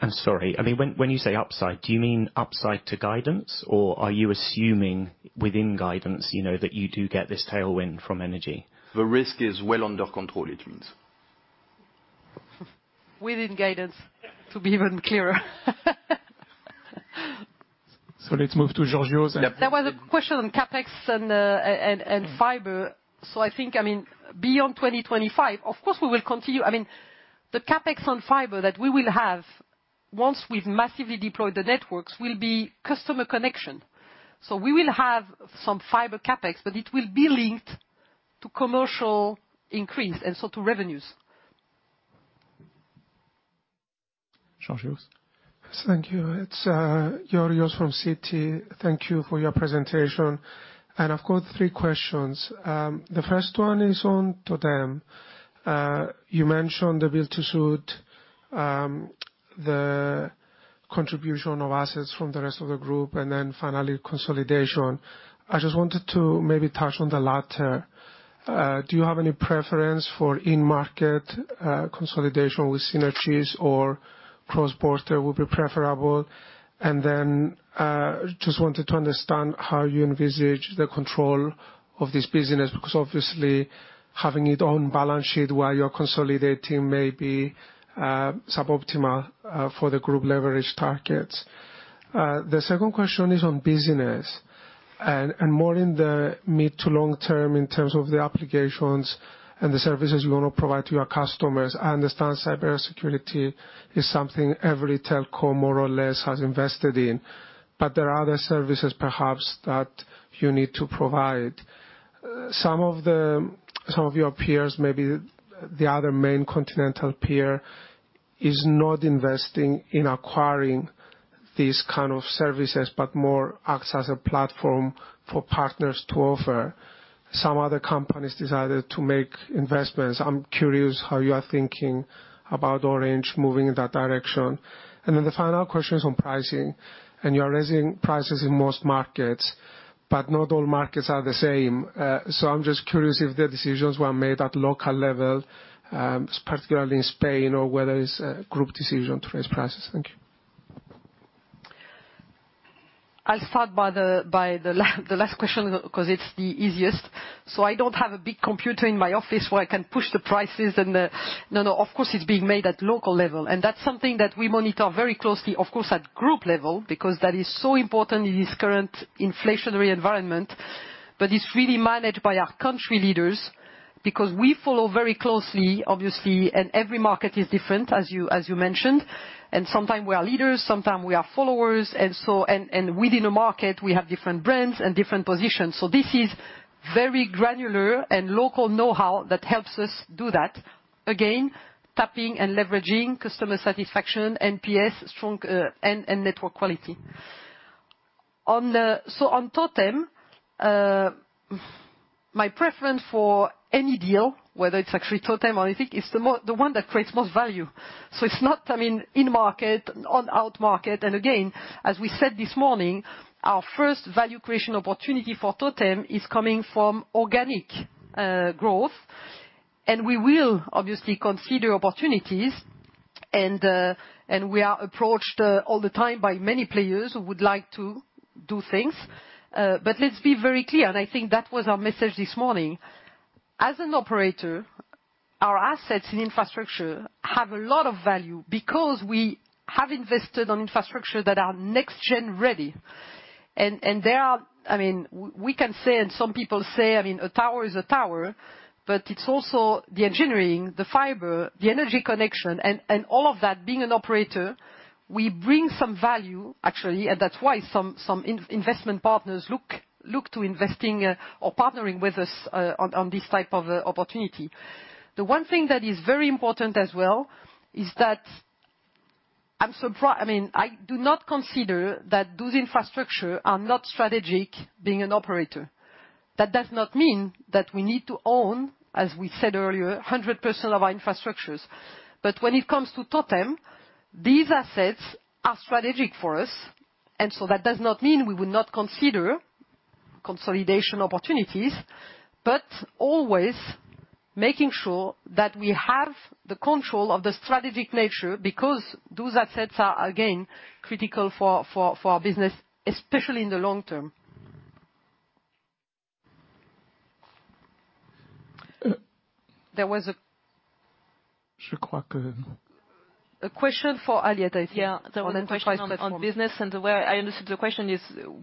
I'm sorry. I mean, when you say upside, do you mean upside to guidance or are you assuming within guidance, you know, that you do get this tailwind from energy? The risk is well under control it means. Within guidance to be even clearer. Let's move to Georgios. There was a question on CapEx and fiber. I think, I mean, beyond 2025, of course we will continue. I mean, the CapEx on fiber that we will have once we've massively deployed the networks will be customer connection. We will have some fiber CapEx, but it will be linked to commercial increase and so to revenues. Georgios. Thank you. It's Georgios from Citi. Thank you for your presentation. I've got three questions. The first one is on TOTEM. You mentioned the build to suit, the contribution of assets from the rest of the group, then finally consolidation. I just wanted to maybe touch on the latter. Do you have any preference for in-market consolidation with synergies or cross-border would be preferable? Then, just wanted to understand how you envisage the control of this business, because obviously having it on balance sheet while you're consolidating may be suboptimal for the group leverage targets. The second question is on business and more in the mid to long term in terms of the applications and the services you wanna provide to your customers. I understand cybersecurity is something every telco more or less has invested in. There are other services perhaps that you need to provide. Some of your peers, maybe the other main continental peers is not investing in acquiring these kind of services, more acts as a platform for partners to offer. Some other companies decided to make investments. I'm curious how you are thinking about Orange moving in that direction. The final question is on pricing. You are raising prices in most markets, not all markets are the same. I'm just curious if the decisions were made at local level, particularly in Spain, or whether it's a group decision to raise prices. Thank you. I'll start by the last question because it's the easiest. I don't have a big computer in my office where I can push the prices. No, no, of course, it's being made at local level, and that's something that we monitor very closely, of course, at group level because that is so important in this current inflationary environment. It's really managed by our country leaders because we follow very closely, obviously, and every market is different, as you mentioned. Sometimes we are leaders, sometimes we are followers, and within a market we have different brands and different positions. This is very granular and local know-how that helps us do that. Again, tapping and leveraging customer satisfaction, NPS strong, and network quality. My preference for any deal, whether it's actually TOTEM or I think it's the one that creates most value. It's not, I mean, in market, out market. Again, as we said this morning, our first value creation opportunity for TOTEM is coming from organic growth. We will obviously consider opportunities. And we are approached all the time by many players who would like to do things. Let's be very clear, and I think that was our message this morning. As an operator, our assets in infrastructure have a lot of value because we have invested on infrastructure that are next-gen ready. And there are... I mean, we can say, and some people say, I mean a tower is a tower, but it's also the engineering, the fiber, the energy connection and all of that. Being an operator, we bring some value actually, and that's why some investment partners look to investing or partnering with us on this type of opportunity. The one thing that is very important as well is that I mean, I do not consider that those infrastructure are not strategic being an operator. That does not mean that we need to own, as we said earlier, 100% of our infrastructures. When it comes to TOTEM, these assets are strategic for us, that does not mean we would not consider consolidation opportunities, but always making sure that we have the control of the strategic nature because those assets are again critical for our business, especially in the long term. There was a question for Aliette, I think. Yeah. There was a question on business and the way I understood the question is,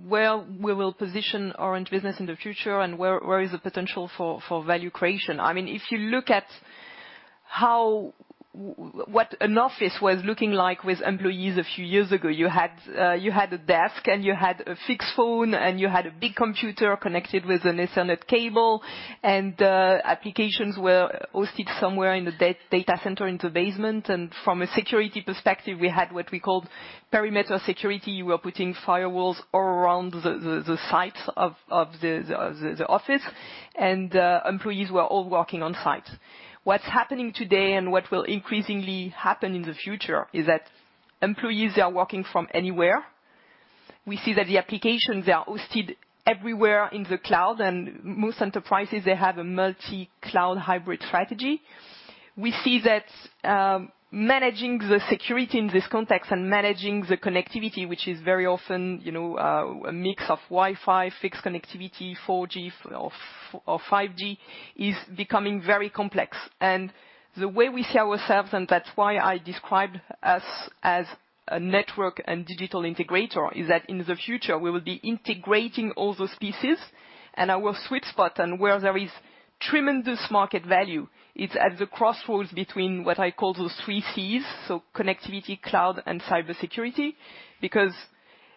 where we will position Orange Business in the future and where is the potential for value creation. I mean, if you look at how what an office was looking like with employees a few years ago, you had a desk and you had a fixed phone and you had a big computer connected with an Ethernet cable. Applications were hosted somewhere in the data center in the basement. From a security perspective, we had what we called perimeter security. We were putting firewalls all around the sites of the office. Employees were all working on site. What's happening today and what will increasingly happen in the future is that employees are working from anywhere. We see that the applications are hosted everywhere in the cloud and most enterprises they have a multi-cloud hybrid strategy. We see that managing the security in this context and managing the connectivity, which is very often, you know, a mix of Wi-Fi, fixed connectivity, 4G or 5G is becoming very complex. The way we see ourselves, and that's why I described us as a network and digital integrator, is that in the future we will be integrating all those pieces and our sweet spot and where there is tremendous market value. It's at the crossroads between what I call those three C's, so connectivity, cloud and cybersecurity.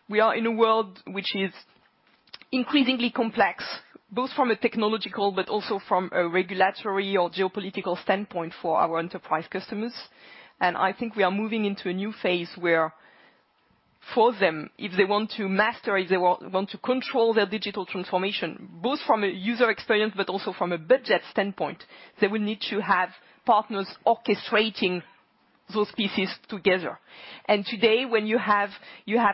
We are in a world which is increasingly complex, both from a technological but also from a regulatory or geopolitical standpoint for our enterprise customers. I think we are moving into a new phase where for them, if they want to master, if they want to control their digital transformation, both from a user experience but also from a budget standpoint, they will need to have partners orchestrating those pieces together. Today when you have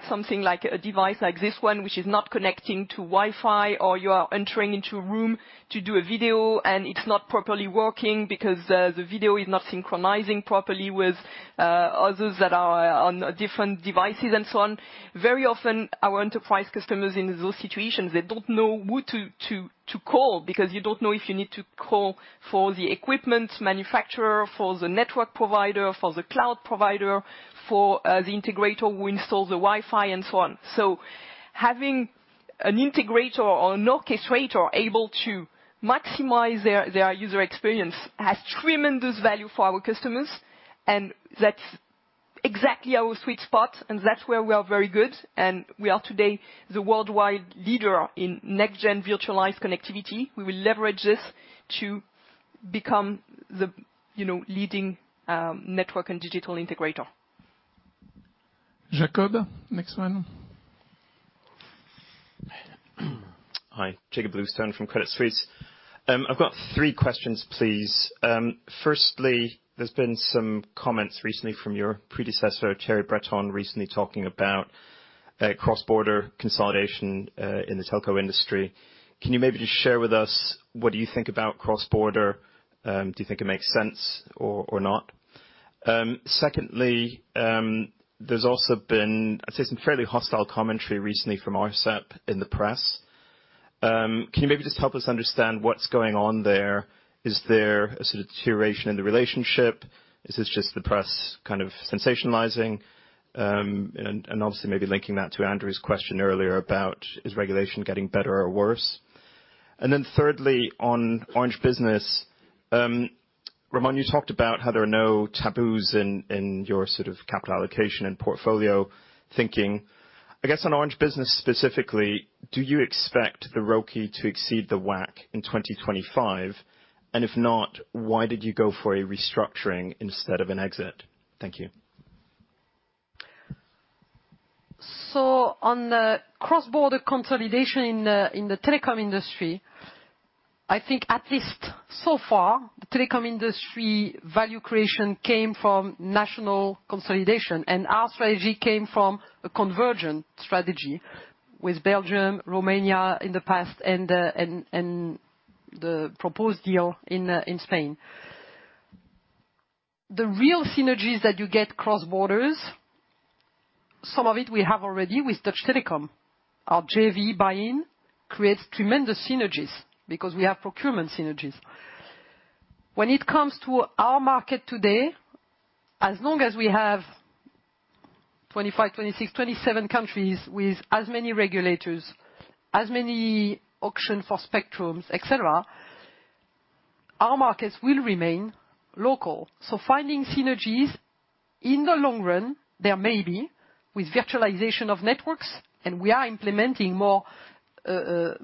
something like a device like this one which is not connecting to Wi-Fi, or you are entering into a room to do a video, and it's not properly working because the video is not synchronizing properly with others that are on different devices and so on. Very often, our enterprise customers in those situations, they don't know who to call because you don't know if you need to call for the equipment manufacturer, for the network provider, for the cloud provider, for the integrator who installed the Wi-Fi and so on. Having an integrator or an orchestrator able to maximize their user experience has tremendous value for our customers, and that's. Exactly our sweet spot, and that's where we are very good. We are today the worldwide leader in next gen virtualized connectivity. We will leverage this to become the, you know, leading, network and digital integrator. Jacob, next one. Hi, Jakob Bluestone from Credit Suisse. I've got three questions, please. Firstly, there's been some comments recently from your predecessor, Thierry Breton, recently talking about a cross-border consolidation in the telco industry. Can you maybe just share with us what you think about cross-border? Do you think it makes sense or not? Secondly, there's also been, I'd say some fairly hostile commentary recently from Arcep in the press. Can you maybe just help us understand what's going on there? Is there a sort of deterioration in the relationship? Is this just the press kind of sensationalizing? Obviously maybe linking that to Andrew's question earlier about is regulation getting better or worse? Thirdly, on Orange Business, Ramon, you talked about how there are no taboos in your sort of capital allocation and portfolio thinking. I guess on Orange Business specifically, do you expect the ROCE to exceed the WACC in 2025? If not, why did you go for a restructuring instead of an exit? Thank you. On the cross-border consolidation in the telecom industry, I think at least so far, the telecom industry value creation came from national consolidation. Our strategy came from a convergent strategy with Belgium, Romania in the past and the proposed deal in Spain. The real synergies that you get cross-borders, some of it we have already with Dutch Telecom. Our JV BuyIn creates tremendous synergies because we have procurement synergies. When it comes to our market today, as long as we have 25, 26, 27 countries with as many regulators, as many auction for spectrums, et cetera, our markets will remain local. Finding synergies in the long run, there may be with virtualization of networks, and we are implementing more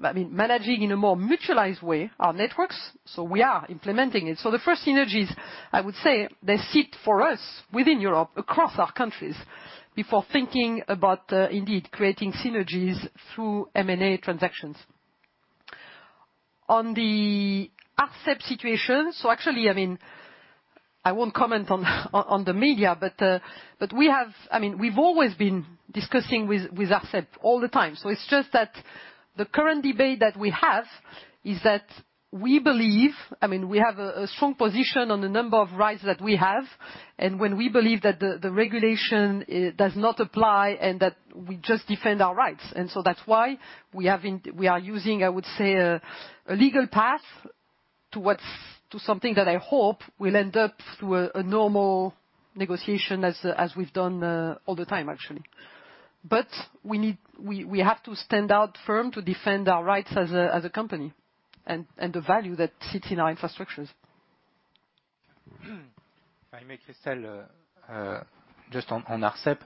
managing in a more mutualized way our networks, so we are implementing it. The first synergies, I would say, they sit for us within Europe, across our countries, before thinking about indeed creating synergies through M&A transactions. On the Arcep situation. Actually, I mean, I won't comment on the media, but I mean, we've always been discussing with Arcep all the time. It's just that the current debate that we have is that we believe... I mean, we have a strong position on the number of rights that we have. And when we believe that the regulation does not apply and that we just defend our rights. That's why we are using, I would say, a legal path towards to something that I hope will end up through a normal negotiation as we've done all the time, actually. We have to stand our firm to defend our rights as a company and the value that sits in our infrastructures. If I may, Christel, just on Arcep,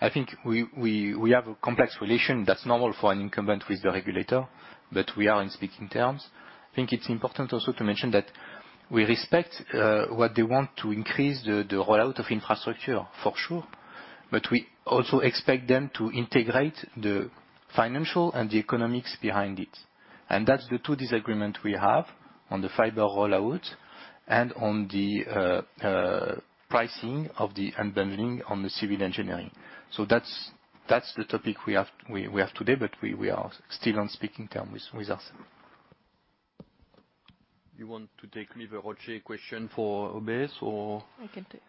I think we have a complex relation that's normal for an incumbent with the regulator, but we are on speaking terms. I think it's important also to mention that we respect what they want to increase the rollout of infrastructure for sure, but we also expect them to integrate the financial and the economics behind it. That's the two disagreement we have on the fiber rollout and on the pricing of the unbundling on the civil engineering. That's, that's the topic we have today, but we are still on speaking term with Arcep. You want to take either ROCE question for OBS. I can take.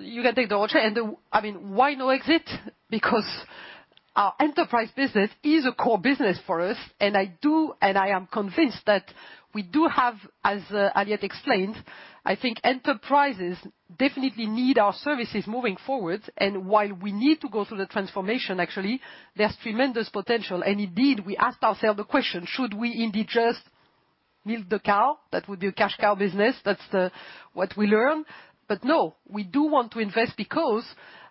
You can take the ROCE. I mean, why no exit? Because our enterprise business is a core business for us, and I do, and I am convinced that we do have, as Aliette explained, I think enterprises definitely need our services moving forward. While we need to go through the transformation, actually, there's tremendous potential. Indeed, we asked ourselves the question, should we indeed just milk the cow? That would be a cash cow business. That's what we learn. No, we do want to invest because,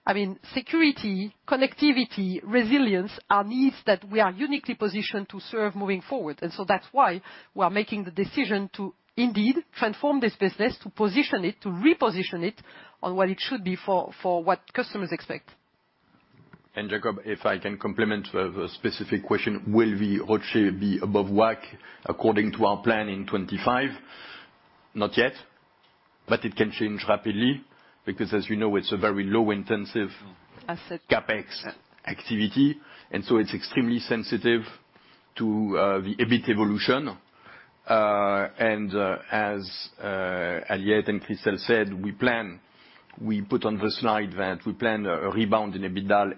I mean, security, connectivity, resilience are needs that we are uniquely positioned to serve moving forward. That's why we are making the decision to indeed transform this business, to position it, to reposition it on what it should be for what customers expect. Jacob, if I can complement the specific question, will the ROCE be above WACC according to our plan in 2025? Not yet, it can change rapidly because as you know, it's a very low. Asset CapEx activity, it's extremely sensitive to the EBIT evolution. As Aliette and Christel said, we plan, we put on the slide that we plan a rebound in EBITDA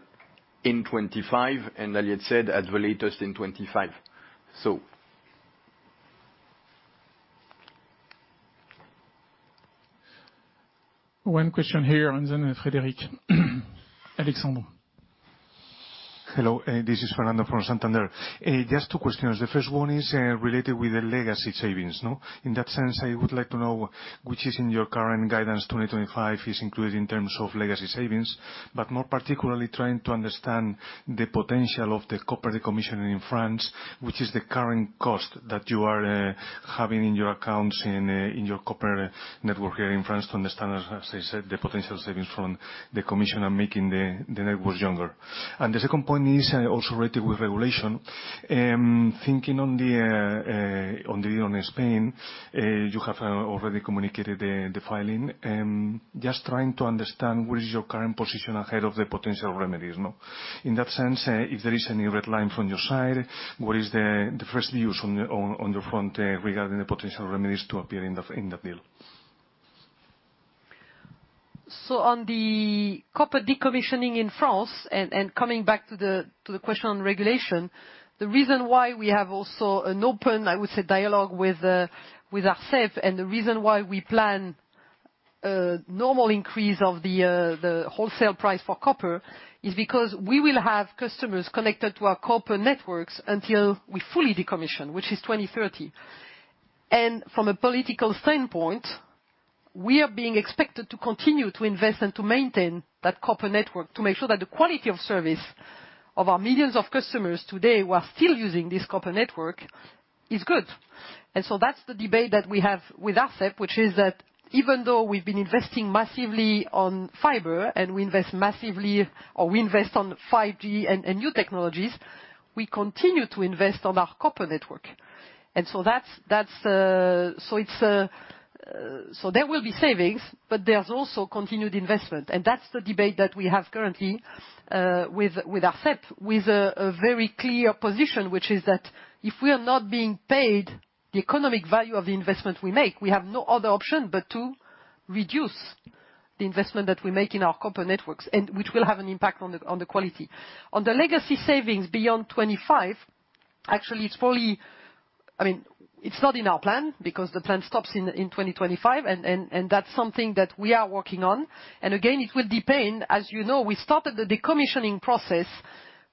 in 25. Aliette said at the latest in 25. One question here, and then Frederic. Alexandre Hello, this is Fernando from Santander. Just two questions. The first one is related with the legacy savings, no? In that sense, I would like to know which is in your current guidance 2025 is included in terms of legacy savings. More particularly trying to understand the potential of the copper decommission in France, which is the current cost that you are having in your accounts in your copper network here in France to understand, as I said, the potential savings from the decommission are making the networks younger. The second point is also related with regulation. Thinking on the on the on Spain, you have already communicated the filing. Just trying to understand what is your current position ahead of the potential remedies, no? In that sense, if there is any red line from your side, what is the first views on the front, regarding the potential remedies to appear in the bill? On the copper decommissioning in France, and coming back to the question on regulation. The reason why we have also an open, I would say, dialogue with ARCEP, and the reason why we plan a normal increase of the wholesale price for copper, is because we will have customers connected to our copper networks until we fully decommission, which is 2030. From a political standpoint, we are being expected to continue to invest and to maintain that copper network to make sure that the quality of service of our millions of customers today who are still using this copper network is good. That's the debate that we have with ARCEP, which is that even though we've been investing massively on fiber and we invest massively, or we invest on 5G and new technologies, we continue to invest on our copper network. There will be savings, but there's also continued investment. That's the debate that we have currently with ARCEP, with a very clear position, which is that if we are not being paid the economic value of the investment we make, we have no other option but to reduce the investment that we make in our copper networks, and which will have an impact on the quality. On the legacy savings beyond 25, actually, it's fully... I mean, it's not in our plan because the plan stops in 2025, and that's something that we are working on. Again, it will depend. As you know, we started the decommissioning process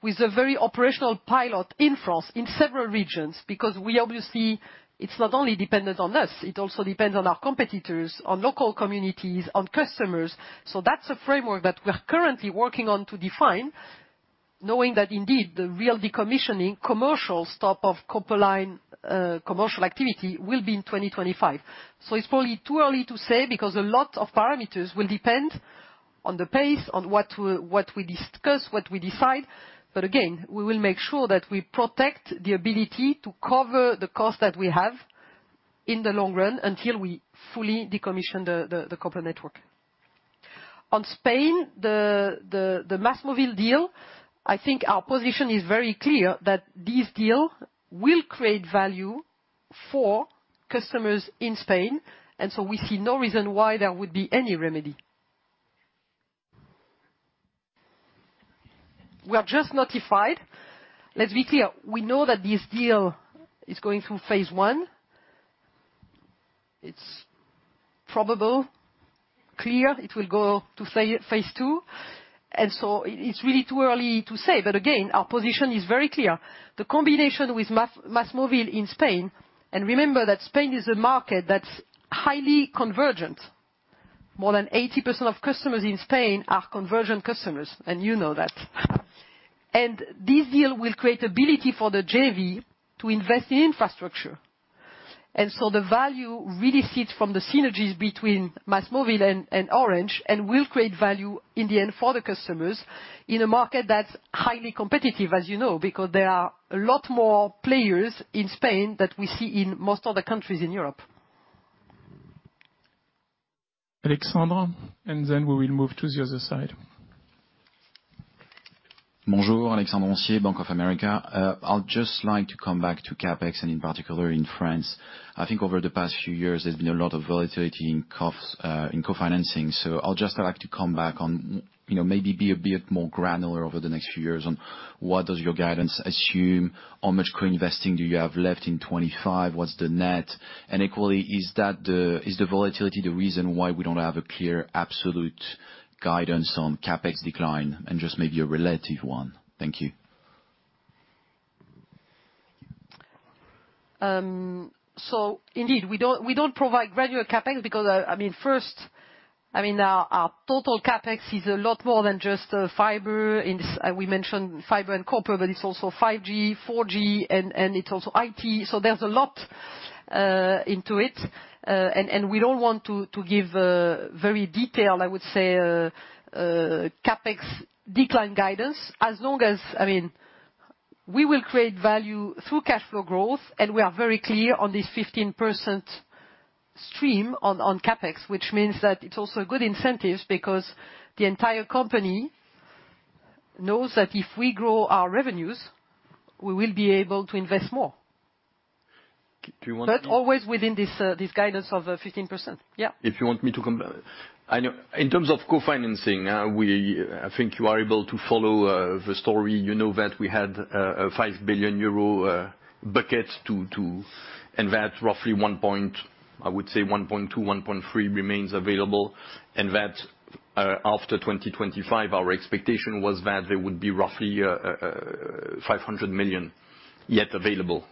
with a very operational pilot in France in several regions, because we obviously. It's not only dependent on us, it also depends on our competitors, on local communities, on customers. That's a framework that we're currently working on to define, knowing that indeed the real decommissioning commercial stop of copper line commercial activity will be in 2025. It's probably too early to say because a lot of parameters will depend on the pace, on what we discuss, what we decide. Again, we will make sure that we protect the ability to cover the cost that we have in the long run until we fully decommission the copper network. On Spain, the MásMóvil deal. I think our position is very clear that this deal will create value for customers in Spain, we see no reason why there would be any remedy. We are just notified. Let's be clear. We know that this deal is going through phase I. It's probable, clear it will go to phase II. It's really too early to say. Again, our position is very clear. The combination with MásMóvil in Spain, remember that Spain is a market that's highly convergent. More than 80% of customers in Spain are convergent customers, you know that. This deal will create ability for the JV to invest in infrastructure. The value really sits from the synergies between MásMóvil and Orange and will create value in the end for the customers in a market that's highly competitive, as you know, because there are a lot more players in Spain than we see in most other countries in Europe. Alexandra, then we will move to the other side. Bonjour. Alexandre Roncier, Bank of America. I'll just like to come back to CapEx and in particular in France. I think over the past few years, there's been a lot of volatility in co-financing. I'll just like to come back on, you know, maybe be a bit more granular over the next few years on what does your guidance assume? How much co-investing do you have left in 2025? What's the net? Equally, is the volatility the reason why we don't have a clear absolute guidance on CapEx decline and just maybe a relative one? Thank you. Indeed we don't provide granular CapEx because, first, our total CapEx is a lot more than just fiber. We mentioned fiber and copper, but it's also 5G, 4G, and it's also IT. There's a lot into it. And we don't want to give a very detailed, I would say, CapEx decline guidance as long as we will create value through cash flow growth, and we are very clear on this 15% stream on CapEx, which means that it's also a good incentive because the entire company knows that if we grow our revenues, we will be able to invest more. Do you want? Always within this guidance of 15%. Yeah. If you want me to I know. In terms of co-financing, we, I think you are able to follow the story. You know that we had a 5 billion euro bucket to invest roughly one point I would say 1.2, 1.3 remains available. That after 2025, our expectation was that there would be roughly 500 million yet available.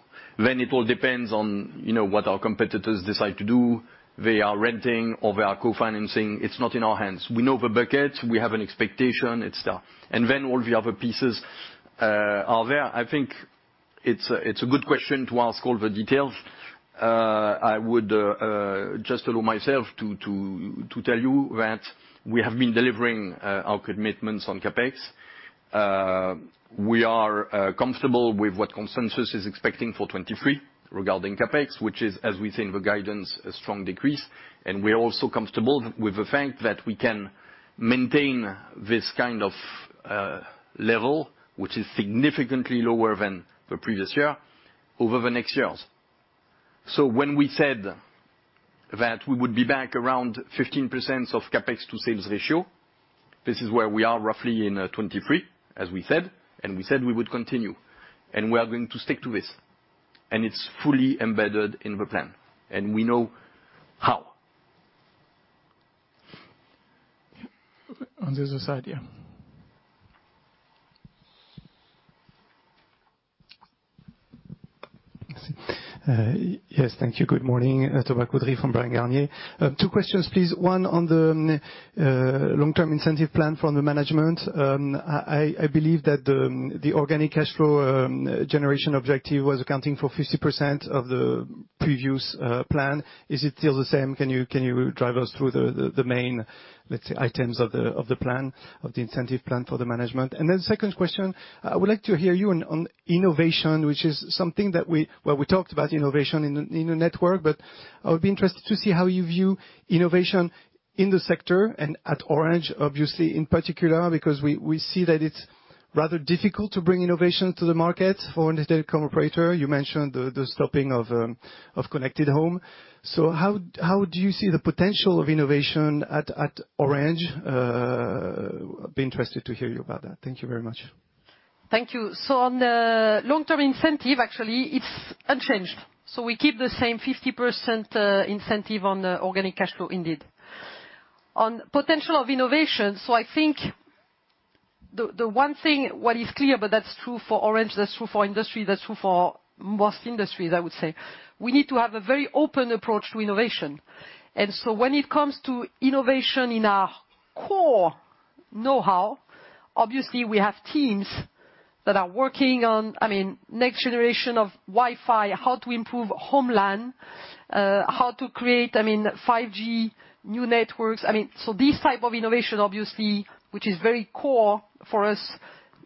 It all depends on, you know, what our competitors decide to do. They are renting or they are co-financing. It's not in our hands. We know the buckets. We have an expectation, et cetera. Then all the other pieces are there. I think it's a good question to ask all the details. I would just allow myself to tell you that we have been delivering our commitments on CapEx. We are comfortable with what consensus is expecting for 2023 regarding CapEx, which is, as we say in the guidance, a strong decrease. We're also comfortable with the fact that we can maintain this kind of, level, which is significantly lower than the previous year over the next years. When we said that we would be back around 15% of CapEx to sales ratio, this is where we are roughly in, 23, as we said, and we said we would continue, and we are going to stick to this, and it's fully embedded in the plan, and we know how. On the other side, yeah. Yes, thank you. Good morning. Toba Kudri from Brown Garnier. Two questions, please. One on the long-term incentive plan from the management. I believe that the organic cash flow generation objective was accounting for 50% of the previous plan. Is it still the same? Can you, can you drive us through the, the main, let's say, items of the, of the plan, of the incentive plan for the management? Second question, I would like to hear you on innovation, which is something that we talked about innovation in the, in the network, but I would be interested to see how you view innovation in the sector and at Orange, obviously, in particular, because we see that it's rather difficult to bring innovation to the market for a telecom operator. You mentioned the stopping of connected home. How do you see the potential of innovation at Orange? I'd be interested to hear you about that. Thank you very much. Thank you. On the long-term incentive, actually, it's unchanged. We keep the same 50% incentive on the organic cash flow indeed. On potential of innovation, so I think the one thing, what is clear, but that's true for Orange, that's true for industry, that's true for most industries, I would say, we need to have a very open approach to innovation. When it comes to innovation in our core know-how, obviously we have teams that are working on, I mean, next generation of Wi-Fi, how to improve home LAN, how to create, I mean, 5G new networks. I mean, these type of innovation, obviously, which is very core for us,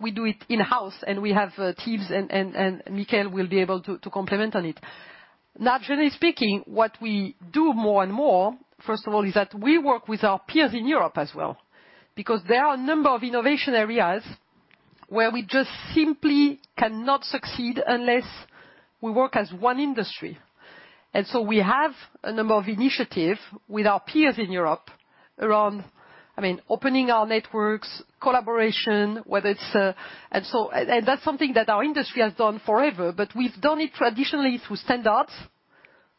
we do it in-house and we have teams and Michael will be able to complement on it. Naturally speaking, what we do more and more, first of all, is that we work with our peers in Europe as well, because there are a number of innovation areas where we just simply cannot succeed unless we work as one industry. We have a number of initiative with our peers in Europe around, I mean, opening our networks, collaboration, whether it's. That's something that our industry has done forever, but we've done it traditionally through standards,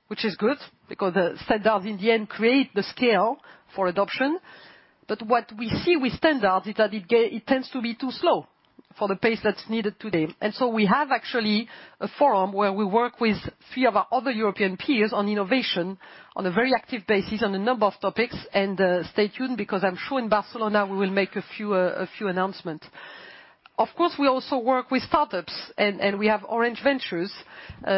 which is good because the standards in the end create the scale for adoption. What we see with standards is that it tends to be too slow for the pace that's needed today. We have actually a forum where we work with few of our other European peers on innovation on a very active basis on a number of topics. Stay tuned, because I'm sure in Barcelona we will make a few announcements. Of course, we also work with startups and we have Orange Ventures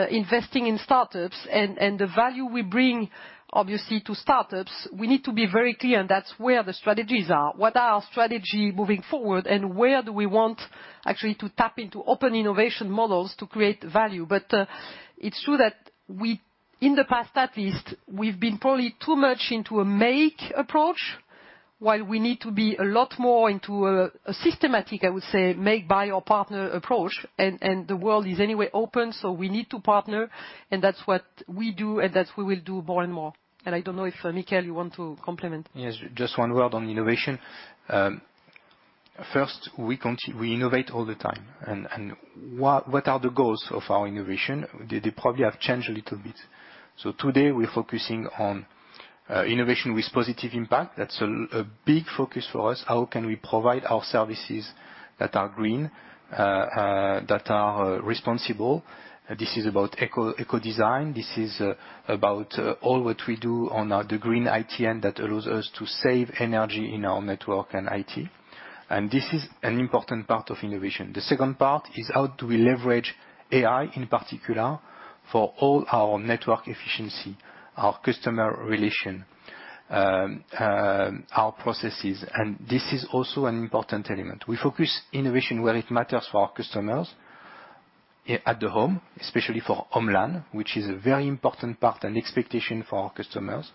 investing in startups and the value we bring obviously to startups, we need to be very clear, and that's where the strategies are. What are our strategy moving forward and where do we want actually to tap into open innovation models to create value. It's true that we, in the past at least, we've been probably too much into a make approach while we need to be a lot more into a systematic, I would say, make by your partner approach. The world is anyway open, so we need to partner and that's what we do and that we will do more and more. I don't know if, Michaël, you want to complement. Yes. Just one word on innovation. First, we innovate all the time and what are the goals of our innovation? They probably have changed a little bit. Today we're focusing on innovation with positive impact. That's a big focus for us. How can we provide our services that are green, that are responsible? This is about eco design. This is about all what we do on the Green ITN that allows us to save energy in our network and IT. This is an important part of innovation. The second part is how do we leverage AI in particular for all our network efficiency, our customer relation, our processes. This is also an important element. We focus innovation where it matters for our customers at the home, especially for home LAN, which is a very important part and expectation for our customers.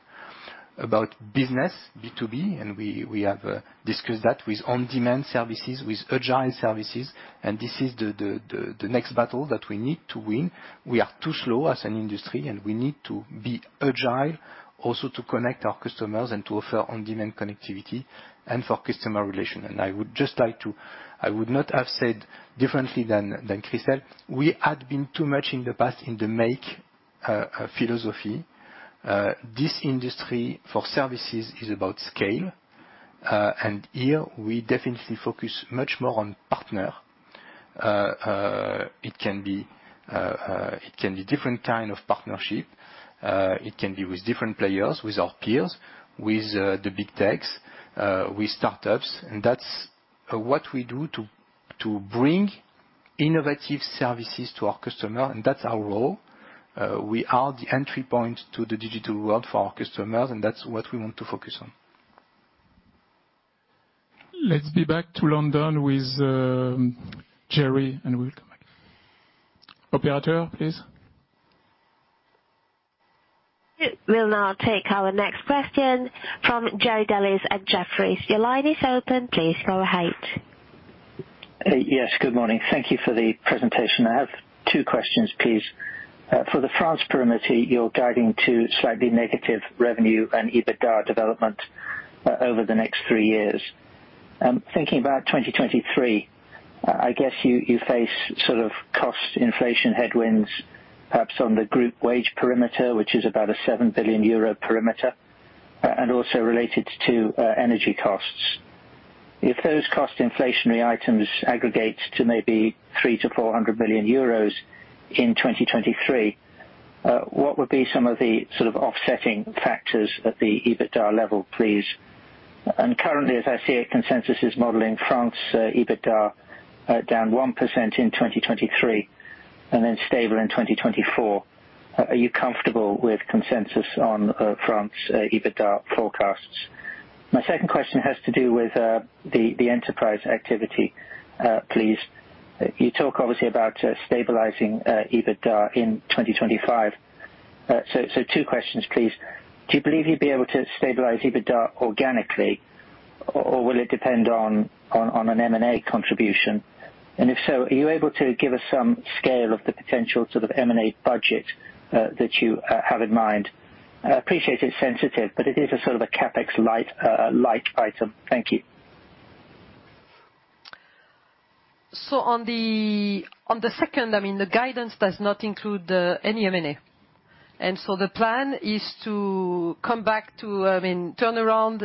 About business, B2B, we have discussed that with on-demand services, with agile services. This is the next battle that we need to win. We are too slow as an industry and we need to be agile also to connect our customers and to offer on-demand connectivity and for customer relation. I would not have said differently than Chris. We had been too much in the past in the make philosophy. This industry for services is about scale. Here we definitely focus much more on partner. It can be different kind of partnership, it can be with different players, with our peers, with the big techs, with startups. That's what we do to bring innovative services to our customer, and that's our role. We are the entry point to the digital world for our customers, and that's what we want to focus on. Let's be back to London with, Jerry, and we'll come back. Operator, please. We'll now take our next question from Jerry Dellis at Jefferies. Your line is open. Please go ahead. Yes, good morning. Thank you for the presentation. I have two questions, please. For the France perimeter, you're guiding to slightly negative revenue and EBITDA development over the next three years. Thinking about 2023, I guess you face sort of cost inflation headwinds, perhaps on the group wage perimeter, which is about a 7 billion euro perimeter, and also related to energy costs. If those cost inflationary items aggregate to maybe 300 million-400 million euros in 2023, what would be some of the sort of offsetting factors at the EBITDA level, please? Currently, as I see it, consensus is modeling France EBITDA down 1% in 2023 and then stable in 2024. Are you comfortable with consensus on France' EBITDA forecasts? My second question has to do with the enterprise activity, please. You talk obviously about stabilizing EBITDA in 2025. Two questions, please. Do you believe you'd be able to stabilize EBITDA organically or will it depend on an M&A contribution? If so, are you able to give us some scale of the potential sort of M&A budget that you have in mind? I appreciate it's sensitive, but it is a sort of a CapEx light item. Thank you. On the second, I mean, the guidance does not include any M&A. The plan is to come back to, I mean, turn around,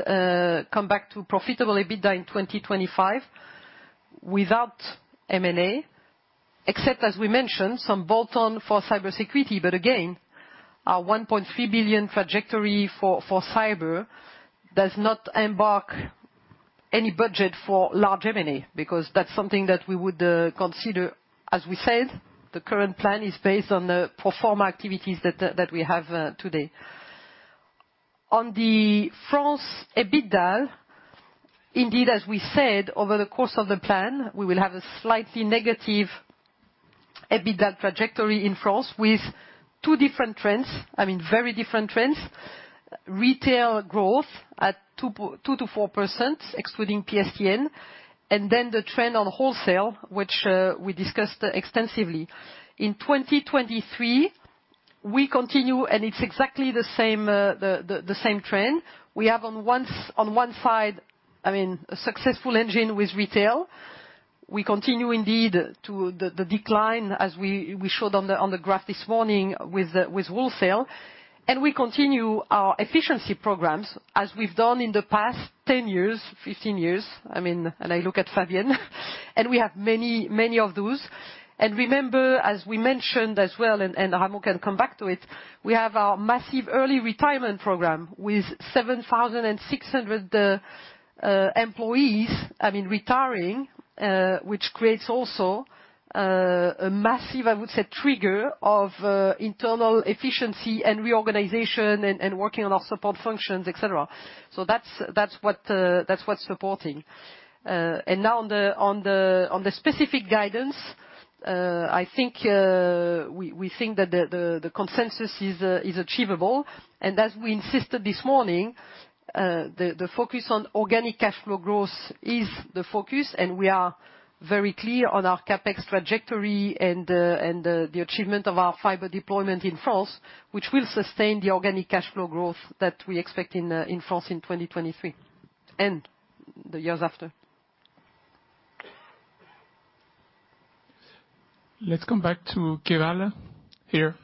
come back to profitable EBITDA in 2025 without M&A, except as we mentioned, some bolt-on for cybersecurity. Again, our 1.3 billion trajectory for cyber does not embark any budget for large M&A, because that's something that we would consider. As we said, the current plan is based on the pro forma activities that we have today. On the France EBITDA, indeed, as we said, over the course of the plan, we will have a slightly negative EBITDA trajectory in France with two different trends, I mean very different trends. Retail growth at 2%-4% excluding PSTN, and then the trend on wholesale, which we discussed extensively. In 2023, it's exactly the same, the same trend. We have on one side, I mean, a successful engine with retail. We continue indeed to the decline as we showed on the graph this morning with wholesale, we continue our efficiency programs as we've done in the past 10 years, 15 years. I mean, I look at Fabien and we have many of those. Remember, as we mentioned as well, Ramon can come back to it, we have our massive early retirement program with 7,600 employees, I mean, retiring, which creates also a massive, I would say, trigger of internal efficiency and reorganization and working on our support functions, et cetera. That's what's supporting. Now on the specific guidance, I think we think that the consensus is achievable. As we insisted this morning, the focus on organic cash flow growth is the focus, and we are very clear on our CapEx trajectory and the achievement of our fiber deployment in France, which will sustain the organic cash flow growth that we expect in France in 2023 and the years after. Let's come back to Kevala here.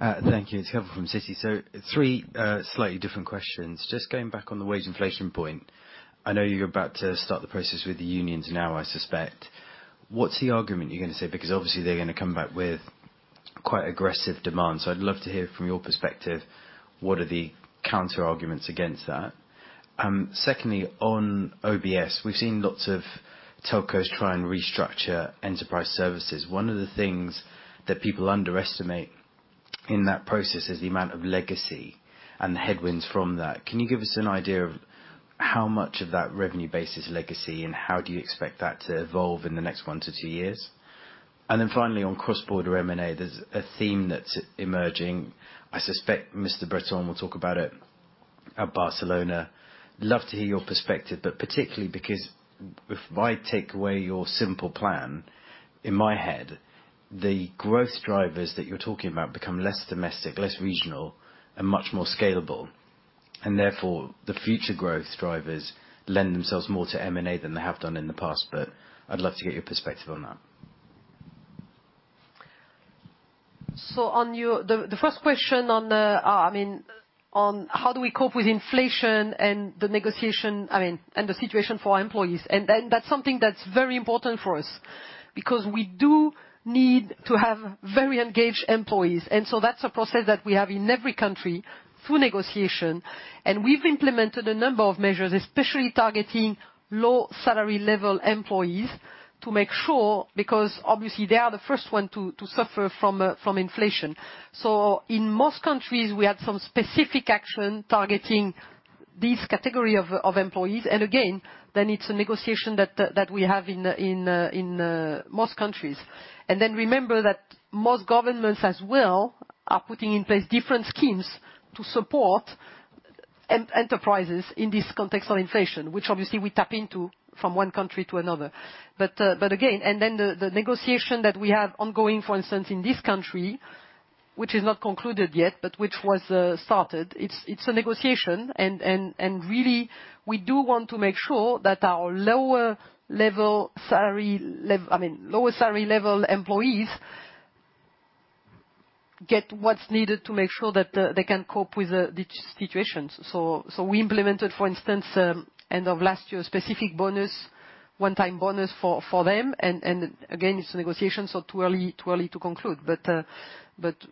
Thank you. It's Kevala from Citi. Three slightly different questions. Just going back on the wage inflation point. I know you're about to start the process with the unions now, I suspect. What's the argument you're gonna say? Obviously they're gonna come back with quite aggressive demands. I'd love to hear from your perspective, what are the counter arguments against that? Secondly, on OBS, we've seen lots of telcos try and restructure enterprise services. One of the things that people underestimate in that process is the amount of legacy and the headwinds from that. Can you give us an idea of how much of that revenue base is legacy, and how do you expect that to evolve in the next one to two years? Finally, on cross-border M&A, there's a theme that's emerging. I suspect Mr. Breton will talk about it at Barcelona. Love to hear your perspective, but particularly because if I take away your simple plan, in my head, the growth drivers that you're talking about become less domestic, less regional, and much more scalable. Therefore, the future growth drivers lend themselves more to M&A than they have done in the past. I'd love to get your perspective on that. The first question on how do we cope with inflation and the negotiation, I mean, and the situation for our employees. That's something that's very important for us because we do need to have very engaged employees. That's a process that we have in every country through negotiation. We've implemented a number of measures, especially targeting low salary level employees to make sure, because obviously they are the first one to suffer from inflation. In most countries we had some specific action targeting this category of employees. Again, it's a negotiation that we have in most countries. Remember that most governments as well are putting in place different schemes to support enterprises in this context of inflation, which obviously we tap into from one country to another. Again, and then the negotiation that we have ongoing, for instance, in this country, which is not concluded yet, but which was started. It's a negotiation and really we do want to make sure that our lower level salary, I mean, lower salary level employees get what's needed to make sure that they can cope with the situations. We implemented, for instance, end of last year, a specific bonus, one time bonus for them. Again, it's a negotiation, so too early to conclude.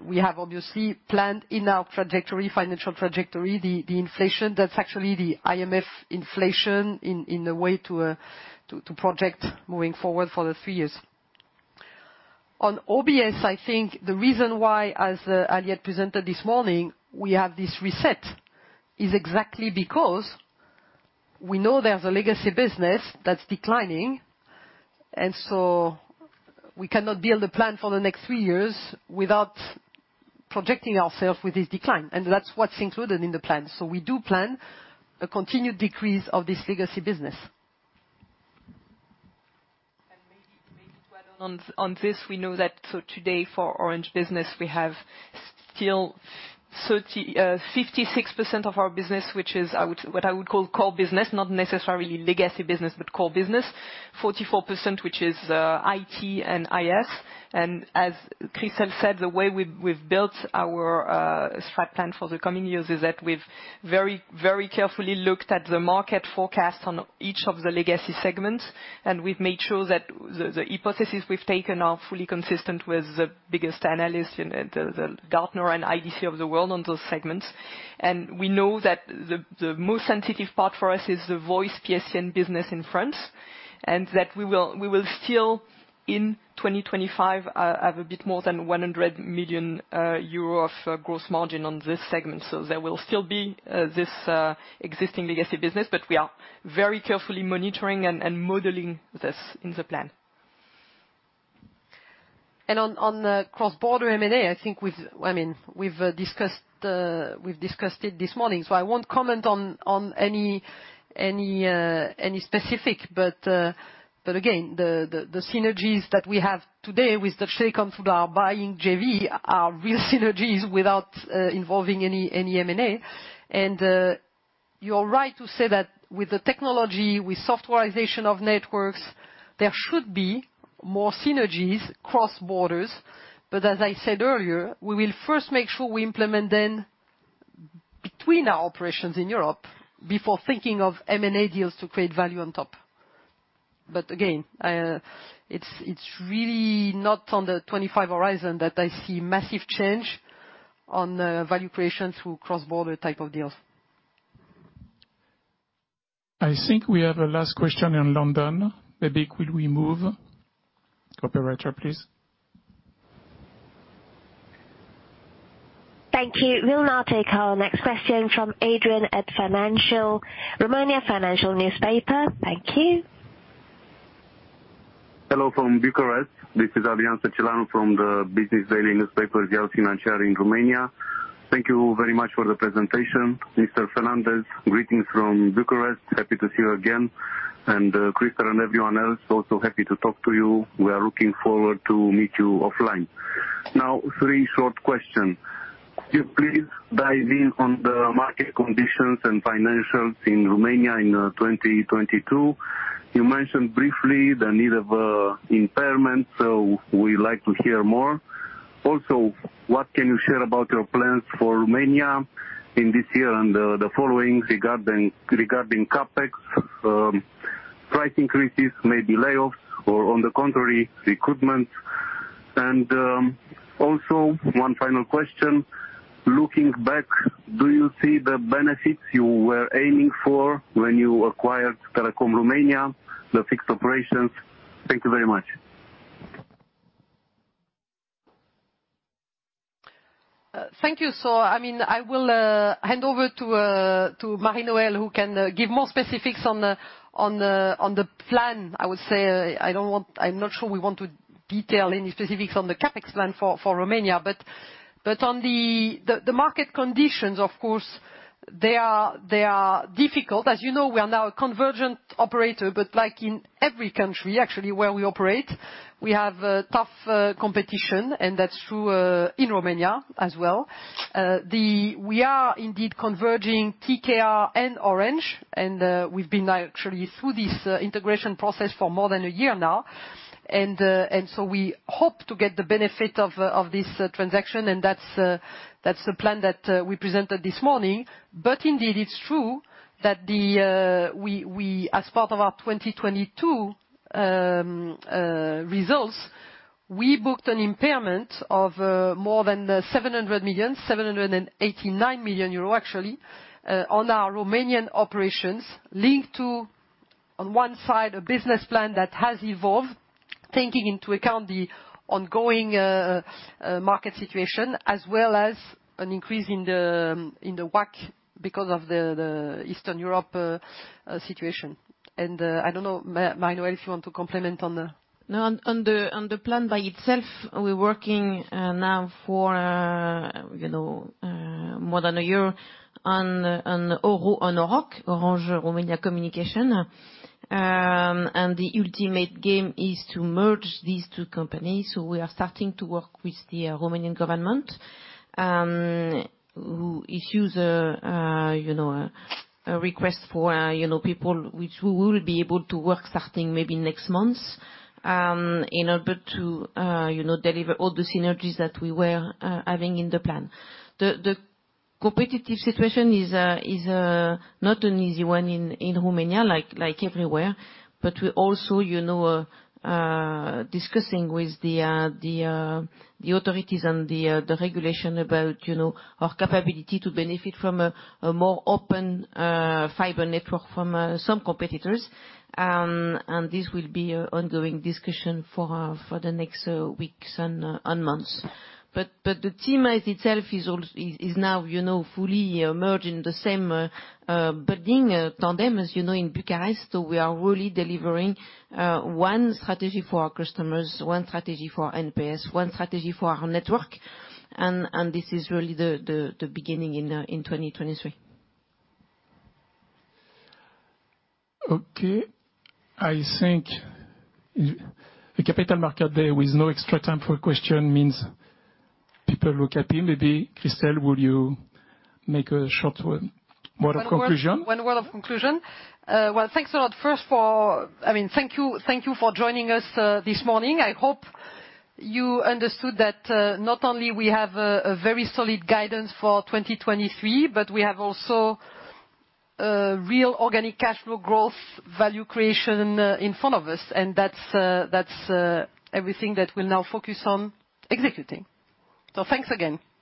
We have obviously planned in our trajectory, financial trajectory, the inflation that's actually the IMF inflation in a way to project moving forward for the three years. On OBS, I think the reason why, as Aliette presented this morning, we have this reset is exactly because we know there's a legacy business that's declining, we cannot build a plan for the next three years without projecting ourself with this decline. That's what's included in the plan. We do plan a continued decrease of this legacy business. Maybe to add on this, we know that today for Orange Business, we have still 56% of our business, which is what I would call core business, not necessarily legacy business, but core business. 44%, which is IT and IS. As Christel said, the way we've built our strat plan for the coming years is that we've very carefully looked at the market forecast on each of the legacy segments. We've made sure that the hypothesis we've taken are fully consistent with the biggest analyst and the Gartner and IDC of the world on those segments. We know that the most sensitive part for us is the voice PSTN business in France, and that we will still in 2025 have a bit more than 100 million euro of gross margin on this segment. There will still be this existing legacy business, but we are very carefully monitoring and modeling this in the plan. On the cross-border M&A, I think we've discussed it this morning. I won't comment on any specific. Again, the synergies that we have today with the Telecom Italia buying JV are real synergies without involving any M&A. You're right to say that with the technology, with softwarization of networks, there should be more synergies cross borders. As I said earlier, we will first make sure we implement them between our operations in Europe before thinking of M&A deals to create value on top. Again, it's really not on the 25 horizon that I see massive change on value creation through cross-border type of deals. I think we have a last question in London. Maybe could we move copyright, please? Thank you. We'll now take our next question from Adrian at Romania Financial Newspaper. Thank you. Hello from Bucharest. This is Adrian Stanciu from the business daily newspaper Ziarul Financiar in Romania. Thank you very much for the presentation. Mr. Fernandez, greetings from Bucharest. Happy to see you again. Christel and everyone else, also happy to talk to you. We are looking forward to meet you offline. Now, three short questions. Could you please dive in on the market conditions and financials in Romania in 2022? You mentioned briefly the need of impairment, we like to hear more. What can you share about your plans for Romania in this year and the following regarding CapEx, price increases, maybe layoffs, or on the contrary, recruitment? One final question. Looking back, do you see the benefits you were aiming for when you acquired Telecom Romania, the fixed operations? Thank you very much. Thank you. I mean, I will hand over to Mari-Noëlle who can give more specifics on the plan. I would say, I'm not sure we want to detail any specifics on the CapEx plan for Romania. On the market conditions, of course, they are difficult. As you know, we are now a convergent operator. Like in every country, actually, where we operate, we have a tough competition, and that's true in Romania as well. We are indeed converging TKR and Orange, and we've been now actually through this integration process for more than a year now. We hope to get the benefit of this transaction, and that's the plan that we presented this morning. Indeed, it's true that the we as part of our 2022 results, we booked an impairment of more than 700 million, 789 million euro, actually, on our Romanian operations linked to, on one side, a business plan that has evolved, taking into account the ongoing market situation as well as an increase in the in the WACC because of the Eastern Europe situation. I don't know, Mari-Noëlle, if you want to complement on the. No, on the plan by itself, we're working now for, you know, more than a year on OROC, Orange Romania Communications. The ultimate game is to merge these two companies. We are starting to work with the Romanian government, who issues a, you know, a request for, you know, people which we will be able to work starting maybe next month, in order to, you know, deliver all the synergies that we were having in the plan. The competitive situation is not an easy one in Romania, like everywhere. We're also, you know, discussing with the authorities and the regulation about, you know, our capability to benefit from a more open fiber network from some competitors. This will be a ongoing discussion for for the next weeks and months. But the team as itself is now, you know, fully merged in the same building, Tandem, as you know, in Bucharest. We are really delivering one strategy for our customers, one strategy for NPS, one strategy for our network, and this is really the beginning in 2023. Okay. I think the capital market day with no extra time for question means people look happy. Maybe, Christel, will you make a short word of conclusion? One word of conclusion. Well, thanks a lot first for. I mean, thank you for joining us this morning. I hope you understood that not only we have a very solid guidance for 2023, but we have also real organic cash flow growth value creation in front of us. That's everything that we'll now focus on executing. Thanks again.